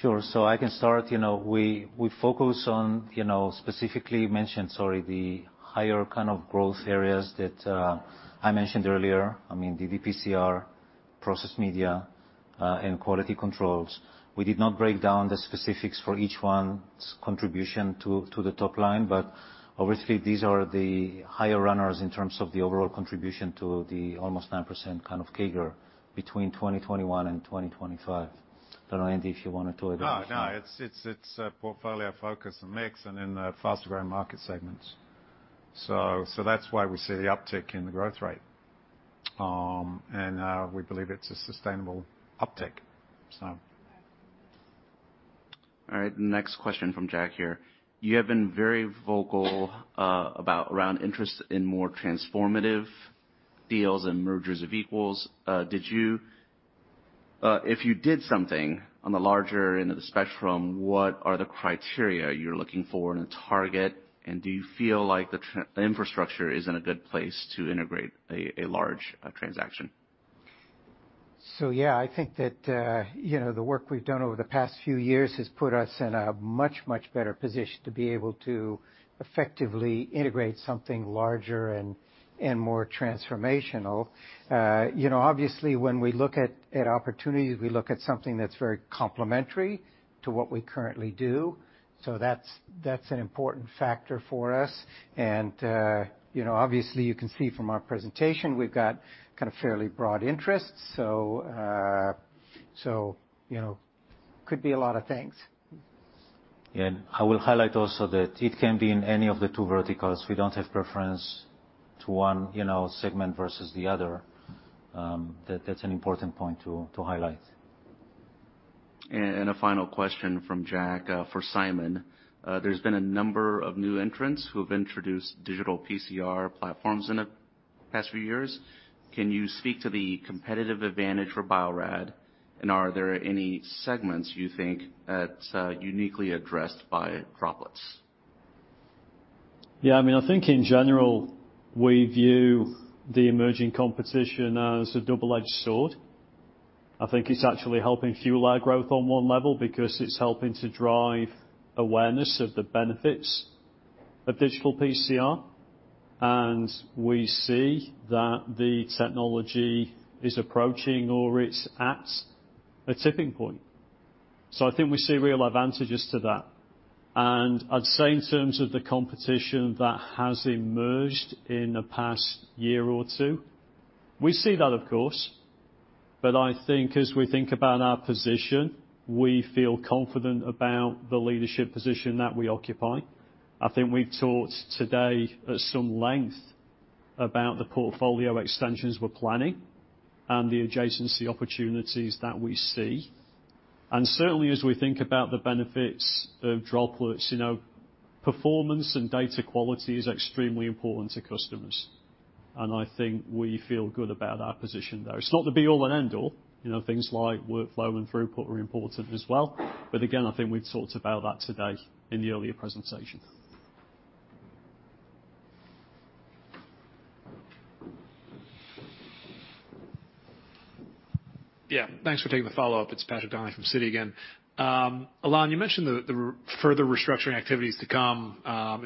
Sure. I can start. You know, we focus on the higher kind of growth areas that I mentioned earlier. I mean, ddPCR, process media, and quality controls. We did not break down the specifics for each one's contribution to the top line, but obviously these are the higher runners in terms of the overall contribution to the almost 9% kind of CAGR between 2021 and 2025. I don't know, Andy, if you wanted to add anything. No, it's a portfolio focus and mix in the faster growing market segments. That's why we see the uptick in the growth rate. We believe it's a sustainable uptick. All right, next question from Jack here. You have been very vocal about your interest in more transformative deals and mergers of equals. If you did something on the larger end of the spectrum, what are the criteria you're looking for in a target? And do you feel like the infrastructure is in a good place to integrate a large transaction? Yeah, I think that, you know, the work we've done over the past few years has put us in a much better position to be able to effectively integrate something larger and more transformational. You know, obviously, when we look at opportunities, we look at something that's very complementary to what we currently do. That's an important factor for us. You know, obviously you can see from our presentation, we've got kind of fairly broad interests. You know, could be a lot of things. I will highlight also that it can be in any of the two verticals. We don't have preference to one, you know, segment versus the other. That's an important point to highlight. A final question from Jack for Simon. There has been a number of new entrants who have introduced digital PCR platforms in the past few years. Can you speak to the competitive advantage for Bio-Rad? Are there any segments you think that's uniquely addressed by ddPCR? Yeah. I mean, I think in general, we view the emerging competition as a double-edged sword. I think it's actually helping fuel our growth on one level because it's helping to drive awareness of the benefits of digital PCR, and we see that the technology is approaching or it's at a tipping point. I think we see real advantages to that. I'd say in terms of the competition that has emerged in the past year or two, we see that, of course. I think as we think about our position, we feel confident about the leadership position that we occupy. I think we've talked today at some length about the portfolio extensions we're planning and the adjacency opportunities that we see. Certainly, as we think about the benefits of Droplets, you know, performance and data quality is extremely important to customers. I think we feel good about our position there. It's not the be-all and end-all. You know, things like workflow and throughput are important as well. Again, I think we've talked about that today in the earlier presentation. Yeah. Thanks for taking the follow-up. It's Patrick Donnelly from Citi again. Ilan, you mentioned the further restructuring activities to come.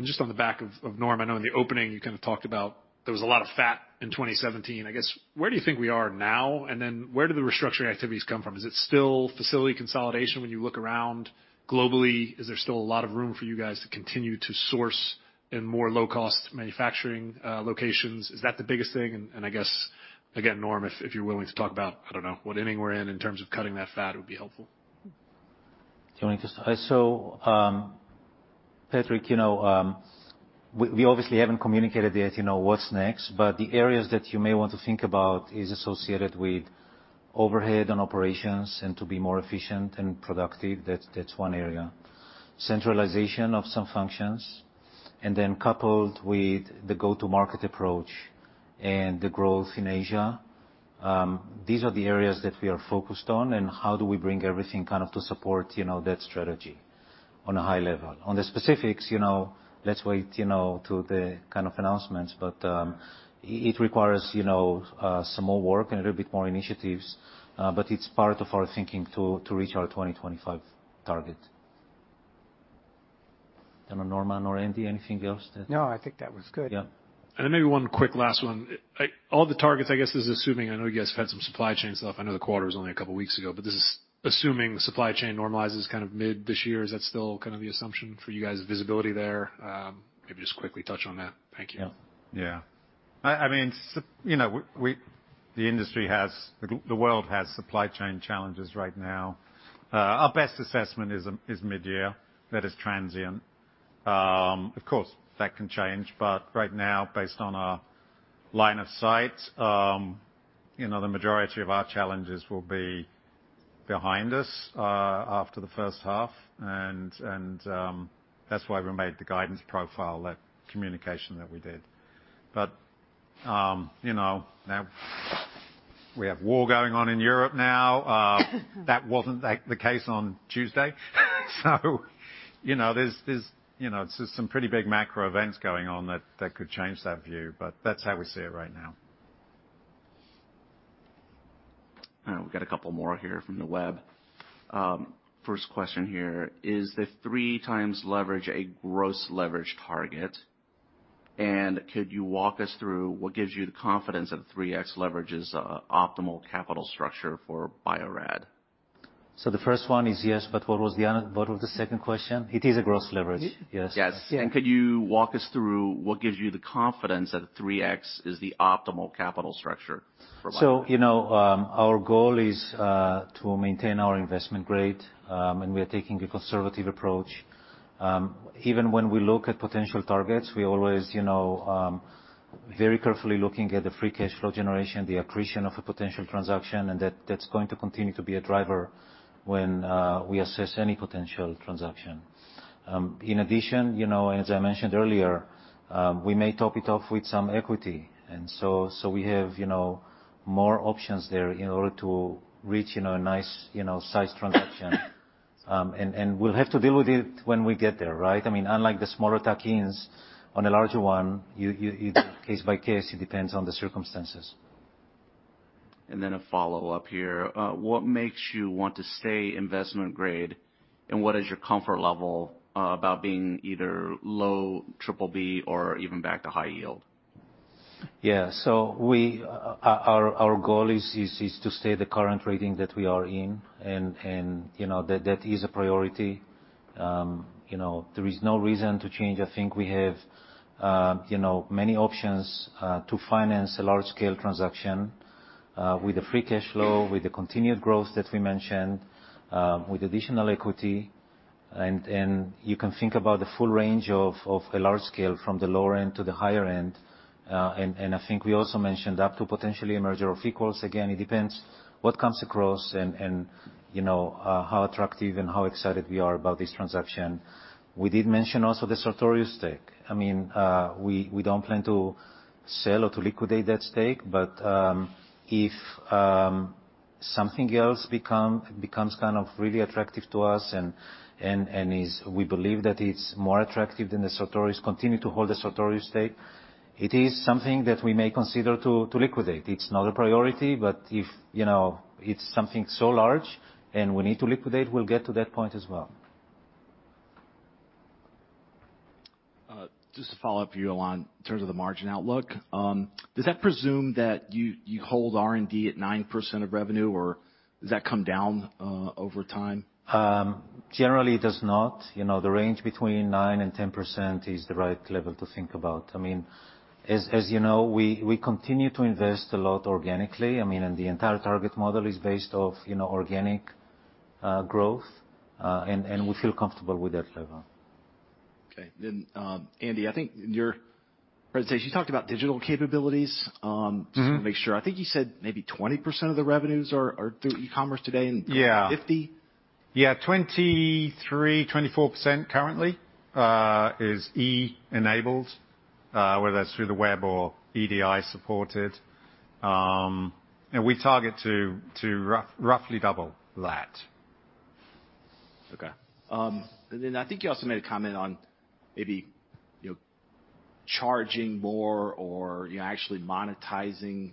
Just on the back of Norm, I know in the opening, you kind of talked about there was a lot of fat in 2017. I guess, where do you think we are now? And then where do the restructuring activities come from? Is it still facility consolidation when you look around globally? Is there still a lot of room for you guys to continue to source in more low-cost manufacturing locations? Is that the biggest thing? And I guess, again, Norm, if you're willing to talk about, I don't know, what inning we're in terms of cutting that fat, it would be helpful. Do you want me to start? Patrick, you know, we obviously haven't communicated yet, you know, what's next. The areas that you may want to think about is associated with overhead and operations and to be more efficient and productive. That's one area. Centralization of some functions, and then coupled with the go-to-market approach and the growth in Asia, these are the areas that we are focused on and how do we bring everything kind of to support, you know, that strategy on a high level. On the specifics, you know, let's wait, you know, to the kind of announcements. It requires, you know, some more work and a little bit more initiatives, but it's part of our thinking to reach our 2025 target. I don't know, Norman or Andy, anything else that. No, I think that was good. Yeah. Maybe one quick last one. All the targets, I guess, is assuming, I know you guys have had some supply chain stuff. I know the quarter was only a couple of weeks ago, but this is assuming the supply chain normalizes kind of mid this year. Is that still kind of the assumption for you guys visibility there? If you could just quickly touch on that. Thank you. Yeah. Yeah. I mean, you know, the world has supply chain challenges right now. Our best assessment is mid-year, that is transient. Of course, that can change, but right now, based on our line of sight, you know, the majority of our challenges will be behind us after the first half, and that's why we made the guidance profile, that communication that we did. You know, now we have war going on in Europe now. That wasn't the case on Tuesday. You know, there's just some pretty big macro events going on that could change that view, but that's how we see it right now. All right, we've got a couple more here from the web. First question here, is the 3x leverage a gross leverage target? And could you walk us through what gives you the confidence that 3x leverage is an optimal capital structure for Bio-Rad? The first one is yes, but what was the second question? It is a gross leverage. Yes. Yes. Yeah. Could you walk us through what gives you the confidence that 3x is the optimal capital structure for Bio-Rad? You know, our goal is to maintain our investment grade, and we are taking a conservative approach. Even when we look at potential targets, we always, you know, very carefully looking at the free cash flow generation, the accretion of a potential transaction, and that's going to continue to be a driver when we assess any potential transaction. In addition, you know, as I mentioned earlier, we may top it off with some equity. We have, you know, more options there in order to reach, you know, a nice, you know, sized transaction. And we'll have to deal with it when we get there, right? I mean, unlike the smaller tuck-ins, on a larger one, case by case, it depends on the circumstances. A follow-up here. What makes you want to stay investment grade, and what is your comfort level about being either low triple B or even back to high yield? Our goal is to stay the current rating that we are in, you know, that is a priority. There is no reason to change. I think we have many options to finance a large-scale transaction with the free cash flow, with the continued growth that we mentioned, with additional equity. You can think about the full range of a large-scale from the lower end to the higher end. I think we also mentioned up to potentially a merger of equals. Again, it depends what comes across and how attractive and how excited we are about this transaction. We did mention also the Sartorius stake. I mean, we don't plan to sell or to liquidate that stake, but if something else becomes kind of really attractive to us and is we believe that it's more attractive than the Sartorius, continue to hold the Sartorius stake, it is something that we may consider to liquidate. It's not a priority, but if you know, it's something so large and we need to liquidate, we'll get to that point as well. Just to follow up for you, Ilan, in terms of the margin outlook, does that presume that you hold R&D at 9% of revenue, or does that come down over time? Generally, it does not. You know, the 9%-10% range is the right level to think about. I mean, as you know, we continue to invest a lot organically. I mean, the entire target model is based off, you know, organic growth, and we feel comfortable with that level. Okay. Andy, I think in your presentation, you talked about digital capabilities. Mm-hmm. Just want to make sure. I think you said maybe 20% of the revenues are through e-commerce today and Yeah. -fifty. Yeah, 23%-24% currently is e-enabled, whether that's through the web or EDI supported. We target to roughly double that. Okay. I think you also made a comment on maybe, you know, charging more or, you know, actually monetizing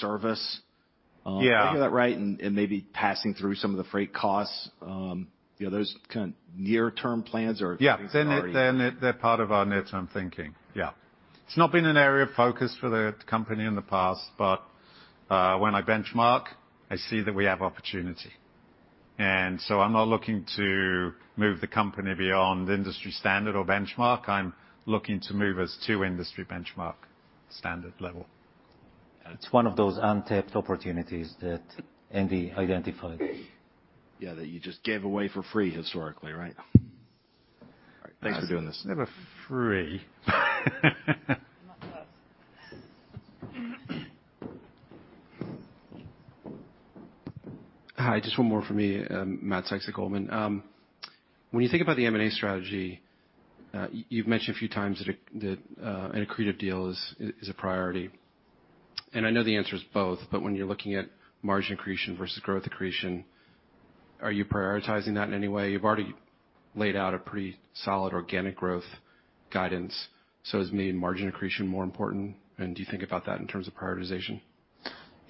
service. Yeah. Do I hear that right? Maybe passing through some of the freight costs, you know, are those kind of near-term plans or- Yeah. -things that are- They're part of our near-term thinking. Yeah. It's not been an area of focus for the company in the past, but when I benchmark, I see that we have opportunity. I'm not looking to move the company beyond industry standard or benchmark. I'm looking to move us to industry benchmark standard level. It's one of those untapped opportunities that Andy identified. Yeah, that you just gave away for free historically, right? All right. Thanks for doing this. Never free. Not for us. Hi. Just one more for me. Matt Sykes at Goldman Sachs. When you think about the M&A strategy, you've mentioned a few times that an accretive deal is a priority. I know the answer is both, but when you're looking at margin accretion versus growth accretion, are you prioritizing that in any way? You've already laid out a pretty solid organic growth guidance. Does it mean margin accretion more important, and do you think about that in terms of prioritization?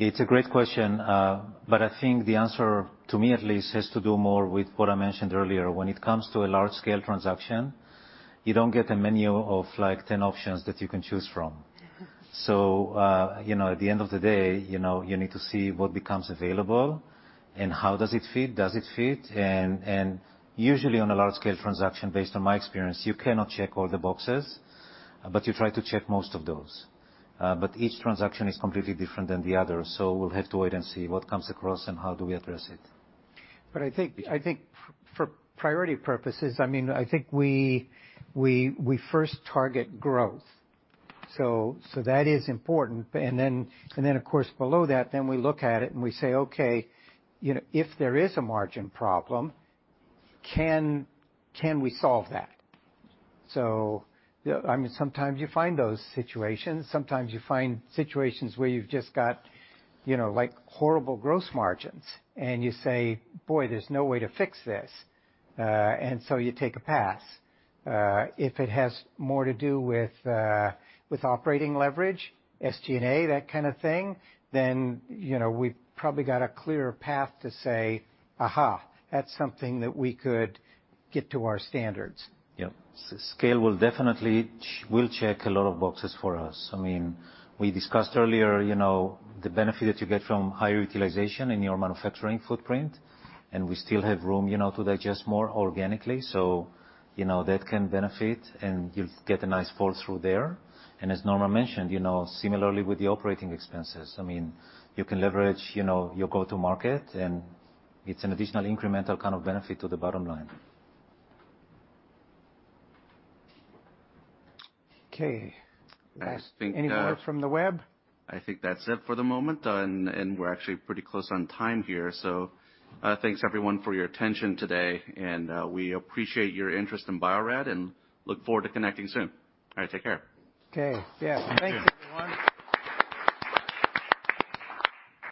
It's a great question. I think the answer, to me at least, has to do more with what I mentioned earlier. When it comes to a large-scale transaction, you don't get a menu of like 10 options that you can choose from. you know, at the end of the day, you know, you need to see what becomes available and how does it fit? usually on a large scale transaction, based on my experience, you cannot check all the boxes, but you try to check most of those. each transaction is completely different than the other, so we'll have to wait and see what comes across and how do we address it. I think for priority purposes, I mean, I think we first target growth. That is important. And then, of course, below that, then we look at it and we say, "Okay, you know, if there is a margin problem, can we solve that?" Yeah. I mean, sometimes you find those situations. Sometimes you find situations where you've just got, you know, like horrible gross margins, and you say, "Boy, there's no way to fix this." And so you take a pass. If it has more to do with operating leverage, SG&A, that kind of thing, then, you know, we've probably got a clearer path to say, "Aha, that's something that we could get to our standards. Yep. Scale will definitely check a lot of boxes for us. I mean, we discussed earlier, you know, the benefit that you get from higher utilization in your manufacturing footprint, and we still have room, you know, to digest more organically. So, you know, that can benefit, and you'll get a nice pull through there. And as Norman mentioned, you know, similarly with the operating expenses, I mean, you can leverage, you know, your go-to market, and it's an additional incremental kind of benefit to the bottom line. Okay. I think. Any more from the web? I think that's it for the moment. We're actually pretty close on time here. Thanks everyone for your attention today, and we appreciate your interest in Bio-Rad and look forward to connecting soon. All right, take care. Okay. Yeah. Thank you, everyone.